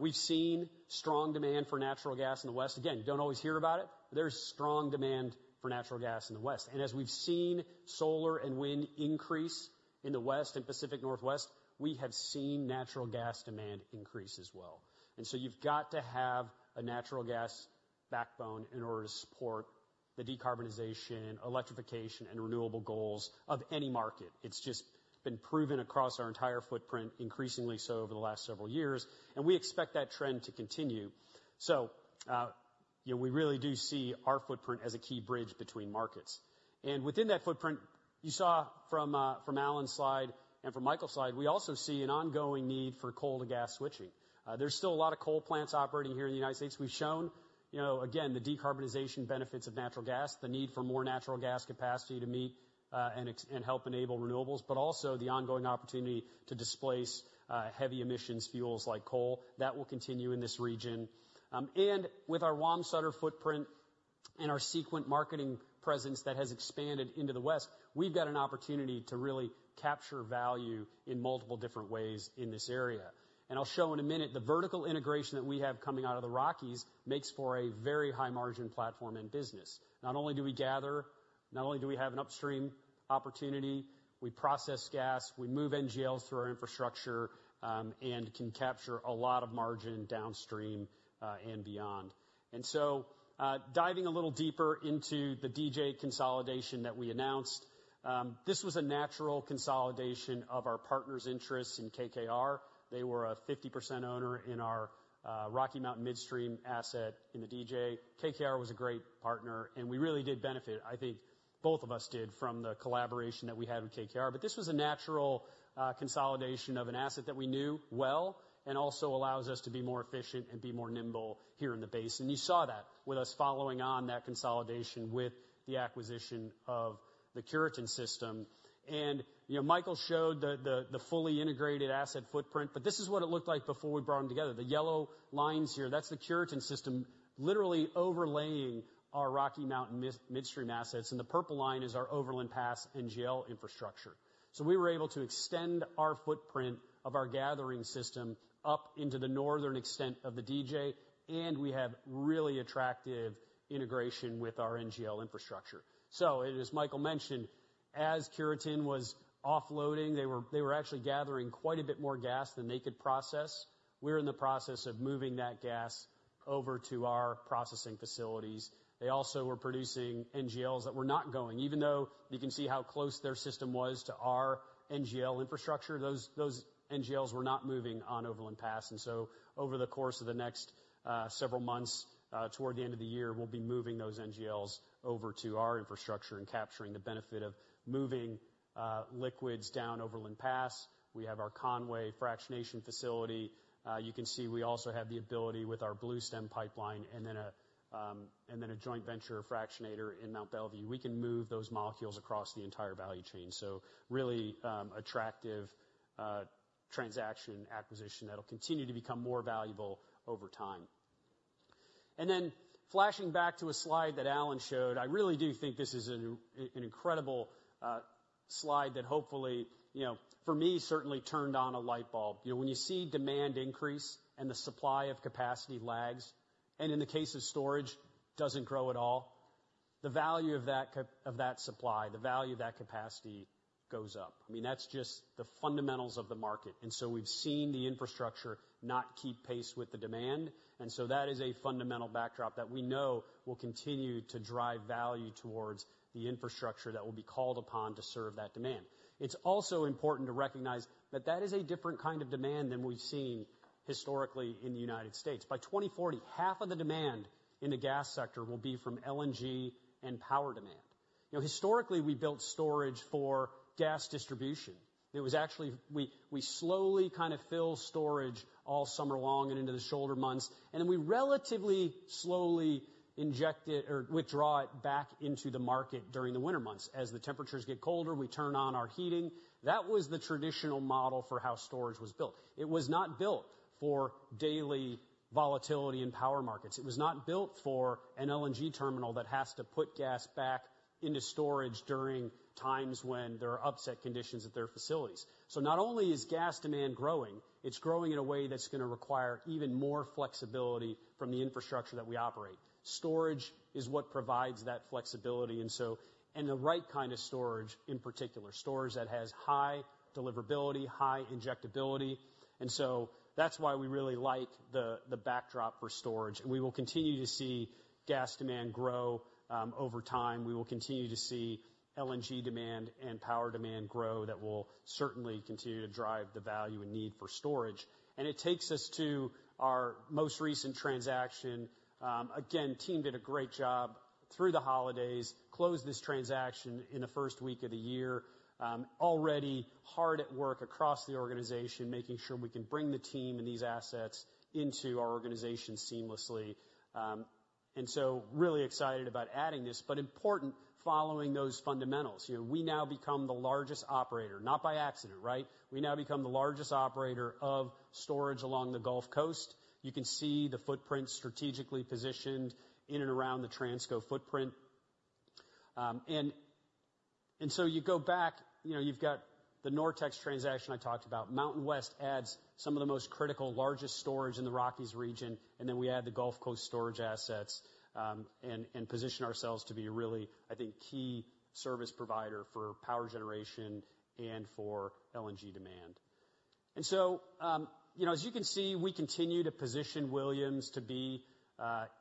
We've seen strong demand for natural gas in the West. Again, don't always hear about it, but there's strong demand for natural gas in the West. And as we've seen solar and wind increase in the West and Pacific Northwest, we have seen natural gas demand increase as well. And so you've got to have a natural gas backbone in order to support the decarbonization, electrification, and renewable goals of any market. It's just been proven across our entire footprint, increasingly so over the last several years. We expect that trend to continue. We really do see our footprint as a key bridge between markets. Within that footprint, you saw from Alan's slide and from Michael's slide, we also see an ongoing need for coal to gas switching. There's still a lot of coal plants operating here in the United States. We've shown, again, the decarbonization benefits of natural gas, the need for more natural gas capacity to meet and help enable renewables, but also the ongoing opportunity to displace heavy emissions fuels like coal. That will continue in this region. With our Wamsutter footprint and our Sequent marketing presence that has expanded into the West, we've got an opportunity to really capture value in multiple different ways in this area. I'll show in a minute the vertical integration that we have coming out of the Rockies makes for a very high-margin platform in business. Not only do we gather, not only do we have an upstream opportunity, we process gas, we move NGLs through our infrastructure, and can capture a lot of margin downstream and beyond. So diving a little deeper into the DJ consolidation that we announced, this was a natural consolidation of our partner's interests in KKR. They were a 50% owner in our Rocky Mountain Midstream asset in the DJ. KKR was a great partner, and we really did benefit, I think both of us did, from the collaboration that we had with KKR. But this was a natural consolidation of an asset that we knew well and also allows us to be more efficient and be more nimble here in the base. You saw that with us following on that consolidation with the acquisition of the Cureton system. Michael showed the fully integrated asset footprint, but this is what it looked like before we brought them together. The yellow lines here, that's the Cureton system literally overlaying our Rocky Mountain Midstream assets. The purple line is our Overland Pass NGL infrastructure. We were able to extend our footprint of our gathering system up into the northern extent of the DJ, and we have really attractive integration with our NGL infrastructure. As Michael mentioned, as Cureton was offloading, they were actually gathering quite a bit more gas than they could process. We're in the process of moving that gas over to our processing facilities. They also were producing NGLs that were not going. Even though you can see how close their system was to our NGL infrastructure, those NGLs were not moving on Overland Pass. And so over the course of the next several months, toward the end of the year, we'll be moving those NGLs over to our infrastructure and capturing the benefit of moving liquids down Overland Pass. We have our Conway fractionation facility. You can see we also have the ability with our Bluestem Pipeline and then a joint venture fractionator in Mont Belvieu. We can move those molecules across the entire value chain. So really attractive transaction acquisition that'll continue to become more valuable over time. And then flashing back to a slide that Alan showed, I really do think this is an incredible slide that hopefully, for me, certainly turned on a light bulb. When you see demand increase and the supply of capacity lags and in the case of storage doesn't grow at all, the value of that supply, the value of that capacity goes up. I mean, that's just the fundamentals of the market. And so we've seen the infrastructure not keep pace with the demand. And so that is a fundamental backdrop that we know will continue to drive value towards the infrastructure that will be called upon to serve that demand. It's also important to recognize that that is a different kind of demand than we've seen historically in the United States. By 2040, half of the demand in the gas sector will be from LNG and power demand. Historically, we built storage for gas distribution. It was actually, we slowly kind of fill storage all summer long and into the shoulder months, and then we relatively slowly inject it or withdraw it back into the market during the winter months. As the temperatures get colder, we turn on our heating. That was the traditional model for how storage was built. It was not built for daily volatility in power markets. It was not built for an LNG terminal that has to put gas back into storage during times when there are upset conditions at their facilities. So not only is gas demand growing, it's growing in a way that's going to require even more flexibility from the infrastructure that we operate. Storage is what provides that flexibility and the right kind of storage in particular, storage that has high deliverability, high injectability. And so that's why we really like the backdrop for storage. And we will continue to see gas demand grow over time. We will continue to see LNG demand and power demand grow that will certainly continue to drive the value and need for storage. And it takes us to our most recent transaction. Again, team did a great job through the holidays, closed this transaction in the first week of the year, already hard at work across the organization, making sure we can bring the team and these assets into our organization seamlessly. And so really excited about adding this, but important following those fundamentals. We now become the largest operator, not by accident, right? We now become the largest operator of storage along the Gulf Coast. You can see the footprint strategically positioned in and around the Transco footprint. And so you go back, you've got the NorTex transaction I talked about. MountainWest adds some of the most critical, largest storage in the Rockies region. And then we add the Gulf Coast storage assets and position ourselves to be a really, I think, key service provider for power generation and for LNG demand. And so as you can see, we continue to position Williams to be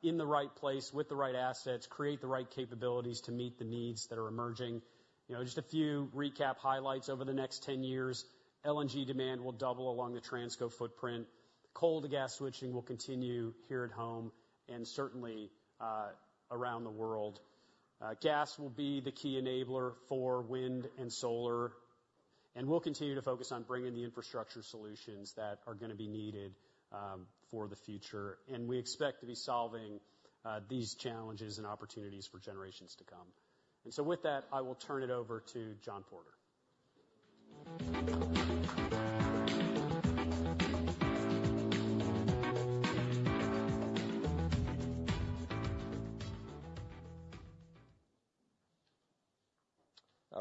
in the right place with the right assets, create the right capabilities to meet the needs that are emerging. Just a few recap highlights over the next 10 years, LNG demand will double along the Transco footprint. Coal to gas switching will continue here at home and certainly around the world. Gas will be the key enabler for wind and solar. And we'll continue to focus on bringing the infrastructure solutions that are going to be needed for the future. And we expect to be solving these challenges and opportunities for generations to come. And so with that, I will turn it over to John Porter.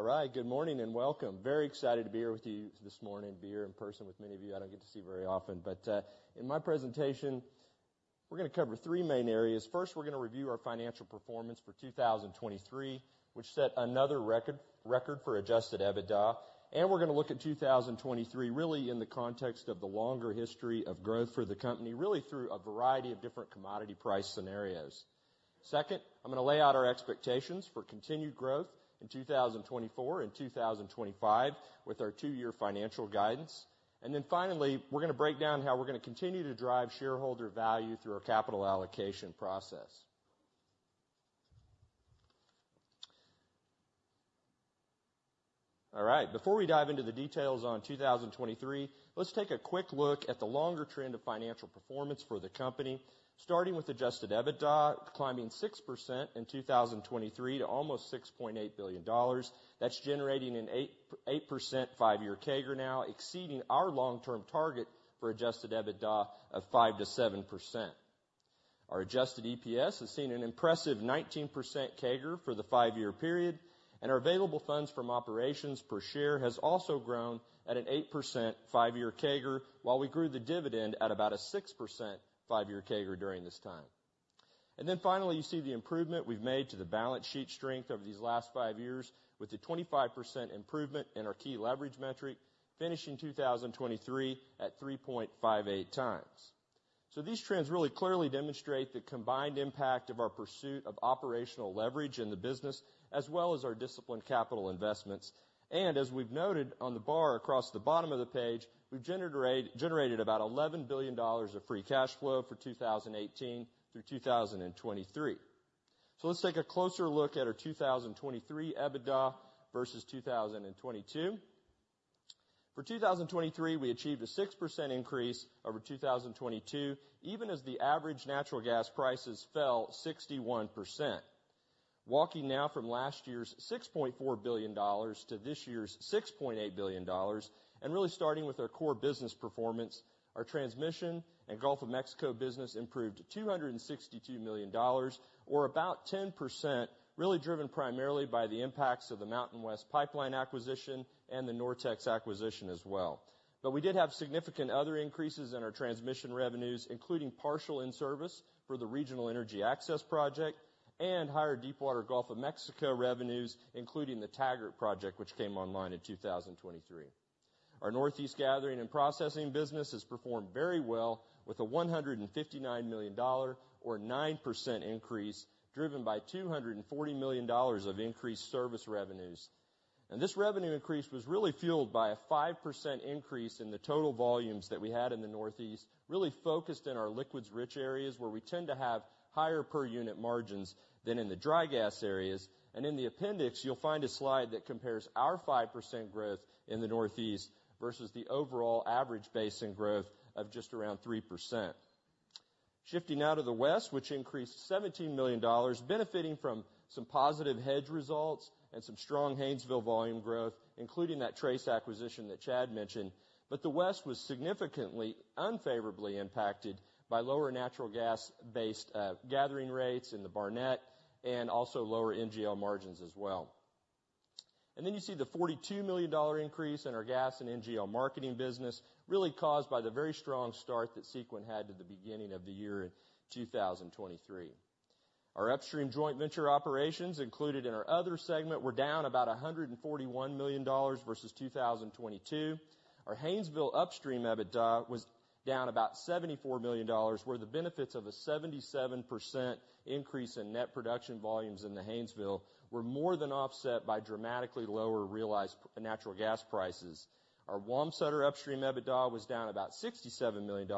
All right. Good morning and welcome. Very excited to be here with you this morning, be here in person with many of you. I don't get to see very often. But in my presentation, we're going to cover three main areas. First, we're going to review our financial performance for 2023, which set another record for adjusted EBITDA. And we're going to look at 2023 really in the context of the longer history of growth for the company, really through a variety of different commodity price scenarios. Second, I'm going to lay out our expectations for continued growth in 2024 and 2025 with our two-year financial guidance. And then finally, we're going to break down how we're going to continue to drive shareholder value through our capital allocation process. All right. Before we dive into the details on 2023, let's take a quick look at the longer trend of financial performance for the company, starting with adjusted EBITDA climbing 6% in 2023 to almost $6.8 billion. That's generating an 8% five-year CAGR now, exceeding our long-term target for adjusted EBITDA of 5%-7%. Our adjusted EPS has seen an impressive 19% CAGR for the five-year period. Our available funds from operations per share has also grown at an 8% five-year CAGR while we grew the dividend at about a 6% five-year CAGR during this time. Then finally, you see the improvement we've made to the balance sheet strength over these last five years with a 25% improvement in our key leverage metric, finishing 2023 at 3.58x. So these trends really clearly demonstrate the combined impact of our pursuit of operational leverage in the business as well as our disciplined capital investments. As we've noted on the bar across the bottom of the page, we've generated about $11 billion of free cash flow for 2018 through 2023. Let's take a closer look at our 2023 EBITDA versus 2022. For 2023, we achieved a 6% increase over 2022, even as the average natural gas prices fell 61%. Walking now from last year's $6.4 billion to this year's $6.8 billion, and really starting with our core business performance, our transmission and Gulf of Mexico business improved $262 million, or about 10%, really driven primarily by the impacts of the MountainWest Pipeline acquisition and the NorTex acquisition as well. We did have significant other increases in our transmission revenues, including partial in-service for the Regional Energy Access Project and higher Deepwater Gulf of Mexico revenues, including the Taggart project, which came online in 2023. Our Northeast gathering and processing business has performed very well with a $159 million, or 9% increase, driven by $240 million of increased service revenues. This revenue increase was really fueled by a 5% increase in the total volumes that we had in the Northeast, really focused in our liquids-rich areas where we tend to have higher per-unit margins than in the dry gas areas. In the appendix, you'll find a slide that compares our 5% growth in the Northeast versus the overall average basin growth of just around 3%. Shifting out to the West, which increased $17 million, benefiting from some positive hedge results and some strong Haynesville volume growth, including that Trace acquisition that Chad mentioned. But the West was significantly, unfavorably impacted by lower natural gas-based gathering rates in the Barnett and also lower NGL margins as well. And then you see the $42 million increase in our gas and NGL marketing business, really caused by the very strong start that Sequent had to the beginning of the year in 2023. Our upstream joint venture operations, included in our other segment, were down about $141 million versus 2022. Our Haynesville upstream EBITDA was down about $74 million, where the benefits of a 77% increase in net production volumes in the Haynesville were more than offset by dramatically lower realized natural gas prices. Our Wamsutter upstream EBITDA was down about $67 million,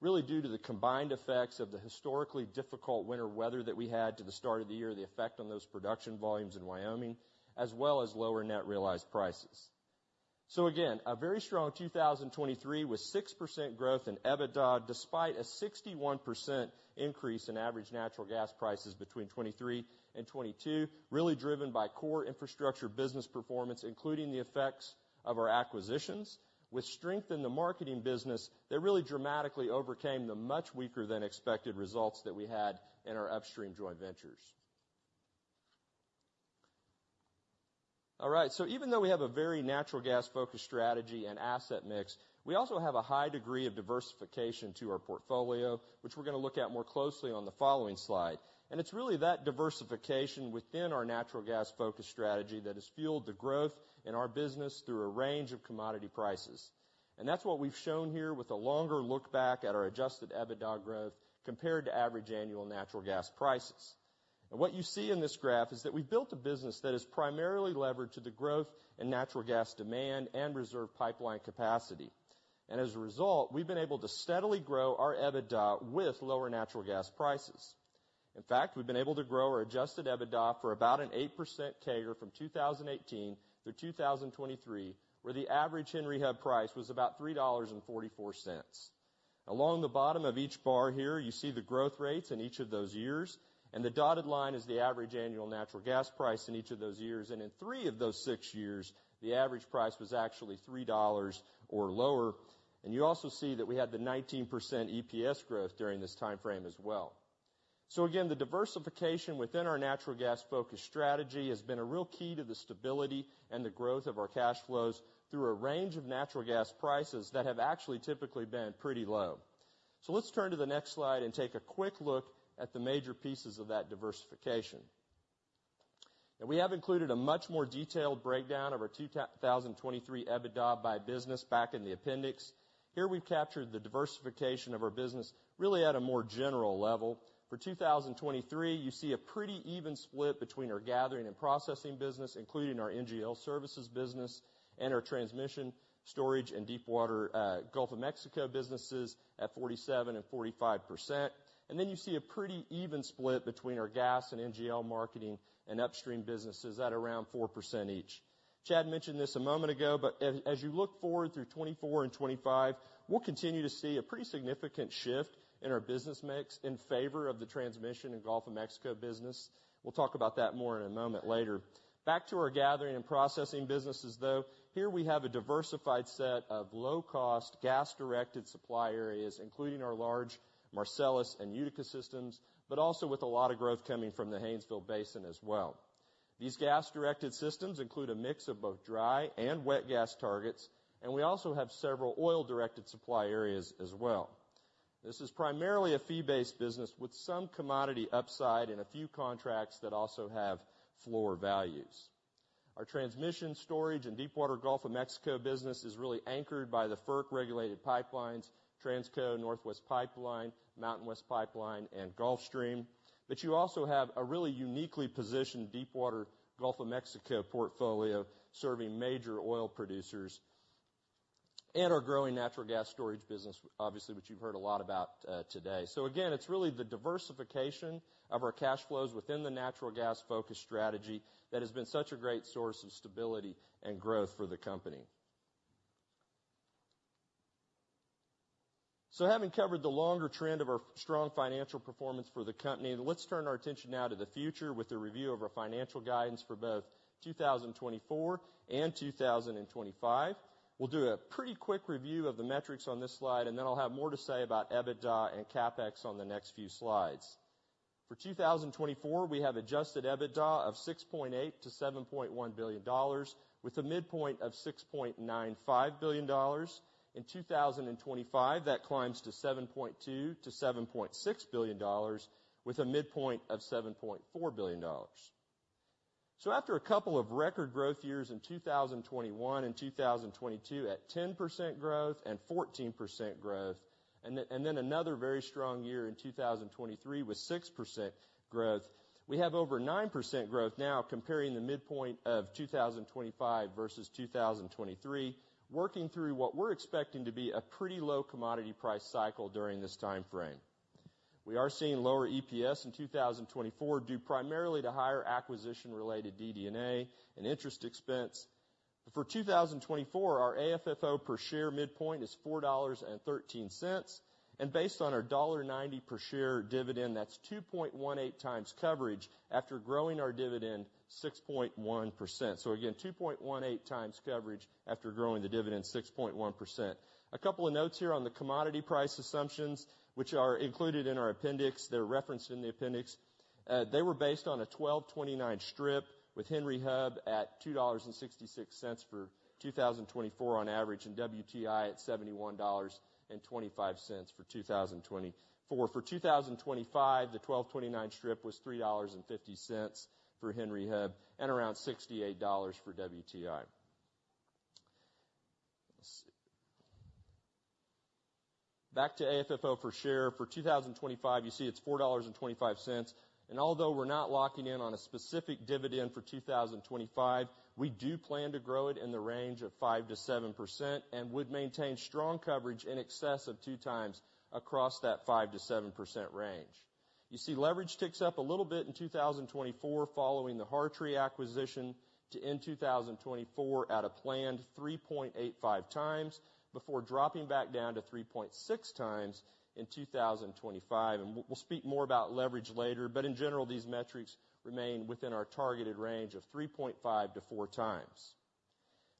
really due to the combined effects of the historically difficult winter weather that we had to the start of the year, the effect on those production volumes in Wyoming, as well as lower net realized prices. So again, a very strong 2023 with 6% growth in EBITDA despite a 61% increase in average natural gas prices between 2023 and 2022, really driven by core infrastructure business performance, including the effects of our acquisitions. With strength in the marketing business, that really dramatically overcame the much weaker than expected results that we had in our upstream joint ventures. All right. So even though we have a very natural gas-focused strategy and asset mix, we also have a high degree of diversification to our portfolio, which we're going to look at more closely on the following slide. It's really that diversification within our natural gas-focused strategy that has fueled the growth in our business through a range of commodity prices. That's what we've shown here with a longer look back at our adjusted EBITDA growth compared to average annual natural gas prices. What you see in this graph is that we've built a business that is primarily leveraged to the growth in natural gas demand and reserve pipeline capacity. As a result, we've been able to steadily grow our EBITDA with lower natural gas prices. In fact, we've been able to grow our adjusted EBITDA for about an 8% CAGR from 2018 through 2023, where the average Henry Hub price was about $3.44. Along the bottom of each bar here, you see the growth rates in each of those years. The dotted line is the average annual natural gas price in each of those years. In three of those six years, the average price was actually $3 or lower. You also see that we had the 19% EPS growth during this time frame as well. Again, the diversification within our natural gas-focused strategy has been a real key to the stability and the growth of our cash flows through a range of natural gas prices that have actually typically been pretty low. Let's turn to the next slide and take a quick look at the major pieces of that diversification. Now, we have included a much more detailed breakdown of our 2023 EBITDA by business back in the appendix. Here, we've captured the diversification of our business really at a more general level. For 2023, you see a pretty even split between our gathering and processing business, including our NGL services business and our transmission, storage, and deepwater Gulf of Mexico businesses at 47% and 45%. And then you see a pretty even split between our gas and NGL marketing and upstream businesses at around 4% each. Chad mentioned this a moment ago, but as you look forward through 2024 and 2025, we'll continue to see a pretty significant shift in our business mix in favor of the transmission and Gulf of Mexico business. We'll talk about that more in a moment later. Back to our gathering and processing businesses, though, here we have a diversified set of low-cost gas-directed supply areas, including our large Marcellus and Utica systems, but also with a lot of growth coming from the Haynesville Basin as well. These gas-directed systems include a mix of both dry and wet gas targets. We also have several oil-directed supply areas as well. This is primarily a fee-based business with some commodity upside and a few contracts that also have floor values. Our transmission, storage, and Deepwater Gulf of Mexico business is really anchored by the FERC-regulated pipelines, Transco, Northwest Pipeline, MountainWest Pipeline, and Gulfstream. You also have a really uniquely positioned Deepwater Gulf of Mexico portfolio serving major oil producers and our growing natural gas storage business, obviously, which you've heard a lot about today. Again, it's really the diversification of our cash flows within the natural gas-focused strategy that has been such a great source of stability and growth for the company. Having covered the longer trend of our strong financial performance for the company, let's turn our attention now to the future with a review of our financial guidance for both 2024 and 2025. We'll do a pretty quick review of the metrics on this slide, and then I'll have more to say about EBITDA and CapEx on the next few slides. For 2024, we have adjusted EBITDA of $6.8-$7.1 billion, with a midpoint of $6.95 billion. In 2025, that climbs to $7.2-$7.6 billion, with a midpoint of $7.4 billion. After a couple of record growth years in 2021 and 2022 at 10% growth and 14% growth, and then another very strong year in 2023 with 6% growth, we have over 9% growth now comparing the midpoint of 2025 versus 2023, working through what we're expecting to be a pretty low commodity price cycle during this time frame. We are seeing lower EPS in 2024 due primarily to higher acquisition-related DD&A and interest expense. But for 2024, our AFFO per share midpoint is $4.13. And based on our $1.90 per share dividend, that's 2.18 times coverage after growing our dividend 6.1%. So again, 2.18 times coverage after growing the dividend 6.1%. A couple of notes here on the commodity price assumptions, which are included in our appendix. They're referenced in the appendix. They were based on a 12/29 strip with Henry Hub at $2.66 for 2024 on average and WTI at $71.25 for 2024. For 2025, the 12/29 strip was $3.50 for Henry Hub and around $68 for WTI. Back to AFFO per share. For 2025, you see it's $4.25. And although we're not locking in on a specific dividend for 2025, we do plan to grow it in the range of 5%-7% and would maintain strong coverage in excess of 2x across that 5%-7% range. You see leverage ticks up a little bit in 2024 following the Hartree acquisition to end 2024 at a planned 3.85x before dropping back down to 3.6x in 2025. And we'll speak more about leverage later. But in general, these metrics remain within our targeted range of 3.5x-4x.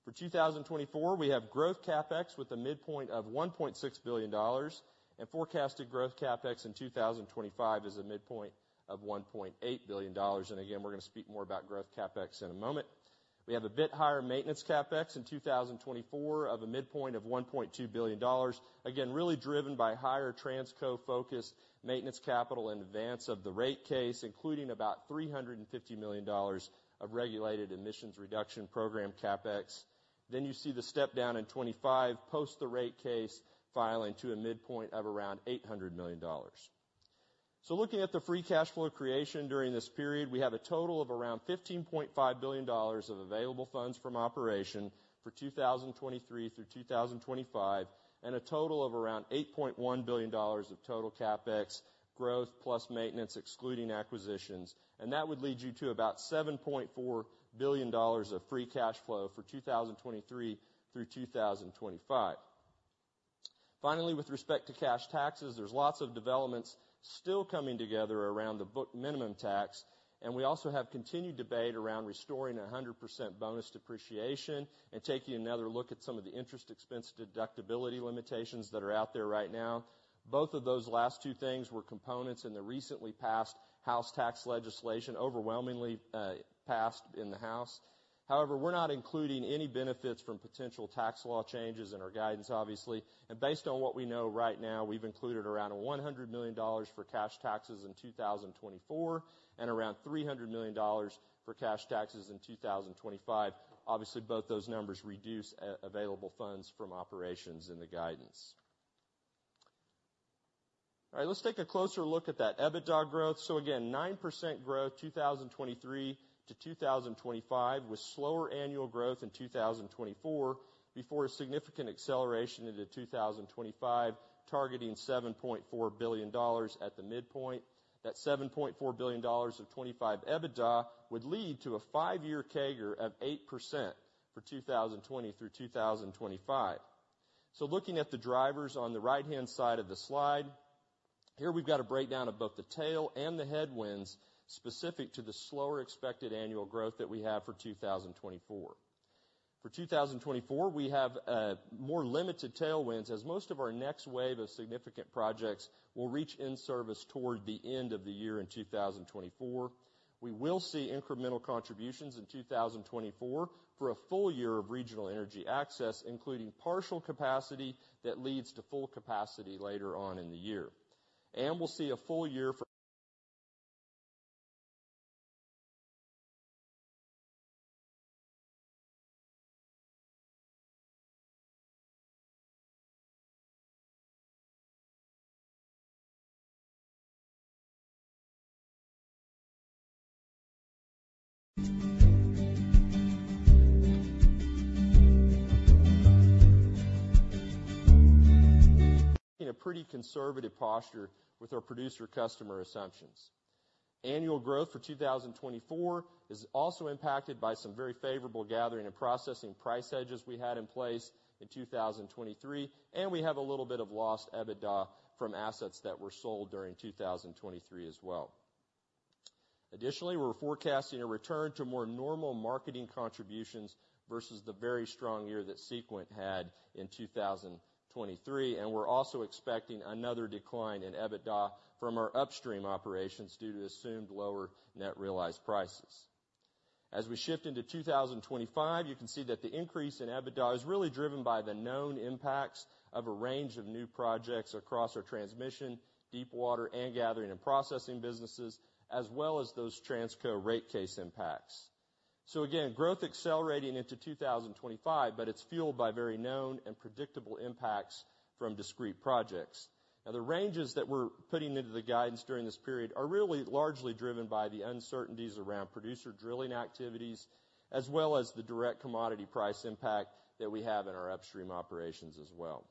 For 2024, we have growth CapEx with a midpoint of $1.6 billion. Forecasted growth CapEx in 2025 is a midpoint of $1.8 billion. Again, we're going to speak more about growth CapEx in a moment. We have a bit higher maintenance CapEx in 2024 of a midpoint of $1.2 billion. Again, really driven by higher Transco-focused maintenance capital in advance of the rate case, including about $350 million of regulated emissions reduction program CapEx. Then you see the step down in 2025 post the rate case filing to a midpoint of around $800 million. Looking at the free cash flow creation during this period, we have a total of around $15.5 billion of available funds from operations for 2023 through 2025 and a total of around $8.1 billion of total CapEx growth plus maintenance excluding acquisitions. That would lead you to about $7.4 billion of free cash flow for 2023 through 2025. Finally, with respect to cash taxes, there's lots of developments still coming together around the book minimum tax. And we also have continued debate around restoring 100% bonus depreciation and taking another look at some of the interest expense deductibility limitations that are out there right now. Both of those last two things were components in the recently passed House tax legislation, overwhelmingly passed in the House. However, we're not including any benefits from potential tax law changes in our guidance, obviously. And based on what we know right now, we've included around $100 million for cash taxes in 2024 and around $300 million for cash taxes in 2025. Obviously, both those numbers reduce available funds from operations in the guidance. All right. Let's take a closer look at that EBITDA growth. So again, 9% growth 2023 to 2025 with slower annual growth in 2024 before a significant acceleration into 2025 targeting $7.4 billion at the midpoint. That $7.4 billion of 2025 EBITDA would lead to a five-year CAGR of 8% for 2020 through 2025. So looking at the drivers on the right-hand side of the slide, here we've got a breakdown of both the tailwinds and the headwinds specific to the slower expected annual growth that we have for 2024. For 2024, we have more limited tailwinds as most of our next wave of significant projects will reach in-service toward the end of the year in 2024. We will see incremental contributions in 2024 for a full year of Regional Energy Access, including partial capacity that leads to full capacity later on in the year. And we'll see a full year for a pretty conservative posture with our producer-customer assumptions. Annual growth for 2024 is also impacted by some very favorable gathering and processing price edges we had in place in 2023. We have a little bit of lost EBITDA from assets that were sold during 2023 as well. Additionally, we're forecasting a return to more normal marketing contributions versus the very strong year that Sequent had in 2023. We're also expecting another decline in EBITDA from our upstream operations due to assumed lower net realized prices. As we shift into 2025, you can see that the increase in EBITDA is really driven by the known impacts of a range of new projects across our transmission, deepwater, and gathering and processing businesses, as well as those Transco rate case impacts. Again, growth accelerating into 2025, but it's fueled by very known and predictable impacts from discrete projects. Now, the ranges that we're putting into the guidance during this period are really largely driven by the uncertainties around producer drilling activities, as well as the direct commodity price impact that we have in our upstream operations as well.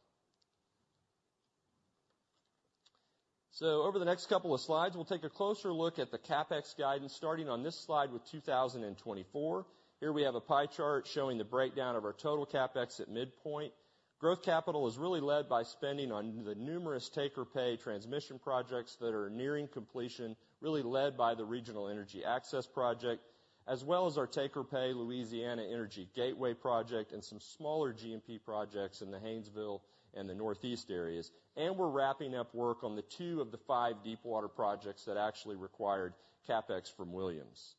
Over the next couple of slides, we'll take a closer look at the CapEx guidance starting on this slide with 2024. Here we have a pie chart showing the breakdown of our total CapEx at midpoint. Growth capital is really led by spending on the numerous take-or-pay transmission projects that are nearing completion, really led by the Regional Energy Access project, as well as our take-or-pay Louisiana Energy Gateway project and some smaller G&P projects in the Haynesville and the Northeast areas. We're wrapping up work on two of the five deepwater projects that actually required CapEx from Williams.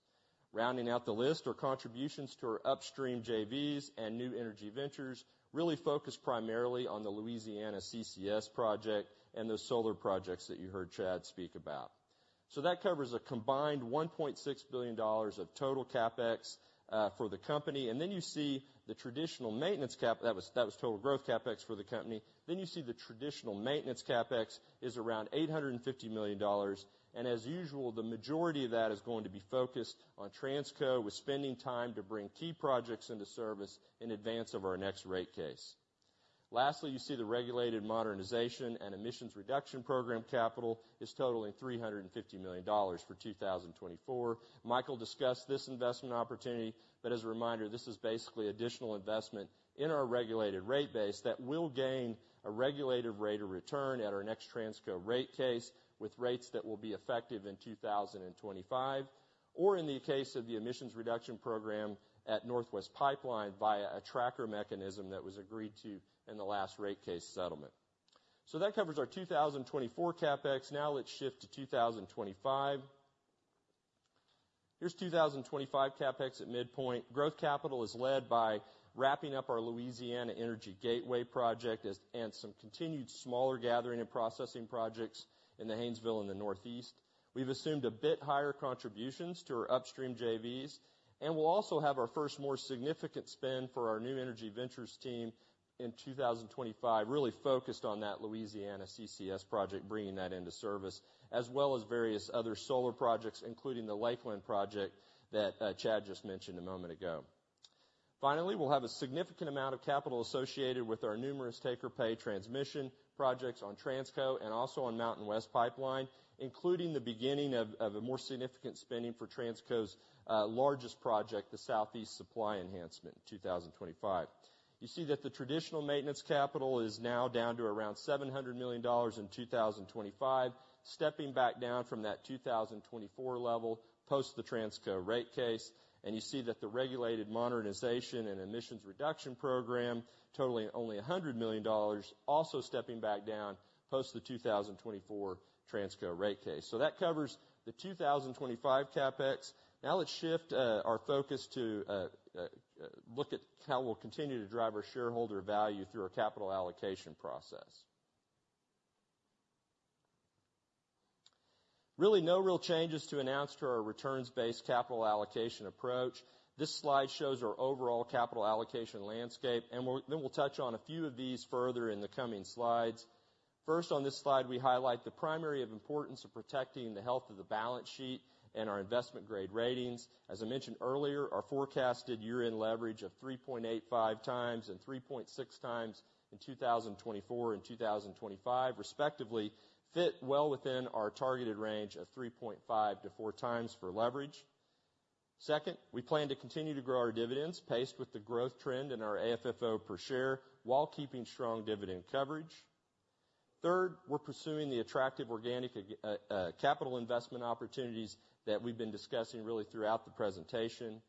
Rounding out the list, our contributions to our upstream JVs and New Energy Ventures really focus primarily on the Louisiana CCS project and those solar projects that you heard Chad speak about. So that covers a combined $1.6 billion of total CapEx for the company. And then you see the traditional maintenance CapEx that was total growth CapEx for the company. Then you see the traditional maintenance CapEx is around $850 million. And as usual, the majority of that is going to be focused on Transco with spending time to bring key projects into service in advance of our next rate case. Lastly, you see the regulated modernization and emissions reduction program capital is totaling $350 million for 2024. Michael discussed this investment opportunity. As a reminder, this is basically additional investment in our regulated rate base that will gain a regulated rate of return at our next Transco rate case with rates that will be effective in 2025 or in the case of the emissions reduction program at Northwest Pipeline via a tracker mechanism that was agreed to in the last rate case settlement. That covers our 2024 CapEx. Now let's shift to 2025. Here's 2025 CapEx at midpoint. Growth capital is led by wrapping up our Louisiana Energy Gateway project and some continued smaller gathering and processing projects in the Haynesville and the Northeast. We've assumed a bit higher contributions to our upstream JVs. We'll also have our first more significant spend for our New Energy Ventures team in 2025 really focused on that Louisiana CCS project, bringing that into service, as well as various other solar projects, including the Lakeland project that Chad just mentioned a moment ago. Finally, we'll have a significant amount of capital associated with our numerous take-or-pay transmission projects on Transco and also on MountainWest Pipeline, including the beginning of a more significant spending for Transco's largest project, the Southeast Supply Enhancement in 2025. You see that the traditional maintenance capital is now down to around $700 million in 2025, stepping back down from that 2024 level post the Transco rate case. You see that the regulated modernization and emissions reduction program, totaling only $100 million, also stepping back down post the 2024 Transco rate case. That covers the 2025 CapEx. Now let's shift our focus to look at how we'll continue to drive our shareholder value through our capital allocation process. Really, no real changes to announce to our returns-based capital allocation approach. This slide shows our overall capital allocation landscape. Then we'll touch on a few of these further in the coming slides. First, on this slide, we highlight the primary importance of protecting the health of the balance sheet and our investment-grade ratings. As I mentioned earlier, our forecasted year-end leverage of 3.85x and 3.6x in 2024 and 2025, respectively, fit well within our targeted range of 3.5-4x for leverage. Second, we plan to continue to grow our dividends paced with the growth trend in our AFFO per share while keeping strong dividend coverage. Third, we're pursuing the attractive organic capital investment opportunities that we've been discussing really throughout the presentation.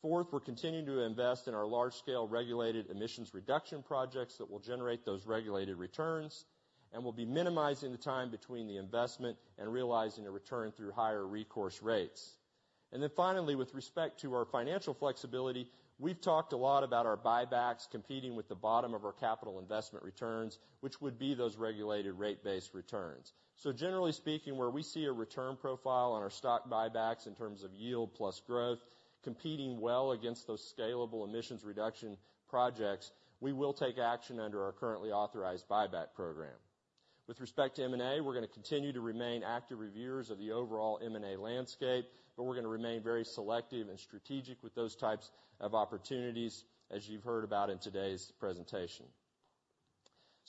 Fourth, we're continuing to invest in our large-scale regulated emissions reduction projects that will generate those regulated returns and will be minimizing the time between the investment and realizing a return through higher recourse rates. Then finally, with respect to our financial flexibility, we've talked a lot about our buybacks competing with the bottom of our capital investment returns, which would be those regulated rate-based returns. Generally speaking, where we see a return profile on our stock buybacks in terms of yield plus growth competing well against those scalable emissions reduction projects, we will take action under our currently authorized buyback program. With respect to M&A, we're going to continue to remain active reviewers of the overall M&A landscape. We're going to remain very selective and strategic with those types of opportunities, as you've heard about in today's presentation.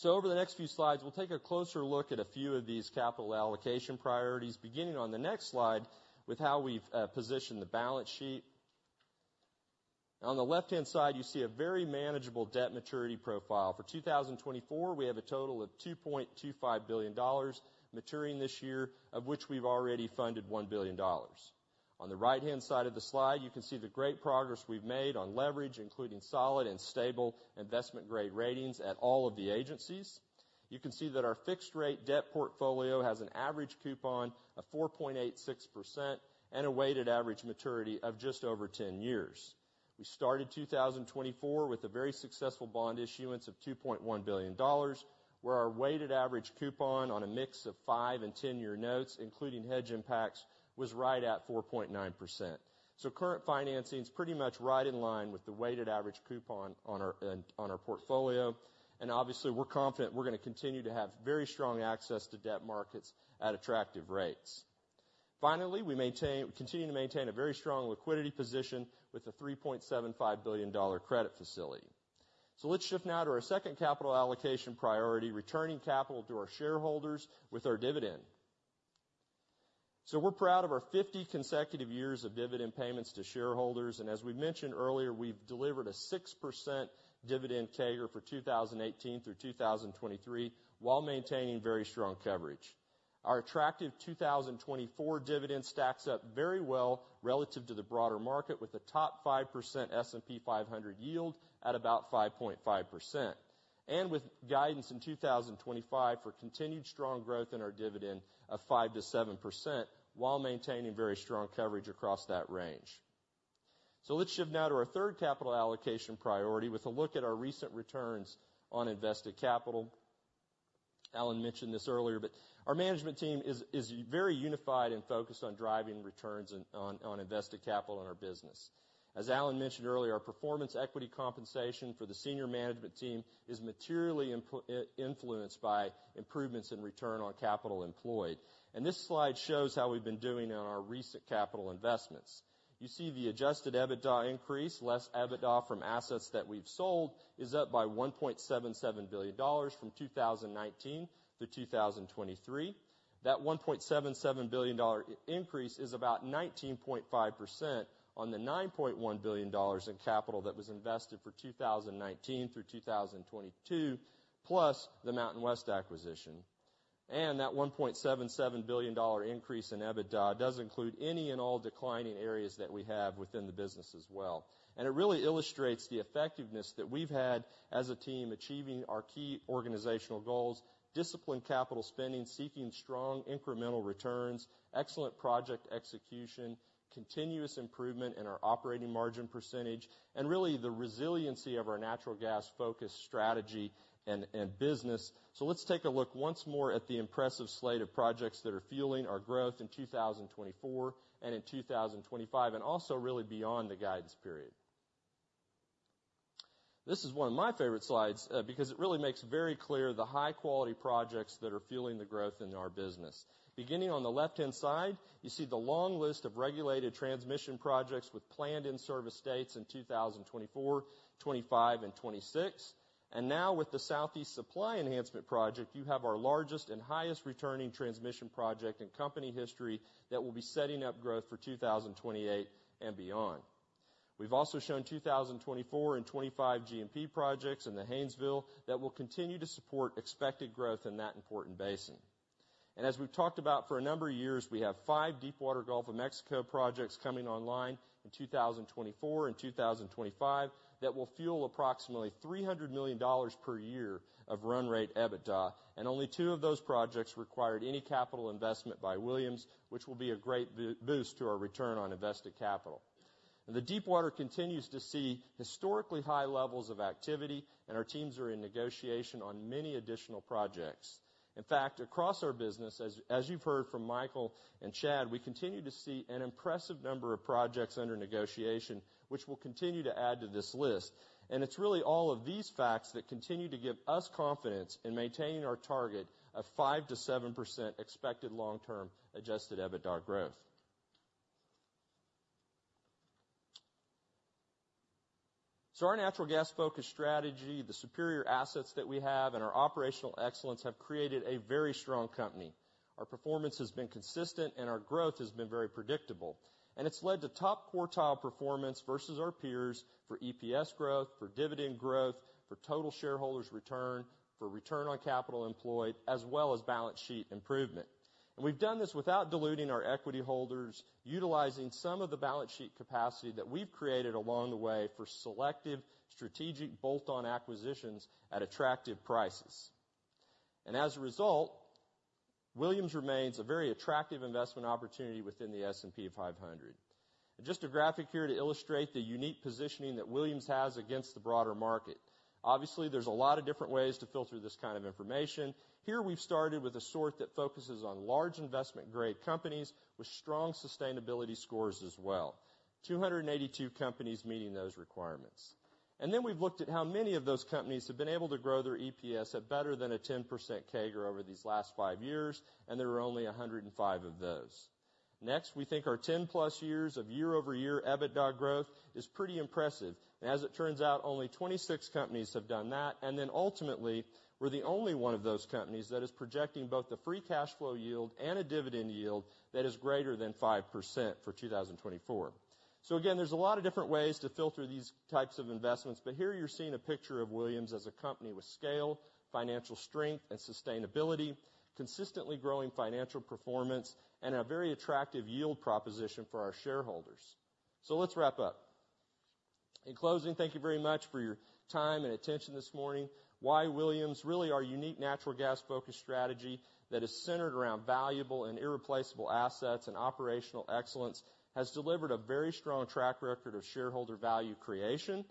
Over the next few slides, we'll take a closer look at a few of these capital allocation priorities, beginning on the next slide with how we've positioned the balance sheet. On the left-hand side, you see a very manageable debt maturity profile. For 2024, we have a total of $2.25 billion maturing this year, of which we've already funded $1 billion. On the right-hand side of the slide, you can see the great progress we've made on leverage, including solid and stable investment-grade ratings at all of the agencies. You can see that our fixed-rate debt portfolio has an average coupon of 4.86% and a weighted average maturity of just over 10 years. We started 2024 with a very successful bond issuance of $2.1 billion, where our weighted average coupon on a mix of 5- and 10-year notes, including hedge impacts, was right at 4.9%. So current financing is pretty much right in line with the weighted average coupon on our portfolio. And obviously, we're confident we're going to continue to have very strong access to debt markets at attractive rates. Finally, we continue to maintain a very strong liquidity position with a $3.75 billion credit facility. So let's shift now to our second capital allocation priority, returning capital to our shareholders with our dividend. So we're proud of our 50 consecutive years of dividend payments to shareholders. And as we mentioned earlier, we've delivered a 6% dividend CAGR for 2018 through 2023 while maintaining very strong coverage. Our attractive 2024 dividend stacks up very well relative to the broader market with a top 5% S&P 500 yield at about 5.5% and with guidance in 2025 for continued strong growth in our dividend of 5%-7% while maintaining very strong coverage across that range. So let's shift now to our third capital allocation priority with a look at our recent returns on invested capital. Alan mentioned this earlier, but our management team is very unified and focused on driving returns on invested capital in our business. As Alan mentioned earlier, our performance equity compensation for the senior management team is materially influenced by improvements in return on capital employed. This slide shows how we've been doing on our recent capital investments. You see the adjusted EBITDA increase, less EBITDA from assets that we've sold, is up by $1.77 billion from 2019 to 2023. That $1.77 billion increase is about 19.5% on the $9.1 billion in capital that was invested for 2019 through 2022, plus the MountainWest acquisition. That $1.77 billion increase in EBITDA does include any and all declining areas that we have within the business as well. It really illustrates the effectiveness that we've had as a team achieving our key organizational goals, disciplined capital spending, seeking strong incremental returns, excellent project execution, continuous improvement in our operating margin percentage, and really the resiliency of our natural gas-focused strategy and business. So let's take a look once more at the impressive slate of projects that are fueling our growth in 2024 and in 2025 and also really beyond the guidance period. This is one of my favorite slides because it really makes very clear the high-quality projects that are fueling the growth in our business. Beginning on the left-hand side, you see the long list of regulated transmission projects with planned in-service dates in 2024, 2025, and 2026. Now with the Southeast Supply Enhancement project, you have our largest and highest-returning transmission project in company history that will be setting up growth for 2028 and beyond. We've also shown 2024 and 2025 G&P projects in the Haynesville that will continue to support expected growth in that important basin. As we've talked about for a number of years, we have five Deepwater Gulf of Mexico projects coming online in 2024 and 2025 that will fuel approximately $300 million per year of run-rate EBITDA. Only two of those projects required any capital investment by Williams, which will be a great boost to our return on invested capital. The deepwater continues to see historically high levels of activity. Our teams are in negotiation on many additional projects. In fact, across our business, as you've heard from Michael and Chad, we continue to see an impressive number of projects under negotiation, which will continue to add to this list. It's really all of these facts that continue to give us confidence in maintaining our target of 5%-7% expected long-term adjusted EBITDA growth. Our natural gas-focused strategy, the superior assets that we have, and our operational excellence have created a very strong company. Our performance has been consistent, and our growth has been very predictable. It's led to top quartile performance versus our peers for EPS growth, for dividend growth, for total shareholders' return, for return on capital employed, as well as balance sheet improvement. We've done this without diluting our equity holders, utilizing some of the balance sheet capacity that we've created along the way for selective, strategic bolt-on acquisitions at attractive prices. As a result, Williams remains a very attractive investment opportunity within the S&P 500. Just a graphic here to illustrate the unique positioning that Williams has against the broader market. Obviously, there's a lot of different ways to filter this kind of information. Here, we've started with a sort that focuses on large investment-grade companies with strong sustainability scores as well, 282 companies meeting those requirements. Then we've looked at how many of those companies have been able to grow their EPS at better than a 10% CAGR over these last five years. There were only 105 of those. Next, we think our 10-plus years of year-over-year EBITDA growth is pretty impressive. As it turns out, only 26 companies have done that. And then ultimately, we're the only one of those companies that is projecting both the free cash flow yield and a dividend yield that is greater than 5% for 2024. So again, there's a lot of different ways to filter these types of investments. But here, you're seeing a picture of Williams as a company with scale, financial strength, and sustainability, consistently growing financial performance, and a very attractive yield proposition for our shareholders. So let's wrap up. In closing, thank you very much for your time and attention this morning. Why Williams? Really, our unique natural gas-focused strategy that is centered around valuable and irreplaceable assets and operational excellence has delivered a very strong track record of shareholder value creation.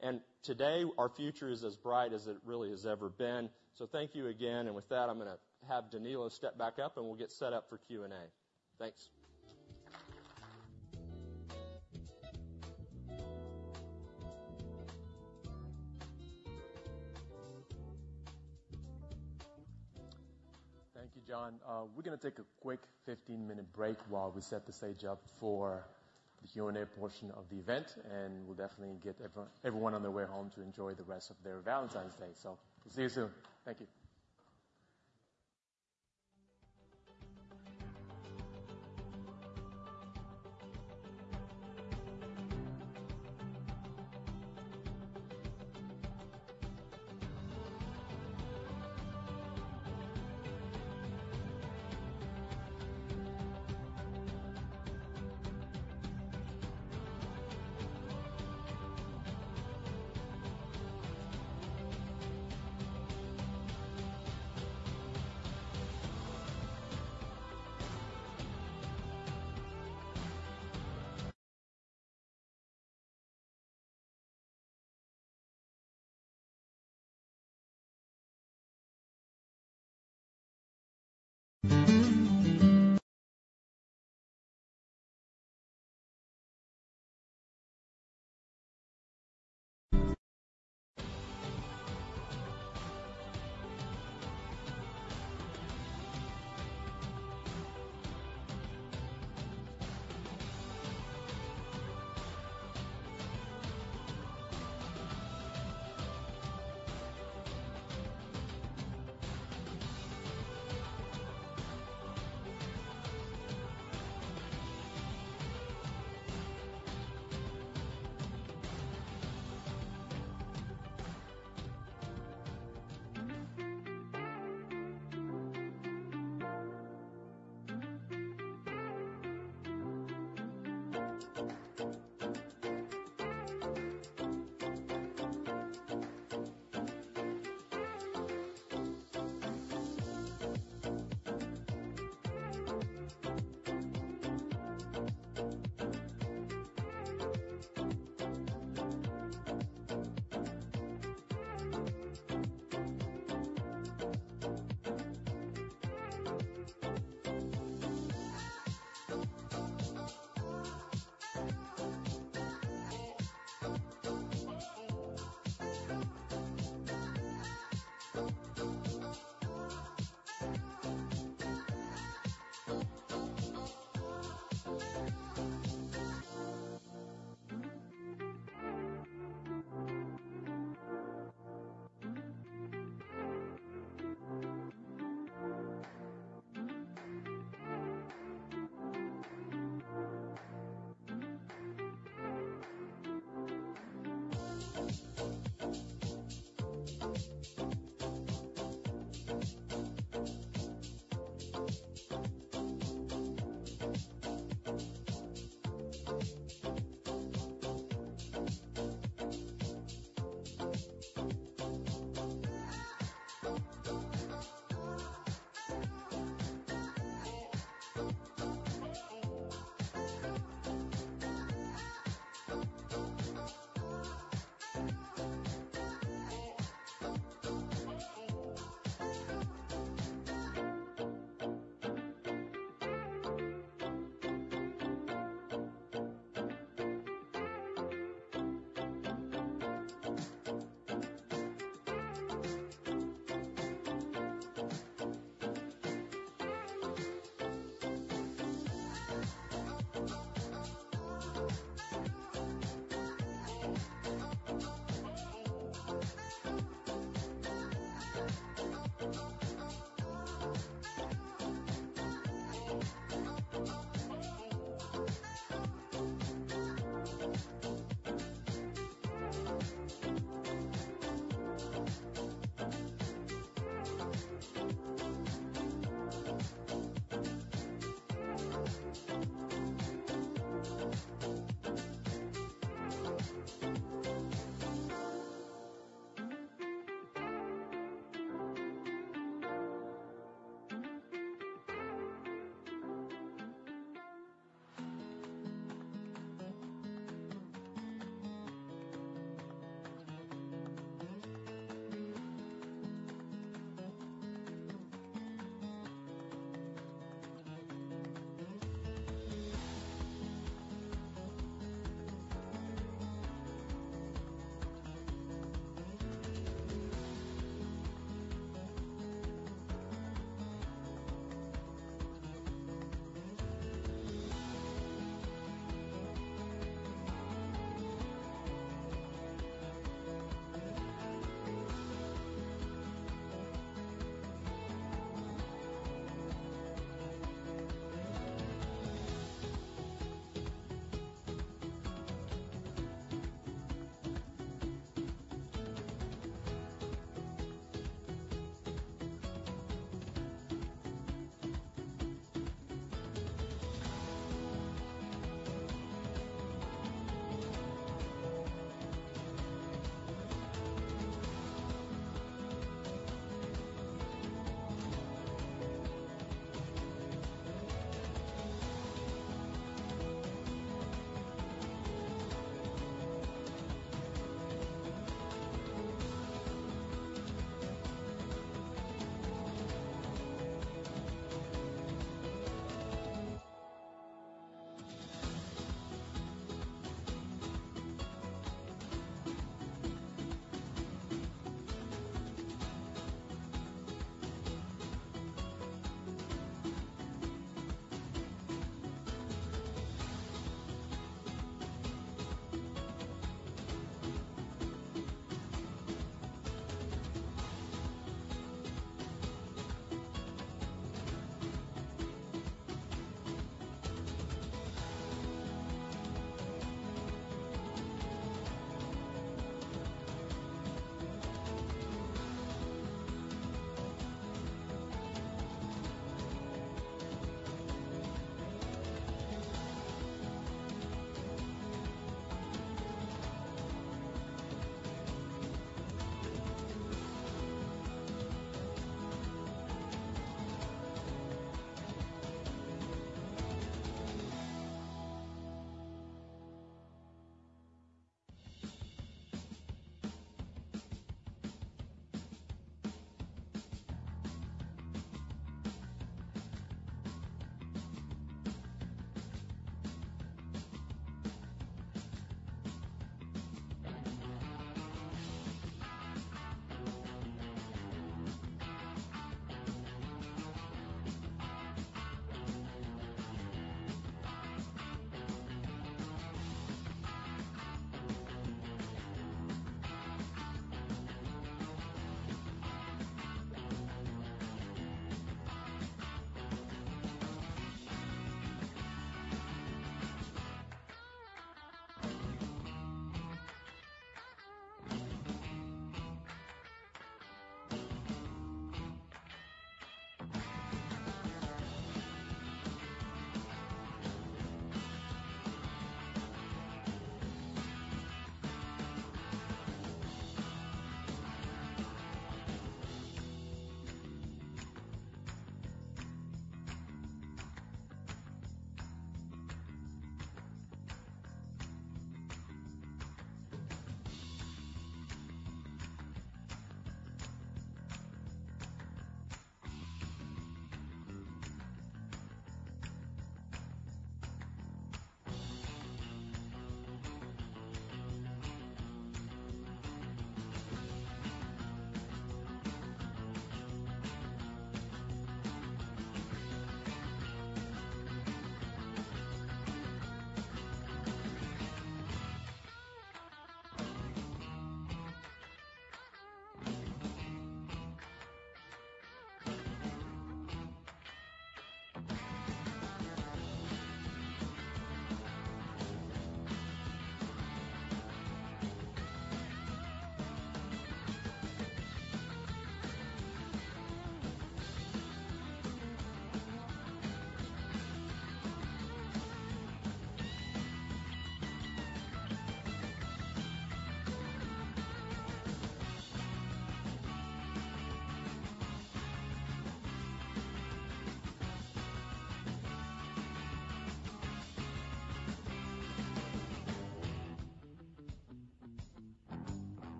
And today, our future is as bright as it really has ever been. So thank you again. With that, I'm going to have Danilo step back up, and we'll get set up for Q&A. Thanks. Thank you, John. We're going to take a quick 15-minute break while we set the stage up for the Q&A portion of the event. And we'll definitely get everyone on their way home to enjoy the rest of their Valentine's Day. So we'll see you soon. Thank you. The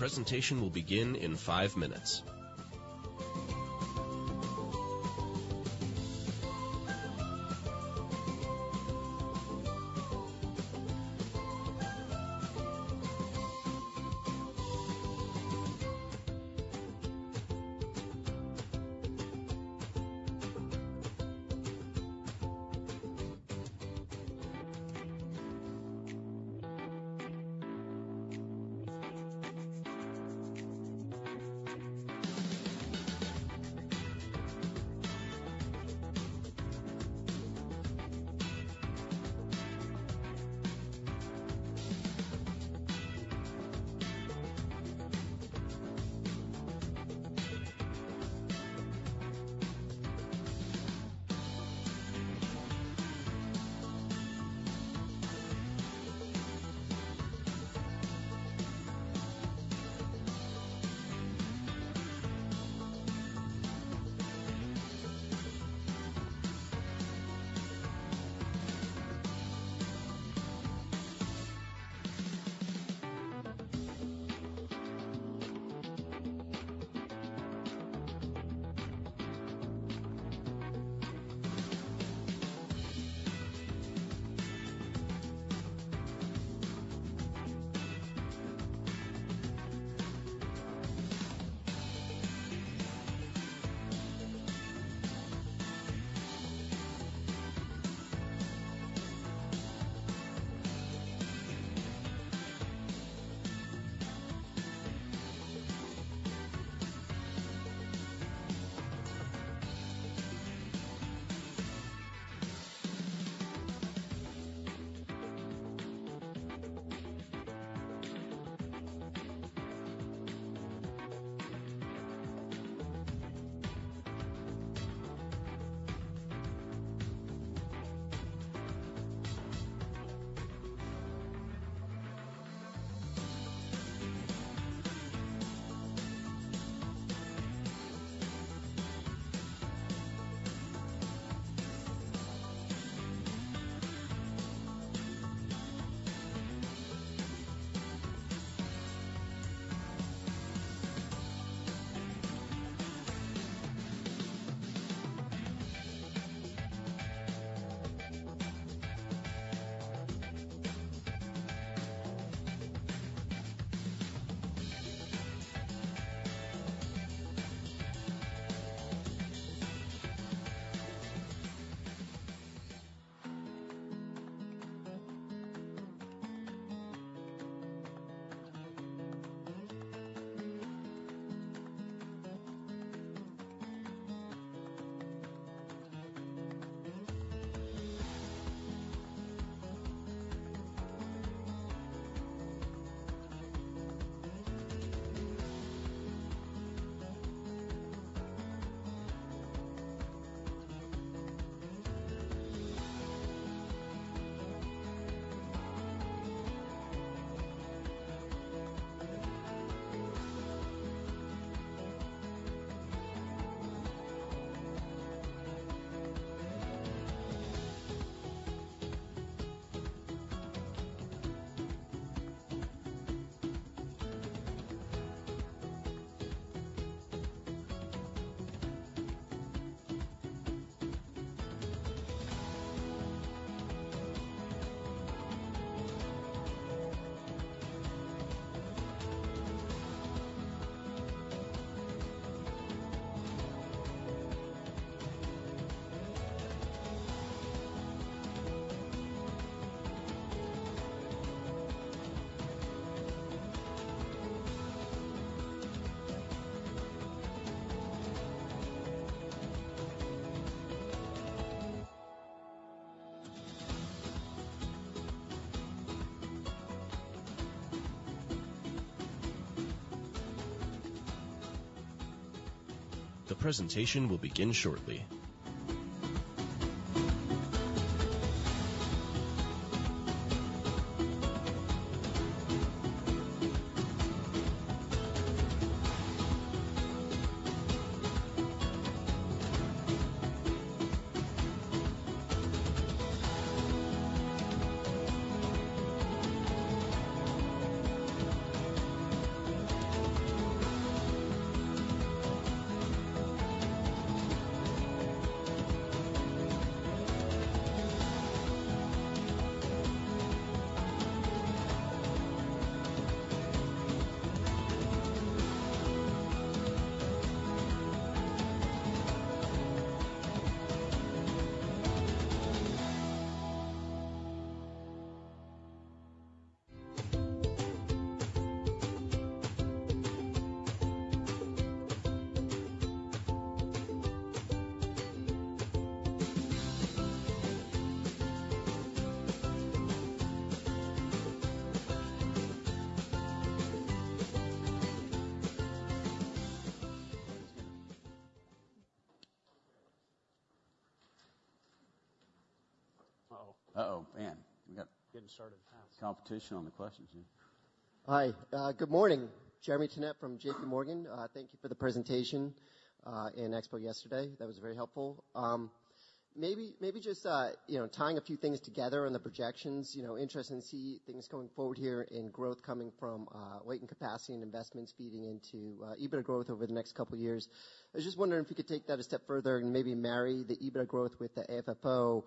presentation will begin in 5 minutes. The presentation will begin shortly. Competition on the questions, yeah. Hi. Good morning, Jeremy Tonet from JP Morgan. Thank you for the presentation and expo yesterday. That was very helpful. Maybe just tying a few things together on the projections. Interested in seeing things going forward here and growth coming from weight and capacity and investments feeding into EBITDA growth over the next couple of years. I was just wondering if you could take that a step further and maybe marry the EBITDA growth with the AFFO.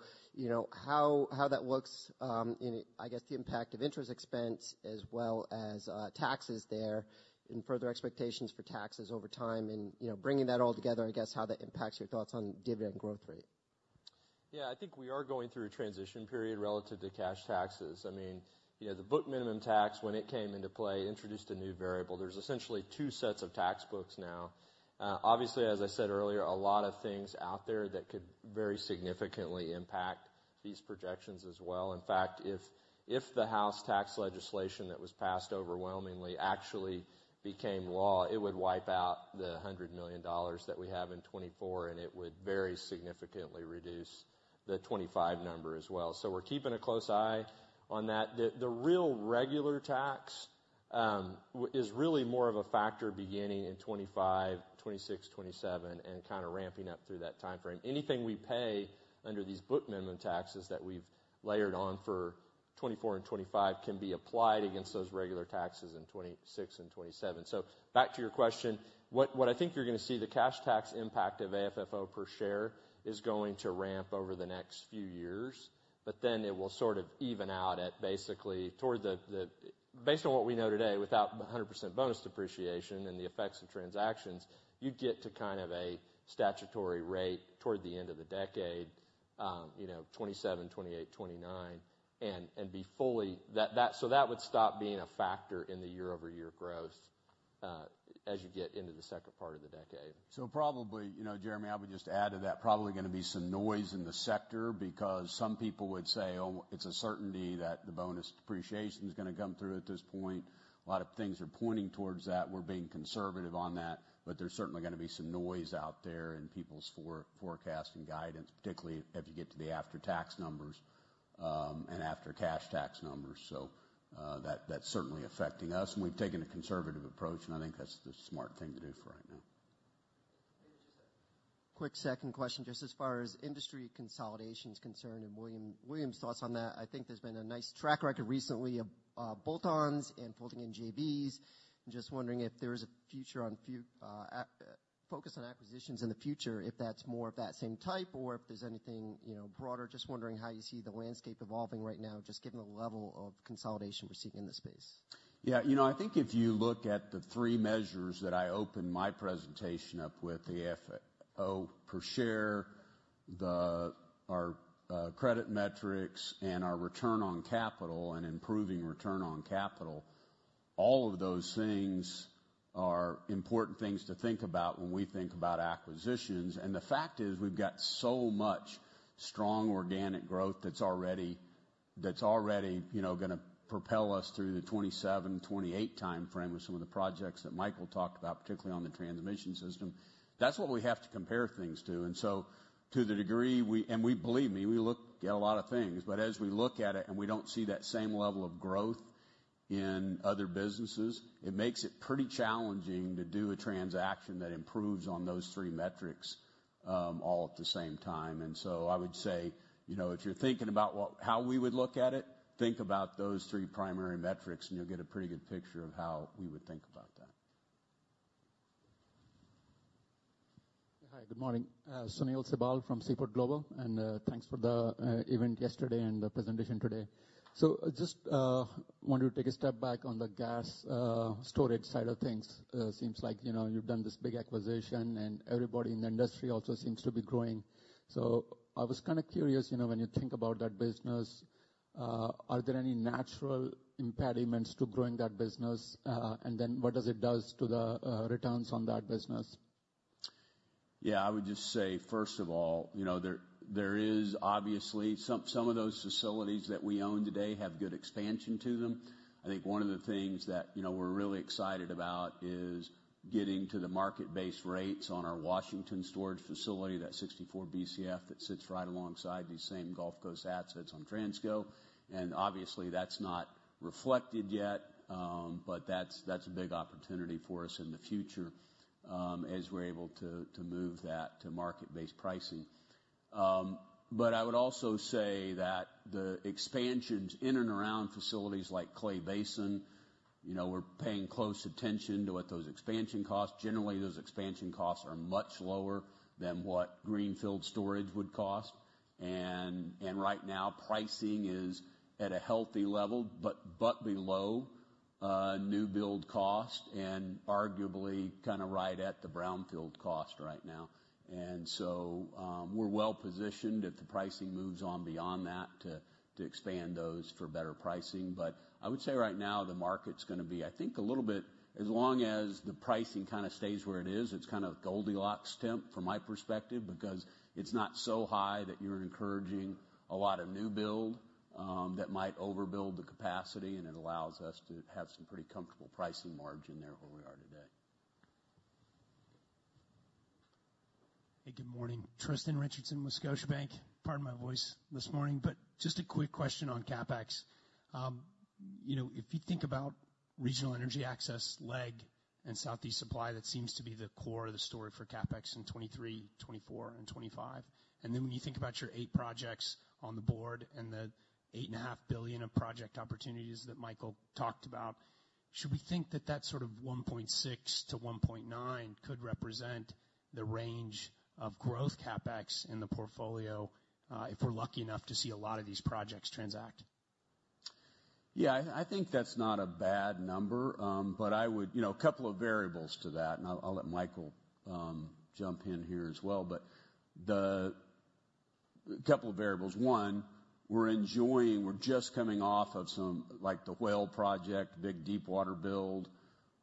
How that looks and, I guess, the impact of interest expense as well as taxes there and further expectations for taxes over time. And bringing that all together, I guess, how that impacts your thoughts on dividend growth rate. Yeah. I think we are going through a transition period relative to cash taxes. I mean, the book minimum tax, when it came into play, introduced a new variable. There's essentially two sets of tax books now. Obviously, as I said earlier, a lot of things out there that could very significantly impact these projections as well. In fact, if the House tax legislation that was passed overwhelmingly actually became law, it would wipe out the $100 million that we have in 2024, and it would very significantly reduce the 2025 number as well. So we're keeping a close eye on that. The real regular tax is really more of a factor beginning in 2025, 2026, 2027, and kind of ramping up through that timeframe. Anything we pay under these book minimum taxes that we've layered on for 2024 and 2025 can be applied against those regular taxes in 2026 and 2027. So back to your question, what I think you're going to see, the cash tax impact of AFFO per share is going to ramp over the next few years, but then it will sort of even out it basically toward the based on what we know today, without 100% bonus depreciation and the effects of transactions, you'd get to kind of a statutory rate toward the end of the decade, 2027, 2028, 2029, and be fully so that would stop being a factor in the year-over-year growth as you get into the second part of the decade. So probably, Jeremy, I would just add to that, probably going to be some noise in the sector because some people would say, "Oh, it's a certainty that the bonus depreciation's going to come through at this point." A lot of things are pointing towards that. We're being conservative on that, but there's certainly going to be some noise out there in people's forecast and guidance, particularly if you get to the after-tax numbers and after-cash tax numbers. So that's certainly affecting us, and we've taken a conservative approach, and I think that's the smart thing to do for right now. Maybe just a quick second question, just as far as industry consolidation's concerned and Williams' thoughts on that. I think there's been a nice track record recently of bolt-ons and folding in JVs. I'm just wondering if there is a future focus on acquisitions in the future, if that's more of that same type, or if there's anything broader. Just wondering how you see the landscape evolving right now, just given the level of consolidation we're seeing in this space. Yeah. I think if you look at the three measures that I opened my presentation up with, the AFFO per share, our credit metrics, and our return on capital and improving return on capital, all of those things are important things to think about when we think about acquisitions. And the fact is, we've got so much strong organic growth that's already going to propel us through the 2027, 2028 timeframe with some of the projects that Michael talked about, particularly on the transmission system. That's what we have to compare things to. And so to the degree we and believe me, we look at a lot of things, but as we look at it and we don't see that same level of growth in other businesses, it makes it pretty challenging to do a transaction that improves on those three metrics all at the same time. And so I would say, if you're thinking about how we would look at it, think about those three primary metrics, and you'll get a pretty good picture of how we would think about that. Hi. Good morning. Sunil Sibal from Seaport Global, and thanks for the event yesterday and the presentation today. So I just wanted to take a step back on the gas storage side of things. It seems like you've done this big acquisition, and everybody in the industry also seems to be growing. So I was kind of curious, when you think about that business, are there any natural impediments to growing that business, and then what does it do to the returns on that business? Yeah. I would just say, first of all, there is obviously some of those facilities that we own today have good expansion to them. I think one of the things that we're really excited about is getting to the market-based rates on our Washington Storage facility, that 64 Bcf that sits right alongside these same Gulf Coast assets on Transco. And obviously, that's not reflected yet, but that's a big opportunity for us in the future as we're able to move that to market-based pricing. But I would also say that the expansions in and around facilities like Clay Basin, we're paying close attention to what those expansion costs. Generally, those expansion costs are much lower than what greenfield storage would cost. And right now, pricing is at a healthy level but below new build cost and arguably kind of right at the brownfield cost right now. And so we're well-positioned if the pricing moves on beyond that to expand those for better pricing. But I would say right now, the market's going to be, I think, a little bit as long as the pricing kind of stays where it is, it's kind of a Goldilocks stint from my perspective because it's not so high that you're encouraging a lot of new build that might overbuild the capacity, and it allows us to have some pretty comfortable pricing margin there where we are today. Hey. Good morning. Tristan Richardson, Scotiabank. Pardon my voice this morning, but just a quick question on CapEx. If you think about Regional Energy Access, LEG, and Southeast Supply Enhancement, that seems to be the core of the story for CapEx in 2023, 2024, and 2025. Then when you think about your eight projects on the board and the $8.5 billion of project opportunities that Michael talked about, should we think that that sort of $1.6 billion-$1.9 billion could represent the range of growth CapEx in the portfolio if we're lucky enough to see a lot of these projects transact? Yeah. I think that's not a bad number, but I would add a couple of variables to that, and I'll let Michael jump in here as well. But a couple of variables. One, we're just coming off of some of the Whale project, big deepwater build,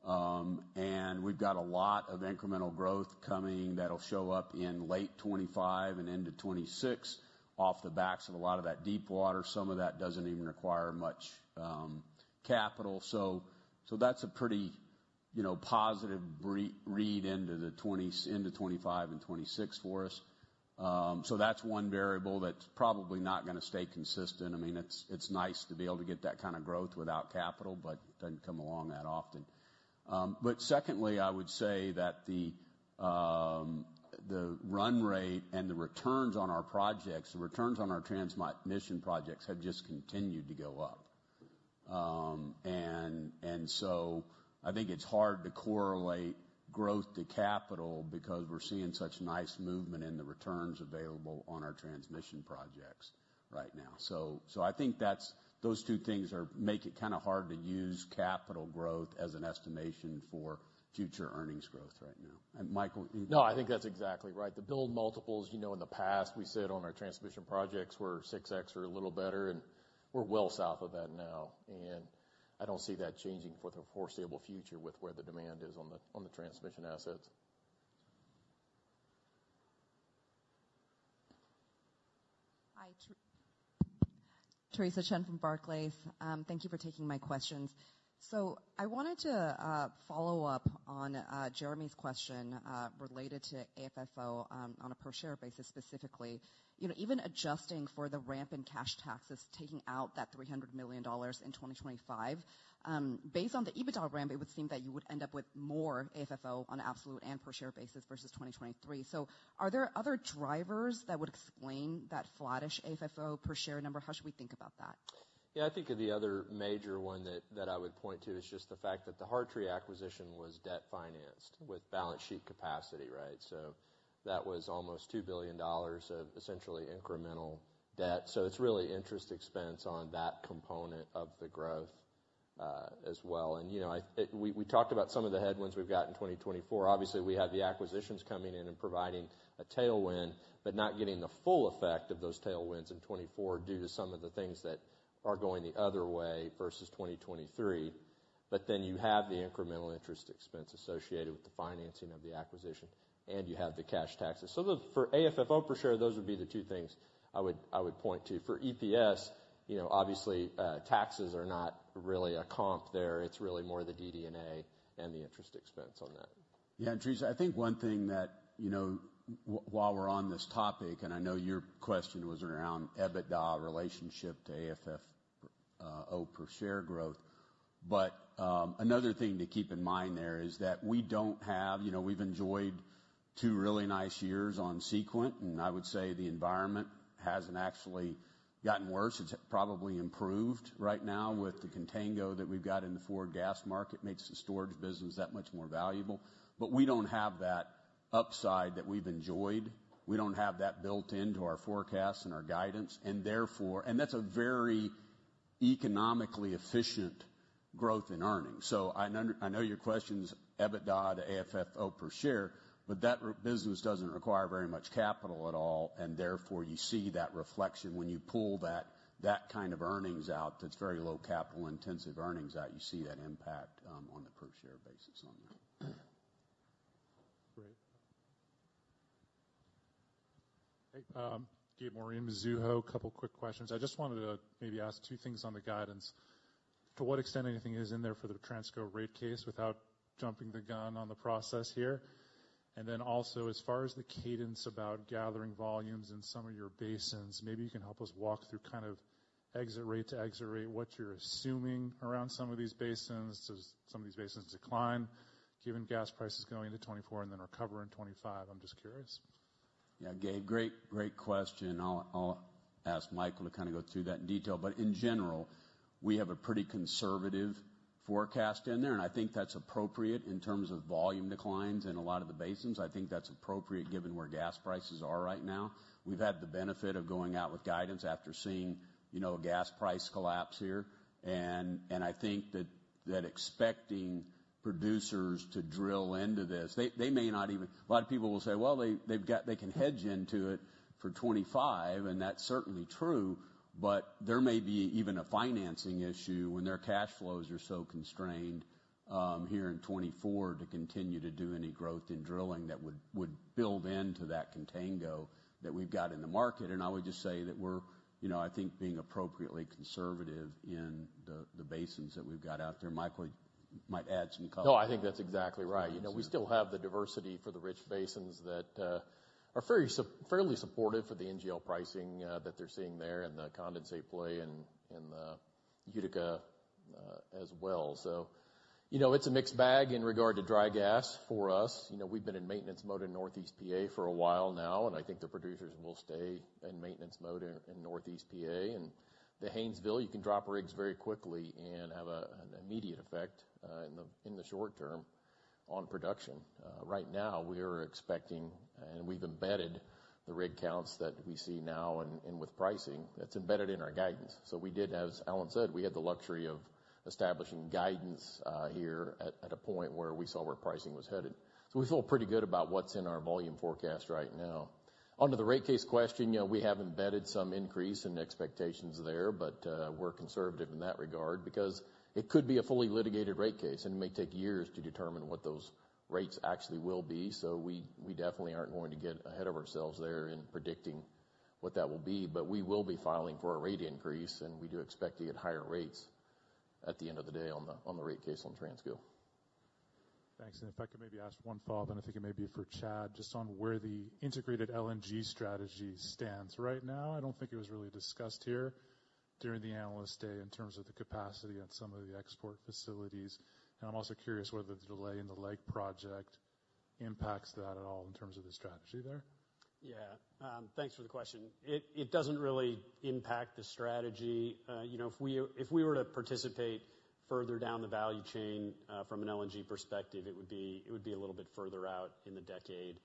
and we've got a lot of incremental growth coming that'll show up in late 2025 and into 2026 off the backs of a lot of that deepwater. Some of that doesn't even require much capital. So that's a pretty positive read into the end of 2025 and 2026 for us. So that's one variable that's probably not going to stay consistent. I mean, it's nice to be able to get that kind of growth without capital, but it doesn't come along that often. But secondly, I would say that the run rate and the returns on our projects, the returns on our transmission projects have just continued to go up. And so I think it's hard to correlate growth to capital because we're seeing such nice movement in the returns available on our transmission projects right now. So I think those two things make it kind of hard to use capital growth as an estimation for future earnings growth right now. Michael, you? No, I think that's exactly right. The build multiples, in the past, we said on our transmission projects, we're 6x or a little better, and we're well south of that now. And I don't see that changing for the foreseeable future with where the demand is on the transmission assets. Hi. Theresa Chen from Barclays. Thank you for taking my questions. So I wanted to follow up on Jeremy's question related to AFFO on a per-share basis specifically. Even adjusting for the ramp in cash taxes, taking out that $300 million in 2025, based on the EBITDA ramp, it would seem that you would end up with more AFFO on an absolute and per-share basis versus 2023. Are there other drivers that would explain that flattish AFFO per-share number? How should we think about that? Yeah. I think the other major one that I would point to is just the fact that the Hartree acquisition was debt-financed with balance sheet capacity, right? That was almost $2 billion of essentially incremental debt. It's really interest expense on that component of the growth as well. We talked about some of the headwinds we've got in 2024. Obviously, we have the acquisitions coming in and providing a tailwind, but not getting the full effect of those tailwinds in 2024 due to some of the things that are going the other way versus 2023. Then you have the incremental interest expense associated with the financing of the acquisition, and you have the cash taxes. So for AFFO per share, those would be the two things I would point to. For EPS, obviously, taxes are not really a comp there. It's really more the DD&A and the interest expense on that. Yeah. And Teresa, I think one thing that while we're on this topic, and I know your question was around EBITDA, relationship to AFFO per-share growth, but another thing to keep in mind there is that we don't have. We've enjoyed two really nice years on Sequent, and I would say the environment hasn't actually gotten worse. It's probably improved right now with the contango that we've got in the forward gas market. It makes the storage business that much more valuable. But we don't have that upside that we've enjoyed. We don't have that built into our forecasts and our guidance, and that's a very economically efficient growth in earnings. So I know your question's EBITDA to AFFO per share, but that business doesn't require very much capital at all, and therefore, you see that reflection when you pull that kind of earnings out, that's very low capital-intensive earnings out. You see that impact on the per-share basis on that. Great. Hey. Gabe Moreen, Mizuho, a couple of quick questions. I just wanted to maybe ask two things on the guidance. To what extent anything is in there for the Transco rate case without jumping the gun on the process here? And then also, as far as the cadence about gathering volumes in some of your basins, maybe you can help us walk through kind of exit rate to exit rate, what you're assuming around some of these basins. Does some of these basins decline, given gas prices going into 2024 and then recover in 2025? I'm just curious. Yeah Gabe, great question. I'll ask Michael to kind of go through that in detail. But in general, we have a pretty conservative forecast in there, and I think that's appropriate in terms of volume declines in a lot of the basins. I think that's appropriate given where gas prices are right now. We've had the benefit of going out with guidance after seeing a gas price collapse here, and I think that expecting producers to drill into this, they may not even a lot of people will say, "Well, they can hedge into it for 2025," and that's certainly true, but there may be even a financing issue when their cash flows are so constrained here in 2024 to continue to do any growth in drilling that would build into that Contango that we've got in the market. I would just say that we're, I think, being appropriately conservative in the basins that we've got out there. Michael might add some comments. No, I think that's exactly right. We still have the diversity for the rich basins that are fairly supportive for the NGL pricing that they're seeing there in the Condensate Play and the Utica as well. So it's a mixed bag in regard to dry gas for us. We've been in maintenance mode in Northeast PA for a while now, and I think the producers will stay in maintenance mode in Northeast PA. And the Haynesville, you can drop rigs very quickly and have an immediate effect in the short term on production. Right now, we are expecting, and we've embedded the rig counts that we see now and with pricing. That's embedded in our guidance. So as Alan said, we had the luxury of establishing guidance here at a point where we saw where pricing was headed. So we feel pretty good about what's in our volume forecast right now. Onto the rate case question, we have embedded some increase in expectations there, but we're conservative in that regard because it could be a fully litigated rate case, and it may take years to determine what those rates actually will be. So we definitely aren't going to get ahead of ourselves there in predicting what that will be, but we will be filing for a rate increase, and we do expect to get higher rates at the end of the day on the rate case on Transco. Thanks. And if I could maybe ask one follow-up, and I think it may be for Chad, just on where the integrated LNG strategy stands. Right now, I don't think it was really discussed here during the analyst day in terms of the capacity at some of the export facilities. And I'm also curious whether the delay in the LEG project impacts that at all in terms of the strategy there. Yeah. Thanks for the question. It doesn't really impact the strategy. If we were to participate further down the value chain from an LNG perspective, it would be a little bit further out in the decade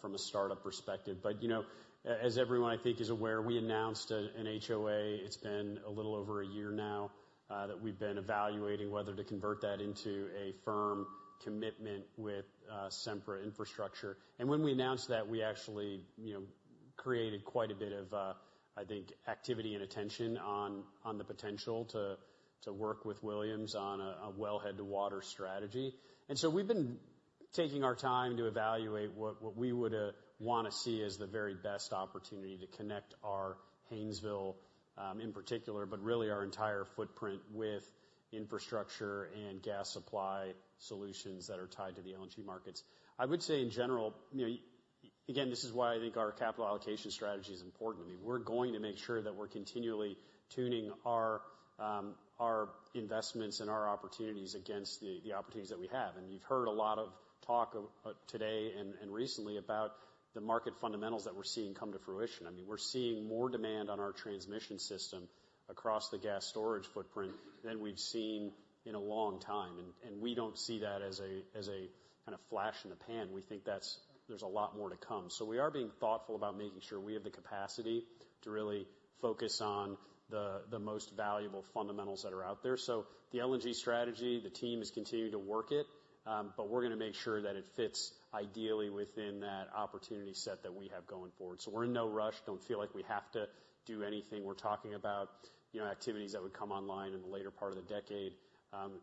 from a startup perspective. But as everyone, I think, is aware, we announced an HOA. It's been a little over a year now that we've been evaluating whether to convert that into a firm commitment with Sempra Infrastructure. And when we announced that, we actually created quite a bit of, I think, activity and attention on the potential to work with Williams on a well-head-to-water strategy. And so we've been taking our time to evaluate what we would want to see as the very best opportunity to connect our Haynesville in particular, but really our entire footprint with infrastructure and gas supply solutions that are tied to the LNG markets. I would say, in general again, this is why I think our capital allocation strategy is important to me. We're going to make sure that we're continually tuning our investments and our opportunities against the opportunities that we have. And you've heard a lot of talk today and recently about the market fundamentals that we're seeing come to fruition. I mean, we're seeing more demand on our transmission system across the gas storage footprint than we've seen in a long time. And we don't see that as a kind of flash in the pan. We think there's a lot more to come. So we are being thoughtful about making sure we have the capacity to really focus on the most valuable fundamentals that are out there. So the LNG strategy, the team is continuing to work it, but we're going to make sure that it fits ideally within that opportunity set that we have going forward. So we're in no rush. Don't feel like we have to do anything. We're talking about activities that would come online in the later part of the decade.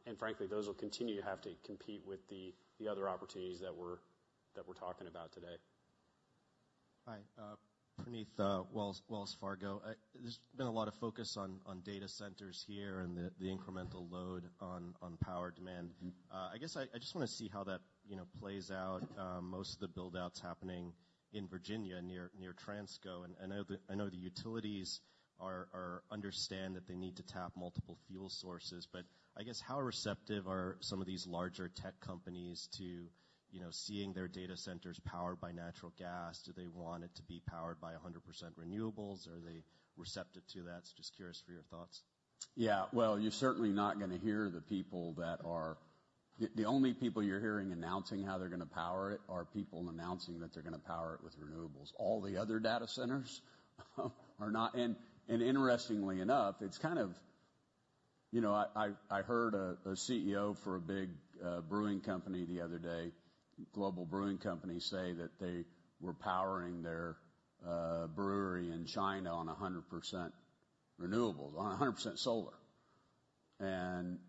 And frankly, those will continue to have to compete with the other opportunities that we're talking about today. Hi. Praneeth, Wells Fargo. There's been a lot of focus on data centers here and the incremental load on power demand. I guess I just want to see how that plays out. Most of the buildout's happening in Virginia near Transco. And I know the utilities understand that they need to tap multiple fuel sources, but I guess how receptive are some of these larger tech companies to seeing their data centers powered by natural gas? Do they want it to be powered by 100% renewables, or are they receptive to that? Just curious for your thoughts. Yeah. Well, you're certainly not going to hear the people that are the only people you're hearing announcing how they're going to power it are people announcing that they're going to power it with renewables. All the other data centers are not. And interestingly enough, it's kind of I heard a CEO for a big brewing company the other day, Global Brewing Company, say that they were powering their brewery in China on 100% renewables, on 100% solar. And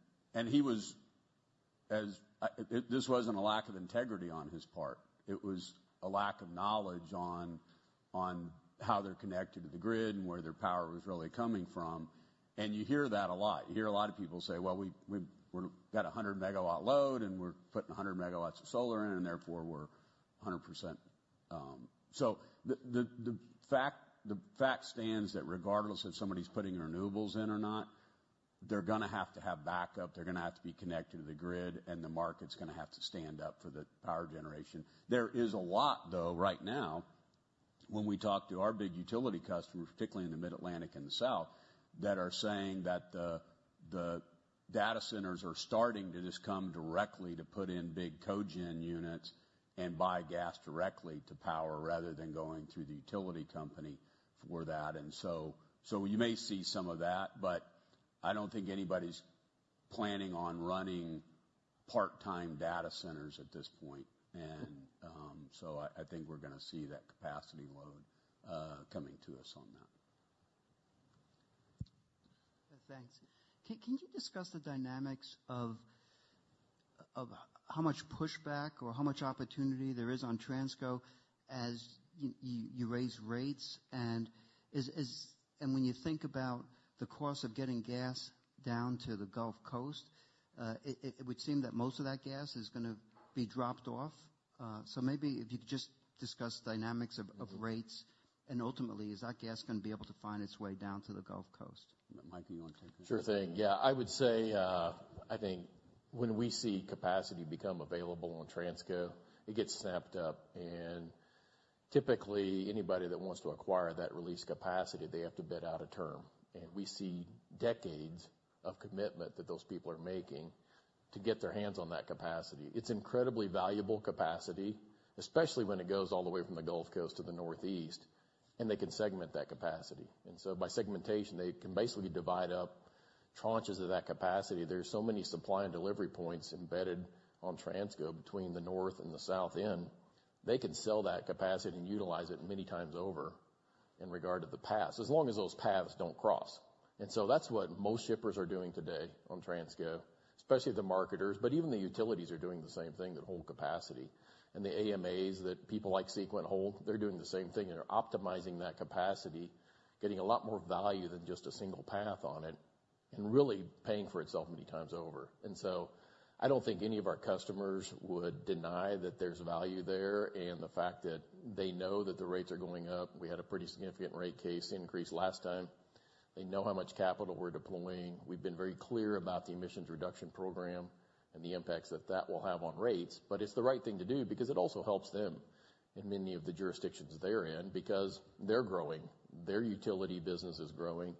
this wasn't a lack of integrity on his part. It was a lack of knowledge on how they're connected to the grid and where their power was really coming from. You hear that a lot. You hear a lot of people say, "Well, we've got 100-megawatt load, and we're putting 100 megawatts of solar in, and therefore, we're 100%" so the fact stands that regardless of somebody's putting renewables in or not, they're going to have to have backup. They're going to have to be connected to the grid, and the market's going to have to stand up for the power generation. There is a lot, though, right now, when we talk to our big utility customers, particularly in the Mid-Atlantic and the South, that are saying that the data centers are starting to just come directly to put in big Cogen units and buy gas directly to power rather than going through the utility company for that. And so you may see some of that, but I don't think anybody's planning on running part-time data centers at this point. And so I think we're going to see that capacity load coming to us on that. Thanks. Can you discuss the dynamics of how much pushback or how much opportunity there is on Transco as you raise rates? And when you think about the cost of getting gas down to the Gulf Coast, it would seem that most of that gas is going to be dropped off. So maybe if you could just discuss dynamics of rates, and ultimately, is that gas going to be able to find its way down to the Gulf Coast? Michael, you want to take that? Sure thing. Yeah. I would say I think when we see capacity become available on Transco, it gets snapped up. And typically, anybody that wants to acquire that released capacity, they have to bid out a term. And we see decades of commitment that those people are making to get their hands on that capacity. It's incredibly valuable capacity, especially when it goes all the way from the Gulf Coast to the Northeast, and they can segment that capacity. And so by segmentation, they can basically divide up tranches of that capacity. There's so many supply and delivery points embedded on Transco between the north and the south end, they can sell that capacity and utilize it many times over in regard to the paths, as long as those paths don't cross. And so that's what most shippers are doing today on Transco, especially the marketers, but even the utilities are doing the same thing that hold capacity. And the AMAs that people like Sequent hold, they're doing the same thing, and they're optimizing that capacity, getting a lot more value than just a single path on it, and really paying for itself many times over. And so I don't think any of our customers would deny that there's value there and the fact that they know that the rates are going up. We had a pretty significant rate case increase last time. They know how much capital we're deploying. We've been very clear about the Emissions Reduction Program and the impacts that that will have on rates, but it's the right thing to do because it also helps them in many of the jurisdictions they're in because they're growing. Their utility business is growing.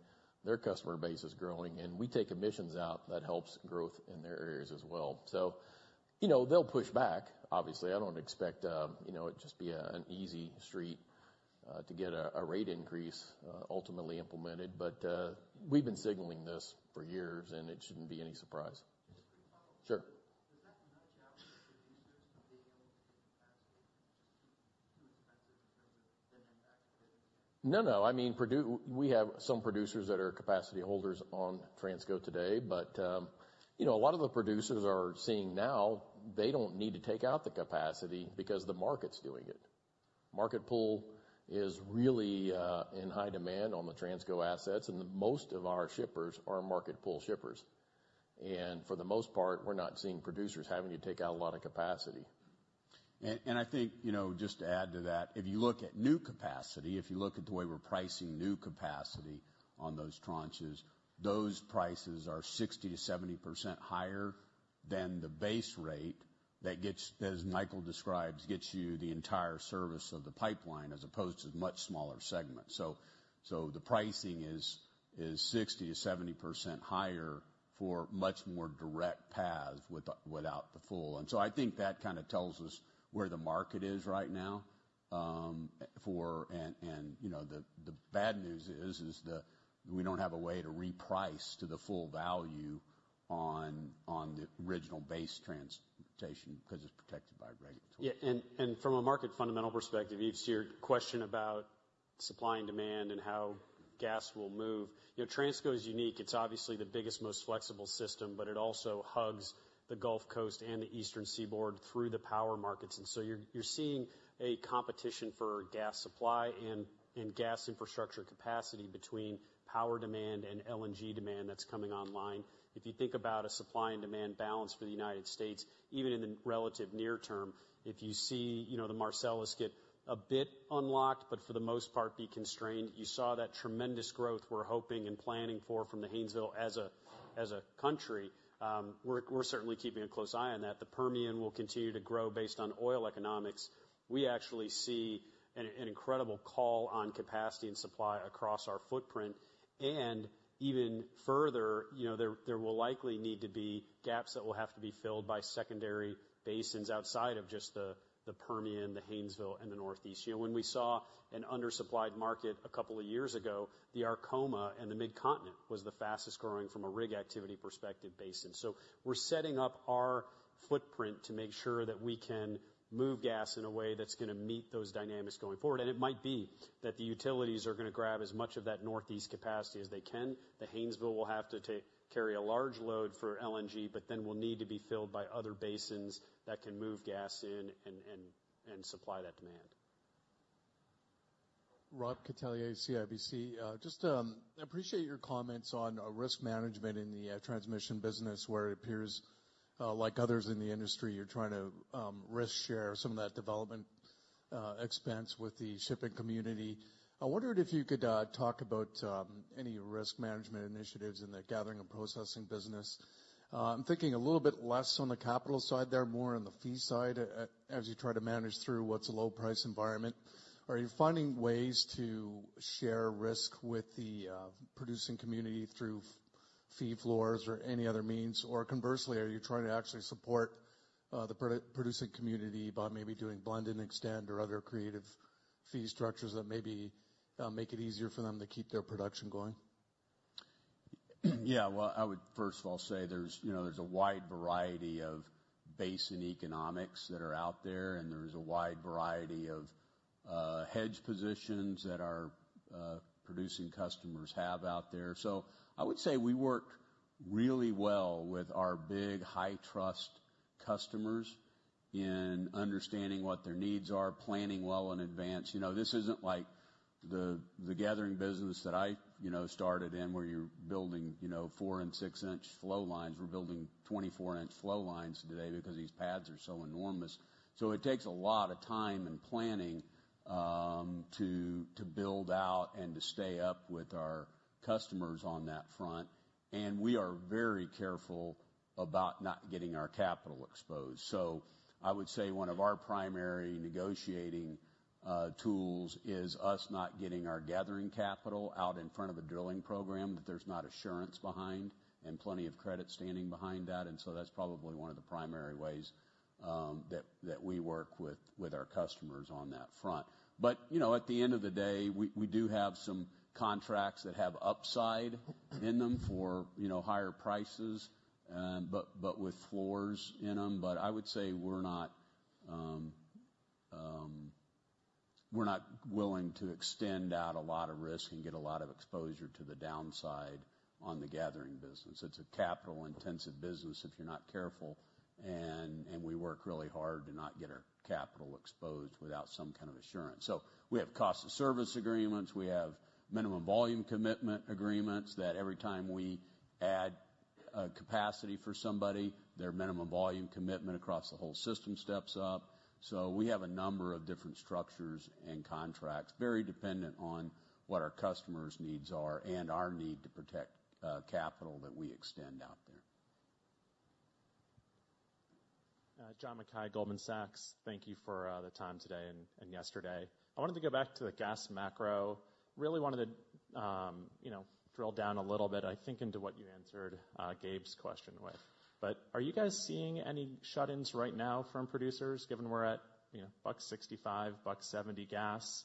Their customer base is growing. And we take emissions out. That helps growth in their areas as well. So they'll push back, obviously. I don't expect it just be an easy street to get a rate increase ultimately implemented. But we've been signaling this for years, and it shouldn't be any surprise. Sure. Does that nudge out the producers from being able to take capacity and just keep too expensive in terms of the net tax that they can't pay? No, no. I mean, we have some producers that are capacity holders on Transco today. But a lot of the producers are seeing now, they don't need to take out the capacity because the market's doing it. Market pull is really in high demand on the Transco assets, and most of our shippers are market pull shippers. And for the most part, we're not seeing producers having to take out a lot of capacity. And I think just to add to that, if you look at new capacity, if you look at the way we're pricing new capacity on those tranches, those prices are 60%-70% higher than the base rate that, as Michael describes, gets you the entire service of the pipeline as opposed to much smaller segments. So the pricing is 60%-70% higher for much more direct paths without the full. And so I think that kind of tells us where the market is right now. The bad news is we don't have a way to reprice to the full value on the original base transportation because it's protected by regulatory. Yeah. From a market fundamental perspective, you've seen your question about supply and demand and how gas will move. Transco is unique. It's obviously the biggest, most flexible system, but it also hugs the Gulf Coast and the Eastern Seaboard through the power markets. And so you're seeing a competition for gas supply and gas infrastructure capacity between power demand and LNG demand that's coming online. If you think about a supply and demand balance for the United States, even in the relative near term, if you see the Marcellus get a bit unlocked but for the most part be constrained, you saw that tremendous growth we're hoping and planning for from the Haynesville as a country. We're certainly keeping a close eye on that. The Permian will continue to grow based on oil economics. We actually see an incredible call on capacity and supply across our footprint. And even further, there will likely need to be gaps that will have to be filled by secondary basins outside of just the Permian, the Haynesville, and the Northeast. When we saw an undersupplied market a couple of years ago, the Arkoma and the Midcontinent was the fastest growing from a rig activity perspective basin. So we're setting up our footprint to make sure that we can move gas in a way that's going to meet those dynamics going forward. And it might be that the utilities are going to grab as much of that Northeast capacity as they can. The Haynesville will have to carry a large load for LNG, but then will need to be filled by other basins that can move gas in and supply that demand. Rob Catellier, CIBC. I appreciate your comments on risk management in the transmission business where it appears like others in the industry, you're trying to risk-share some of that development expense with the shipping community. I wondered if you could talk about any risk management initiatives in the gathering and processing business. I'm thinking a little bit less on the capital side there, more on the fee side as you try to manage through what's a low-price environment. Are you finding ways to share risk with the producing community through fee floors or any other means? Or conversely, are you trying to actually support the producing community by maybe doing blend and extend or other creative fee structures that maybe make it easier for them to keep their production going? Yeah. Well, I would first of all say there's a wide variety of basin economics that are out there, and there's a wide variety of hedge positions that our producing customers have out there. So I would say we worked really well with our big, high-trust customers in understanding what their needs are, planning well in advance. This isn't like the gathering business that I started in where you're building 4- and 6-inch flow lines. We're building 24-inch flow lines today because these pads are so enormous. So it takes a lot of time and planning to build out and to stay up with our customers on that front. We are very careful about not getting our capital exposed. I would say one of our primary negotiating tools is us not getting our gathering capital out in front of the drilling program, that there's not assurance behind and plenty of credit standing behind that. That's probably one of the primary ways that we work with our customers on that front. At the end of the day, we do have some contracts that have upside in them for higher prices but with floors in them. I would say we're not willing to extend out a lot of risk and get a lot of exposure to the downside on the gathering business. It's a capital-intensive business if you're not careful. We work really hard to not get our capital exposed without some kind of assurance. We have cost-of-service agreements. We have minimum volume commitment agreements that every time we add capacity for somebody, their minimum volume commitment across the whole system steps up. So we have a number of different structures and contracts very dependent on what our customers' needs are and our need to protect capital that we extend out there. John Mackay, Goldman Sachs, thank you for the time today and yesterday. I wanted to go back to the gas macro, really wanted to drill down a little bit, I think, into what you answered Gabe's question with. But are you guys seeing any shut-ins right now from producers, given we're at $1.65, $1.70 gas?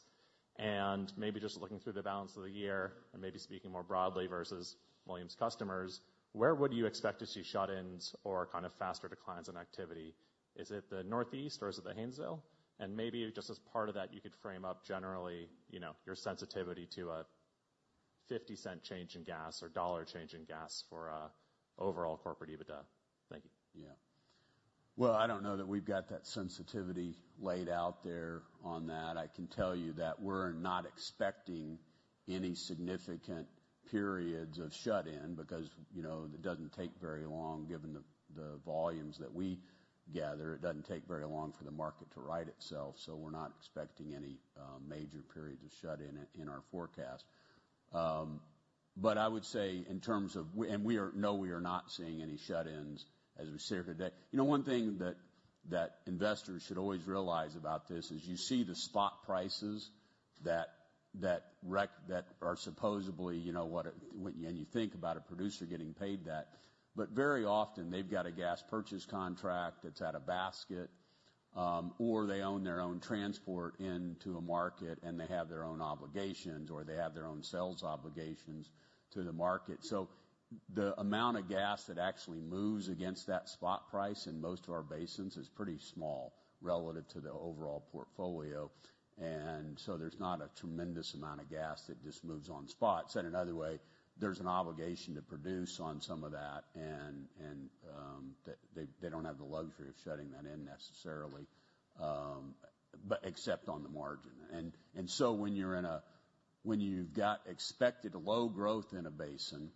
And maybe just looking through the balance of the year and maybe speaking more broadly versus Williams' customers, where would you expect to see shut-ins or kind of faster declines in activity? Is it the Northeast, or is it the Haynesville? And maybe just as part of that, you could frame up generally your sensitivity to a $0.50 change in gas or $1 change in gas for overall corporate EBITDA. Thank you. Yeah. Well, I don't know that we've got that sensitivity laid out there on that. I can tell you that we're not expecting any significant periods of shut-in because it doesn't take very long, given the volumes that we gather. It doesn't take very long for the market to right itself. So we're not expecting any major periods of shut-in in our forecast. But I would say in terms of and no, we are not seeing any shut-ins as we sit here today. One thing that investors should always realize about this is you see the spot prices that are supposedly and you think about a producer getting paid that. But very often, they've got a gas purchase contract that's at a basket, or they own their own transport into a market, and they have their own obligations, or they have their own sales obligations to the market. So the amount of gas that actually moves against that spot price in most of our basins is pretty small relative to the overall portfolio. And so there's not a tremendous amount of gas that just moves on spot. Said another way, there's an obligation to produce on some of that, and they don't have the luxury of shutting that in necessarily except on the margin. And so when you've got expected low growth in a basin,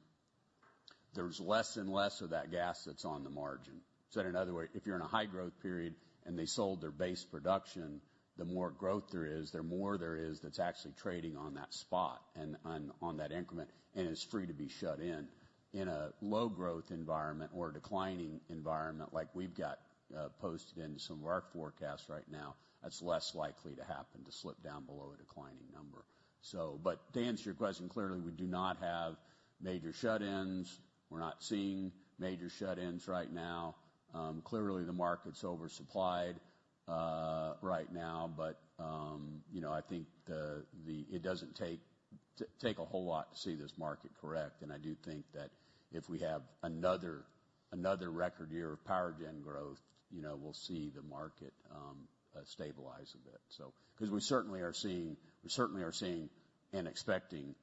there's less and less of that gas that's on the margin. Said another way, if you're in a high-growth period and they sold their base production, the more growth there is, the more there is that's actually trading on that spot and on that increment, and it's free to be shut in. In a low-growth environment or a declining environment like we've got posted into some of our forecasts right now, that's less likely to happen, to slip down below a declining number. But to answer your question, clearly, we do not have major shut-ins. We're not seeing major shut-ins right now. Clearly, the market's oversupplied right now. But I think it doesn't take a whole lot to see this market correct. I do think that if we have another record year of power gen growth, we'll see the market stabilize a bit because we certainly are seeing and expecting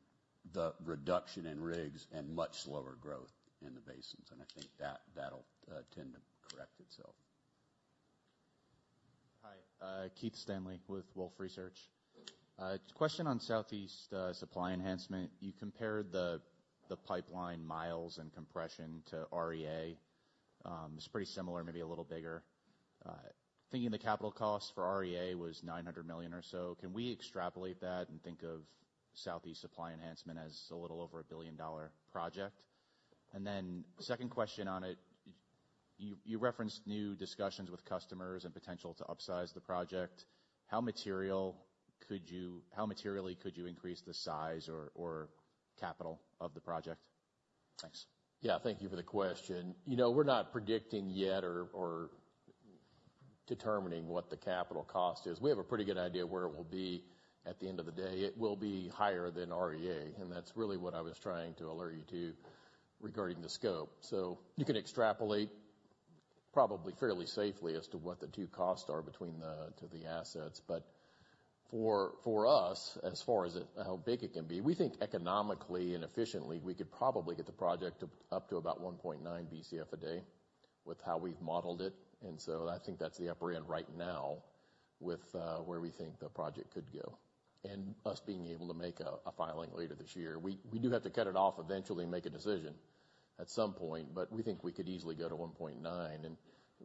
the reduction in rigs and much slower growth in the basins. And I think that'll tend to correct itself. Hi. Keith Stanley with Wolfe Research. Question on Southeast Supply Enhancement. You compared the pipeline miles and compression to REA. It's pretty similar, maybe a little bigger. Thinking the capital cost for REA was $900 million or so, can we extrapolate that and think of Southeast Supply Enhancement as a little over a billion-dollar project? And then second question on it, you referenced new discussions with customers and potential to upsize the project. How materially could you increase the size or capital of the project? Thanks. Yeah. Thank you for the question. We're not predicting yet or determining what the capital cost is. We have a pretty good idea where it will be at the end of the day. It will be higher than REA. And that's really what I was trying to alert you to regarding the scope. So you can extrapolate probably fairly safely as to what the two costs are to the assets. But for us, as far as how big it can be, we think economically and efficiently, we could probably get the project up to about 1.9 Bcf/d with how we've modeled it. And so I think that's the upper end right now with where we think the project could go and us being able to make a filing later this year. We do have to cut it off eventually and make a decision at some point. We think we could easily go to 1.9 and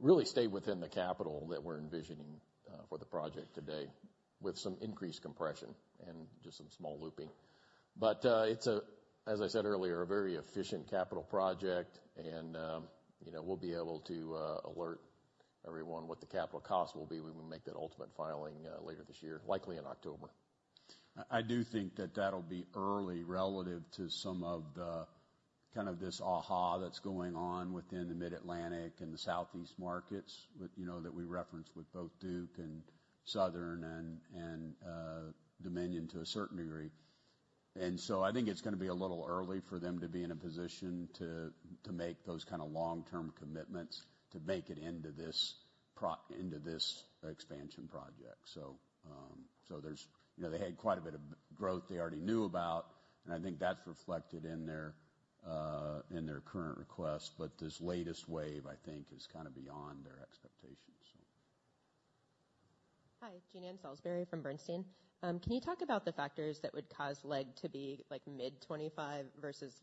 really stay within the capital that we're envisioning for the project today with some increased compression and just some small looping. It's, as I said earlier, a very efficient capital project. We'll be able to alert everyone what the capital cost will be when we make that ultimate filing later this year, likely in October. I do think that that'll be early relative to some of the kind of this aha that's going on within the Mid-Atlantic and the Southeast markets that we referenced with both Duke and Southern and Dominion to a certain degree. So I think it's going to be a little early for them to be in a position to make those kind of long-term commitments to make it into this expansion project. So they had quite a bit of growth they already knew about. And I think that's reflected in their current request. But this latest wave, I think, is kind of beyond their expectations, so. Hi. Jean Ann Salisbury from Bernstein. Can you talk about the factors that would cause LEG to be mid-2025 versus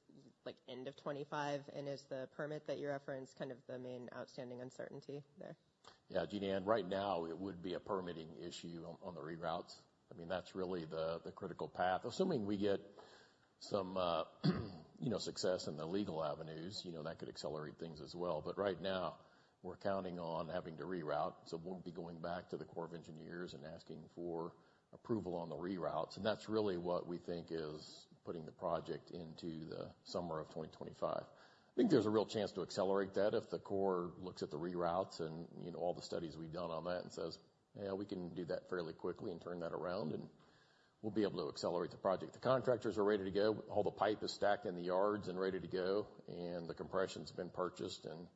end of 2025? And is the permit that you referenced kind of the main outstanding uncertainty there? Yeah. Jean Ann, right now, it would be a permitting issue on the reroutes. I mean, that's really the critical path. Assuming we get some success in the legal avenues, that could accelerate things as well. But right now, we're counting on having to reroute. So we'll be going back to the Corps of Engineers and asking for approval on the reroutes. And that's really what we think is putting the project into the summer of 2025. I think there's a real chance to accelerate that if the Corps looks at the reroutes and all the studies we've done on that and says, "Yeah, we can do that fairly quickly and turn that around, and we'll be able to accelerate the project." The contractors are ready to go. All the pipe is stacked in the yards and ready to go. And the compression's been purchased and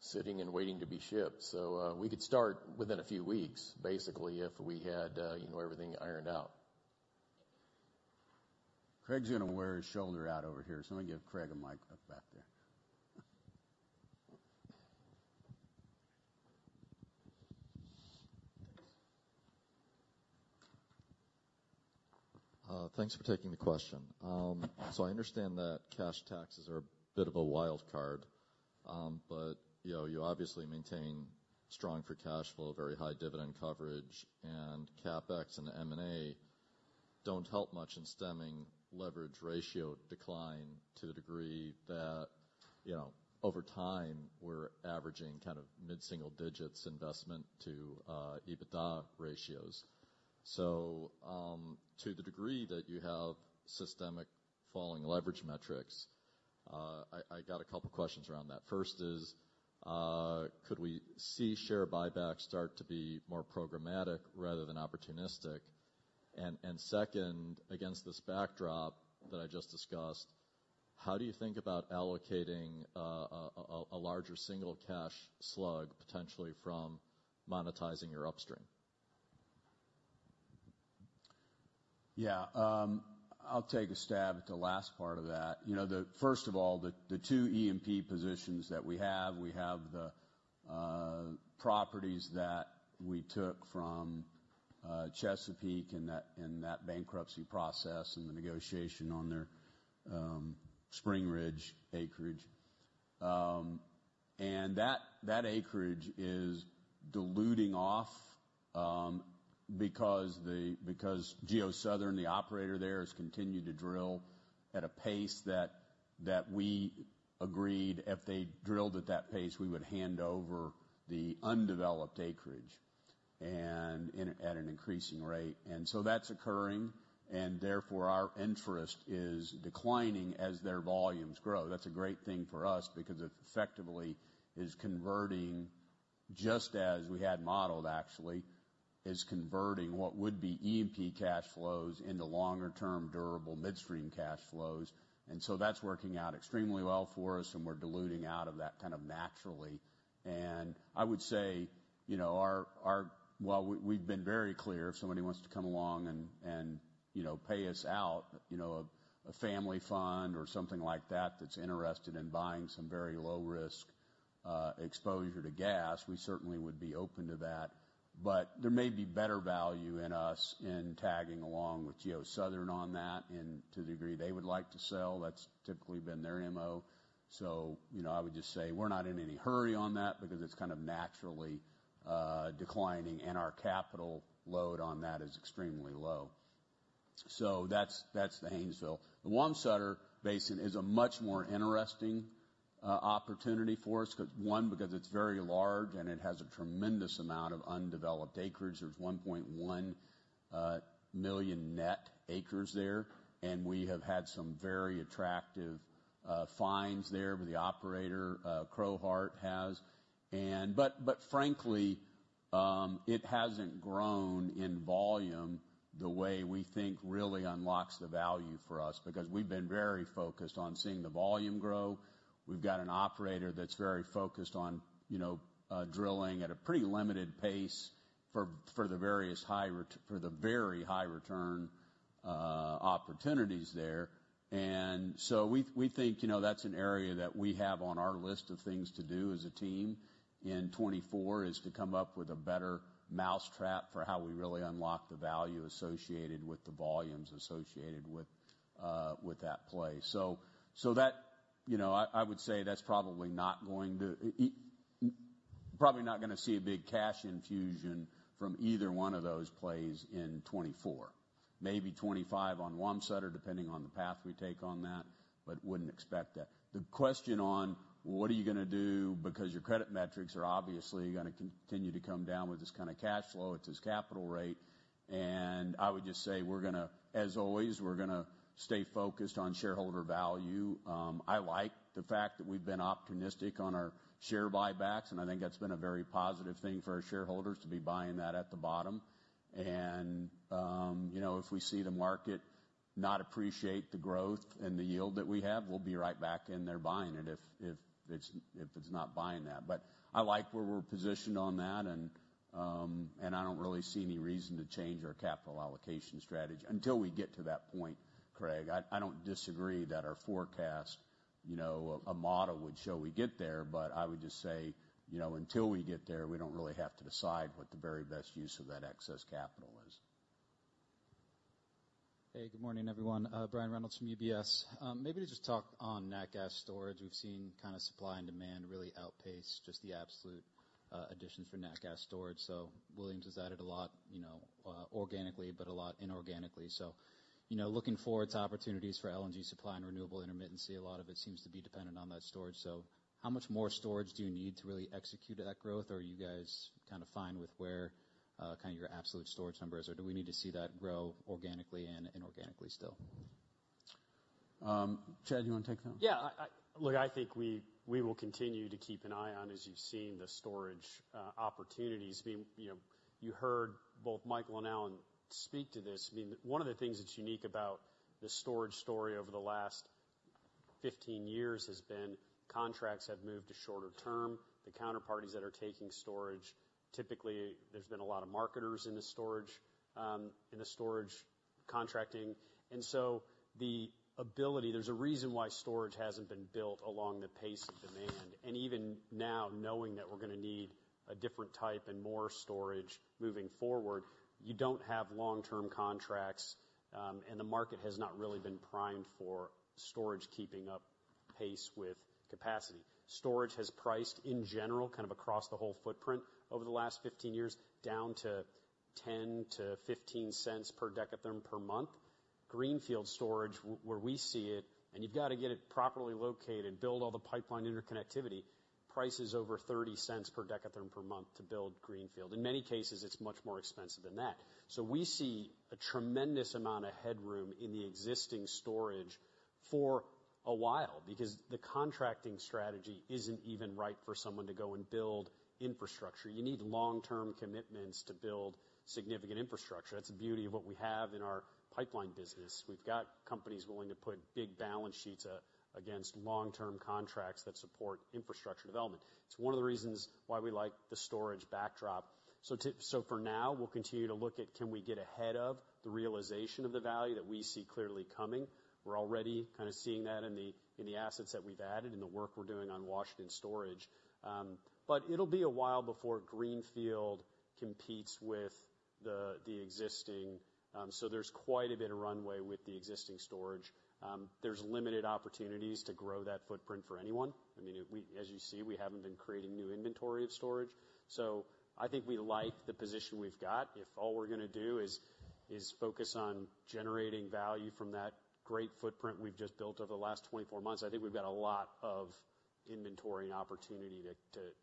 sitting and waiting to be shipped. So we could start within a few weeks, basically, if we had everything ironed out. Craig's going to wear his shoulder out over here. So let me give Craig a mic back there. Thanks. Thanks for taking the question. So I understand that cash taxes are a bit of a wild card. But you obviously maintain strong free cash flow, very high dividend coverage. CapEx and the M&A don't help much in stemming leverage ratio decline to the degree that over time, we're averaging kind of mid-single digits investment to EBITDA ratios. To the degree that you have systemic falling leverage metrics, I got a couple of questions around that. First is, could we see share buybacks start to be more programmatic rather than opportunistic? Second, against this backdrop that I just discussed, how do you think about allocating a larger single cash slug potentially from monetizing your upstream? Yeah. I'll take a stab at the last part of that. First of all, the two E&P positions that we have, we have the properties that we took from Chesapeake in that bankruptcy process and the negotiation on their Spring Ridge acreage. That acreage is diluting off because GeoSouthern, the operator there, has continued to drill at a pace that we agreed if they drilled at that pace, we would hand over the undeveloped acreage at an increasing rate. And so that's occurring. And therefore, our interest is declining as their volumes grow. That's a great thing for us because it effectively is converting just as we had modeled, actually, is converting what would be E&P cash flows into longer-term, durable midstream cash flows. And so that's working out extremely well for us. And we're diluting out of that kind of naturally. And I would say, well, we've been very clear. If somebody wants to come along and pay us out, a family fund or something like that that's interested in buying some very low-risk exposure to gas, we certainly would be open to that. But there may be better value in us in tagging along with GeoSouthern on that and to the degree they would like to sell. That's typically been their MO. So I would just say we're not in any hurry on that because it's kind of naturally declining, and our capital load on that is extremely low. So that's the Haynesville. The Wamsutter basin is a much more interesting opportunity for us, one, because it's very large, and it has a tremendous amount of undeveloped acreage. There's 1.1 million net acres there. And we have had some very attractive finds there with the operator, Crowheart, has. But frankly, it hasn't grown in volume the way we think really unlocks the value for us because we've been very focused on seeing the volume grow. We've got an operator that's very focused on drilling at a pretty limited pace for the very high-return opportunities there. So we think that's an area that we have on our list of things to do as a team in 2024 is to come up with a better mousetrap for how we really unlock the value associated with the volumes associated with that play. So I would say that's probably not going to see a big cash infusion from either one of those plays in 2024, maybe 2025 on Wamsutter, depending on the path we take on that, but wouldn't expect that. The question on what are you going to do because your credit metrics are obviously going to continue to come down with this kind of cash flow at this capital rate. I would just say, as always, we're going to stay focused on shareholder value. I like the fact that we've been opportunistic on our share buybacks. And I think that's been a very positive thing for our shareholders to be buying that at the bottom. And if we see the market not appreciate the growth and the yield that we have, we'll be right back in there buying it if it's not buying that. But I like where we're positioned on that. And I don't really see any reason to change our capital allocation strategy until we get to that point, Craig. I don't disagree that our forecast, a model, would show we get there. But I would just say until we get there, we don't really have to decide what the very best use of that excess capital is. Hey. Good morning, everyone. Brian Reynolds from UBS. Maybe to just talk on nat gas storage. We've seen kind of supply and demand really outpace just the absolute additions for nat gas storage. So Williams has added a lot organically but a lot inorganically. So looking forward to opportunities for LNG supply and renewable intermittency, a lot of it seems to be dependent on that storage. So how much more storage do you need to really execute that growth? Are you guys kind of fine with where kind of your absolute storage numbers are? Do we need to see that grow organically and inorganically still? Chad, you want to take that one? Yeah. Look, I think we will continue to keep an eye on, as you've seen, the storage opportunities. I mean, you heard both Michael and Alan speak to this. I mean, one of the things that's unique about the storage story over the last 15 years has been contracts have moved to shorter term. The counterparties that are taking storage, typically, there's been a lot of marketers in the storage contracting. And so there's a reason why storage hasn't been built along the pace of demand. And even now, knowing that we're going to need a different type and more storage moving forward, you don't have long-term contracts. And the market has not really been primed for storage keeping up pace with capacity. Storage has priced, in general, kind of across the whole footprint over the last 15 years down to $0.10-$0.15 per dekatherm per month. Greenfield storage, where we see it, and you've got to get it properly located, build all the pipeline interconnectivity. Price is over $0.30 per dekatherm per month to build greenfield. In many cases, it's much more expensive than that. So we see a tremendous amount of headroom in the existing storage for a while because the contracting strategy isn't even right for someone to go and build infrastructure. You need long-term commitments to build significant infrastructure. That's the beauty of what we have in our pipeline business. We've got companies willing to put big balance sheets against long-term contracts that support infrastructure development. It's one of the reasons why we like the storage backdrop. So for now, we'll continue to look at, can we get ahead of the realization of the value that we see clearly coming? We're already kind of seeing that in the assets that we've added, in the work we're doing on Washington Storage. But it'll be a while before greenfield competes with the existing. So there's quite a bit of runway with the existing storage. There's limited opportunities to grow that footprint for anyone. I mean, as you see, we haven't been creating new inventory of storage. So I think we like the position we've got. If all we're going to do is focus on generating value from that great footprint we've just built over the last 24 months, I think we've got a lot of inventory and opportunity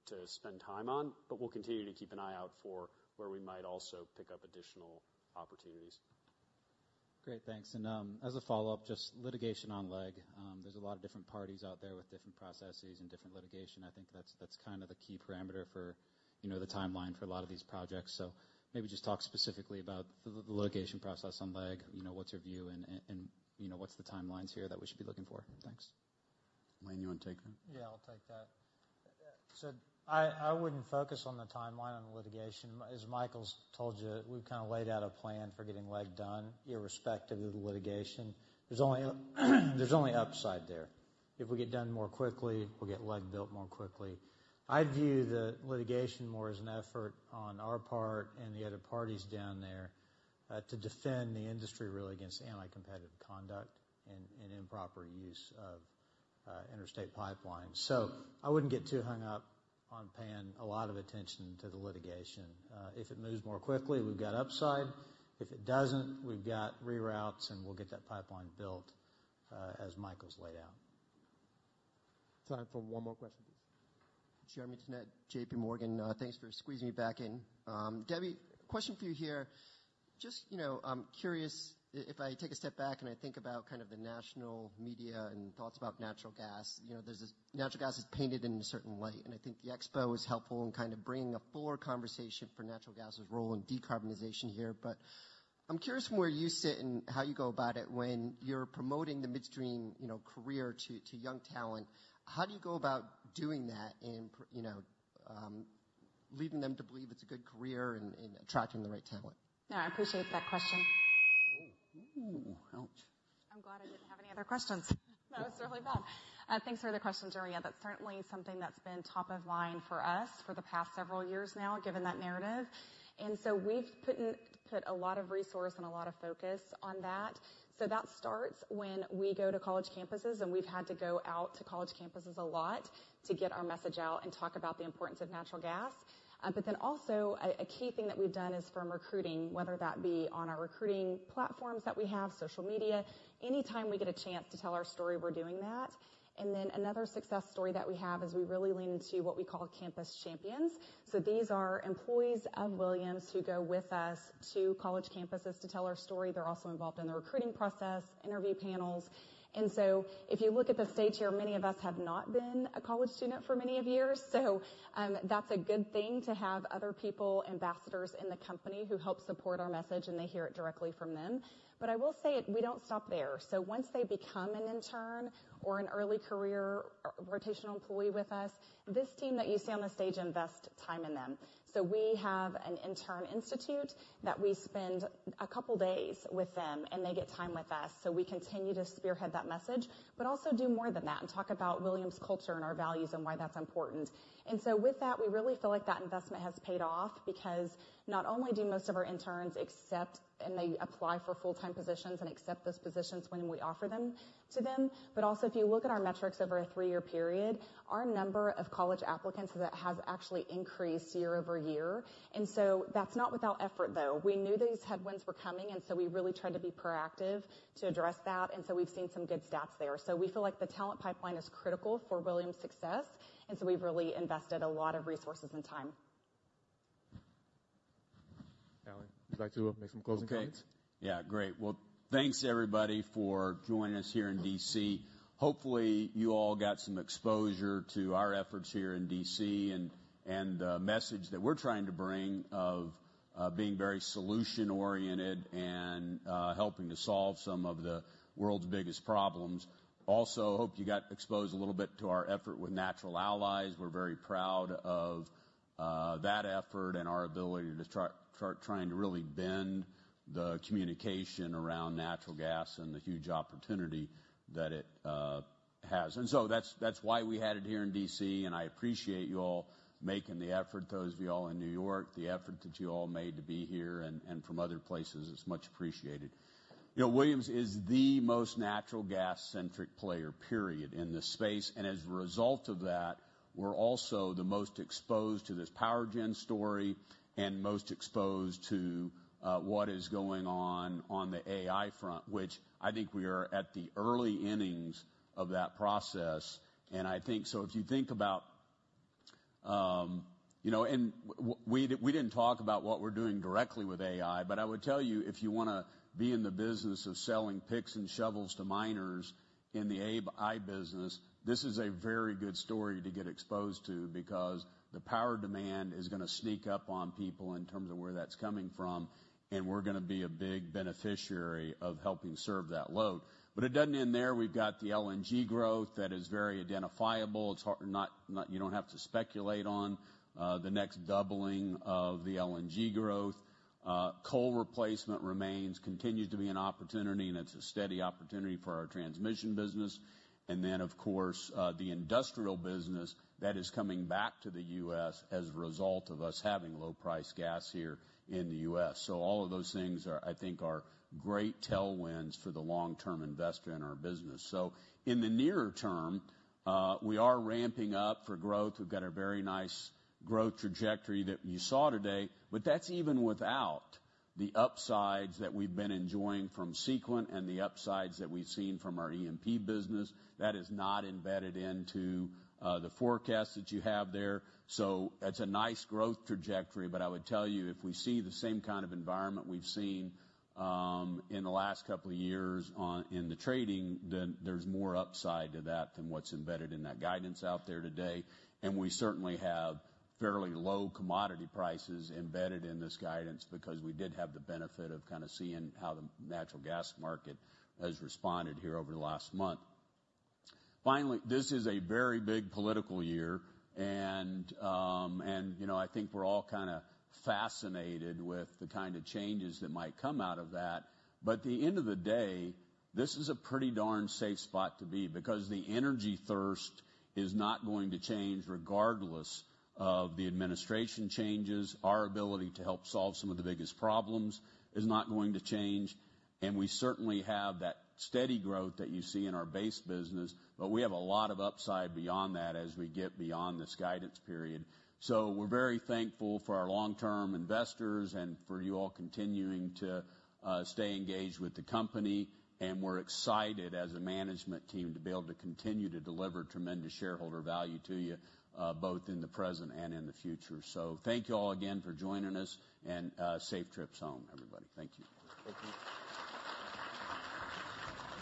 to spend time on. But we'll continue to keep an eye out for where we might also pick up additional opportunities. Great. Thanks. And as a follow-up, just litigation on LEG. There's a lot of different parties out there with different processes and different litigation. I think that's kind of the key parameter for the timeline for a lot of these projects. So maybe just talk specifically about the litigation process on LEG. What's your view? And what's the timelines here that we should be looking for? Thanks. Lane, you want to take that? Yeah. I'll take that. So I wouldn't focus on the timeline on litigation. As Michael's told you, we've kind of laid out a plan for getting LEG done irrespective of the litigation. There's only upside there. If we get done more quickly, we'll get LEG built more quickly. I view the litigation more as an effort on our part and the other parties down there to defend the industry really against anti-competitive conduct and improper use of interstate pipelines. So I wouldn't get too hung up on paying a lot of attention to the litigation. If it moves more quickly, we've got upside. If it doesn't, we've got reroutes, and we'll get that pipeline built, as Michael's laid out. Time for one more question, please. Jeremy Tonet, JP Morgan. Thanks for squeezing me back in. Debbie, question for you here. Just curious, if I take a step back and I think about kind of the national media and thoughts about natural gas, natural gas is painted in a certain light. And I think the expo is helpful in kind of bringing a fuller conversation for natural gas's role in decarbonization here. But I'm curious from where you sit and how you go about it when you're promoting the midstream career to young talent. How do you go about doing that and leading them to believe it's a good career and attracting the right talent? Yeah. I appreciate that question. I'm glad I didn't have any other questions. That was really bad. Thanks for the question, Jeremy. That's certainly something that's been top of mind for us for the past several years now, given that narrative. And so we've put a lot of resource and a lot of focus on that. So that starts when we go to college campuses. And we've had to go out to college campuses a lot to get our message out and talk about the importance of natural gas. But then also, a key thing that we've done is firm recruiting, whether that be on our recruiting platforms that we have, social media, anytime we get a chance to tell our story, we're doing that. And then another success story that we have is we really lean into what we call campus champions. So these are employees of Williams who go with us to college campuses to tell our story. They're also involved in the recruiting process, interview panels. And so if you look at the stage here, many of us have not been a college student for many years. So that's a good thing to have other people, ambassadors in the company, who help support our message. And they hear it directly from them. But I will say we don't stop there. So once they become an intern or an early career rotational employee with us, this team that you see on the stage invests time in them. So we have an intern institute that we spend a couple of days with them. And they get time with us. So we continue to spearhead that message but also do more than that and talk about Williams' culture and our values and why that's important. And so with that, we really feel like that investment has paid off because not only do most of our interns accept and they apply for full-time positions and accept those positions when we offer them to them, but also, if you look at our metrics over a three-year period, our number of college applicants has actually increased year-over-year. And so that's not without effort, though. We knew these headwinds were coming. And so we really tried to be proactive to address that. And so we've seen some good stats there. So we feel like the talent pipeline is critical for Williams' success. And so we've really invested a lot of resources and time. Alan, would you like to make some closing comments? Okay. Yeah. Great. Well, thanks, everybody, for joining us here in D.C. Hopefully, you all got some exposure to our efforts here in D.C. and the message that we're trying to bring of being very solution-oriented and helping to solve some of the world's biggest problems. Also, hope you got exposed a little bit to our effort with Natural Allies. We're very proud of that effort and our ability to try and really bend the communication around natural gas and the huge opportunity that it has. And so that's why we had it here in D.C. And I appreciate you all making the effort, those of you all in New York, the effort that you all made to be here. And from other places, it's much appreciated. Williams is the most natural gas-centric player, period, in this space. As a result of that, we're also the most exposed to this power gen story and most exposed to what is going on on the AI front, which I think we are at the early innings of that process. And so if you think about and we didn't talk about what we're doing directly with AI. But I would tell you, if you want to be in the business of selling picks and shovels to miners in the AI business, this is a very good story to get exposed to because the power demand is going to sneak up on people in terms of where that's coming from. And we're going to be a big beneficiary of helping serve that load. But it doesn't end there. We've got the LNG growth that is very identifiable. You don't have to speculate on the next doubling of the LNG growth. Coal replacement continues to be an opportunity. And it's a steady opportunity for our transmission business. And then, of course, the industrial business that is coming back to the U.S. as a result of us having low-priced gas here in the U.S. So all of those things, I think, are great tailwinds for the long-term investor in our business. So in the near term, we are ramping up for growth. We've got a very nice growth trajectory that you saw today. But that's even without the upsides that we've been enjoying from Sequent and the upsides that we've seen from our E&P business. That is not embedded into the forecast that you have there. So it's a nice growth trajectory. But I would tell you, if we see the same kind of environment we've seen in the last couple of years in the trading, then there's more upside to that than what's embedded in that guidance out there today. We certainly have fairly low commodity prices embedded in this guidance because we did have the benefit of kind of seeing how the natural gas market has responded here over the last month. Finally, this is a very big political year. I think we're all kind of fascinated with the kind of changes that might come out of that. But at the end of the day, this is a pretty darn safe spot to be because the energy thirst is not going to change regardless of the administration changes. Our ability to help solve some of the biggest problems is not going to change. We certainly have that steady growth that you see in our base business. But we have a lot of upside beyond that as we get beyond this guidance period. So we're very thankful for our long-term investors and for you all continuing to stay engaged with the company. And we're excited, as a management team, to be able to continue to deliver tremendous shareholder value to you both in the present and in the future. So thank you all again for joining us. And safe trips home, everybody. Thank you. Thank you.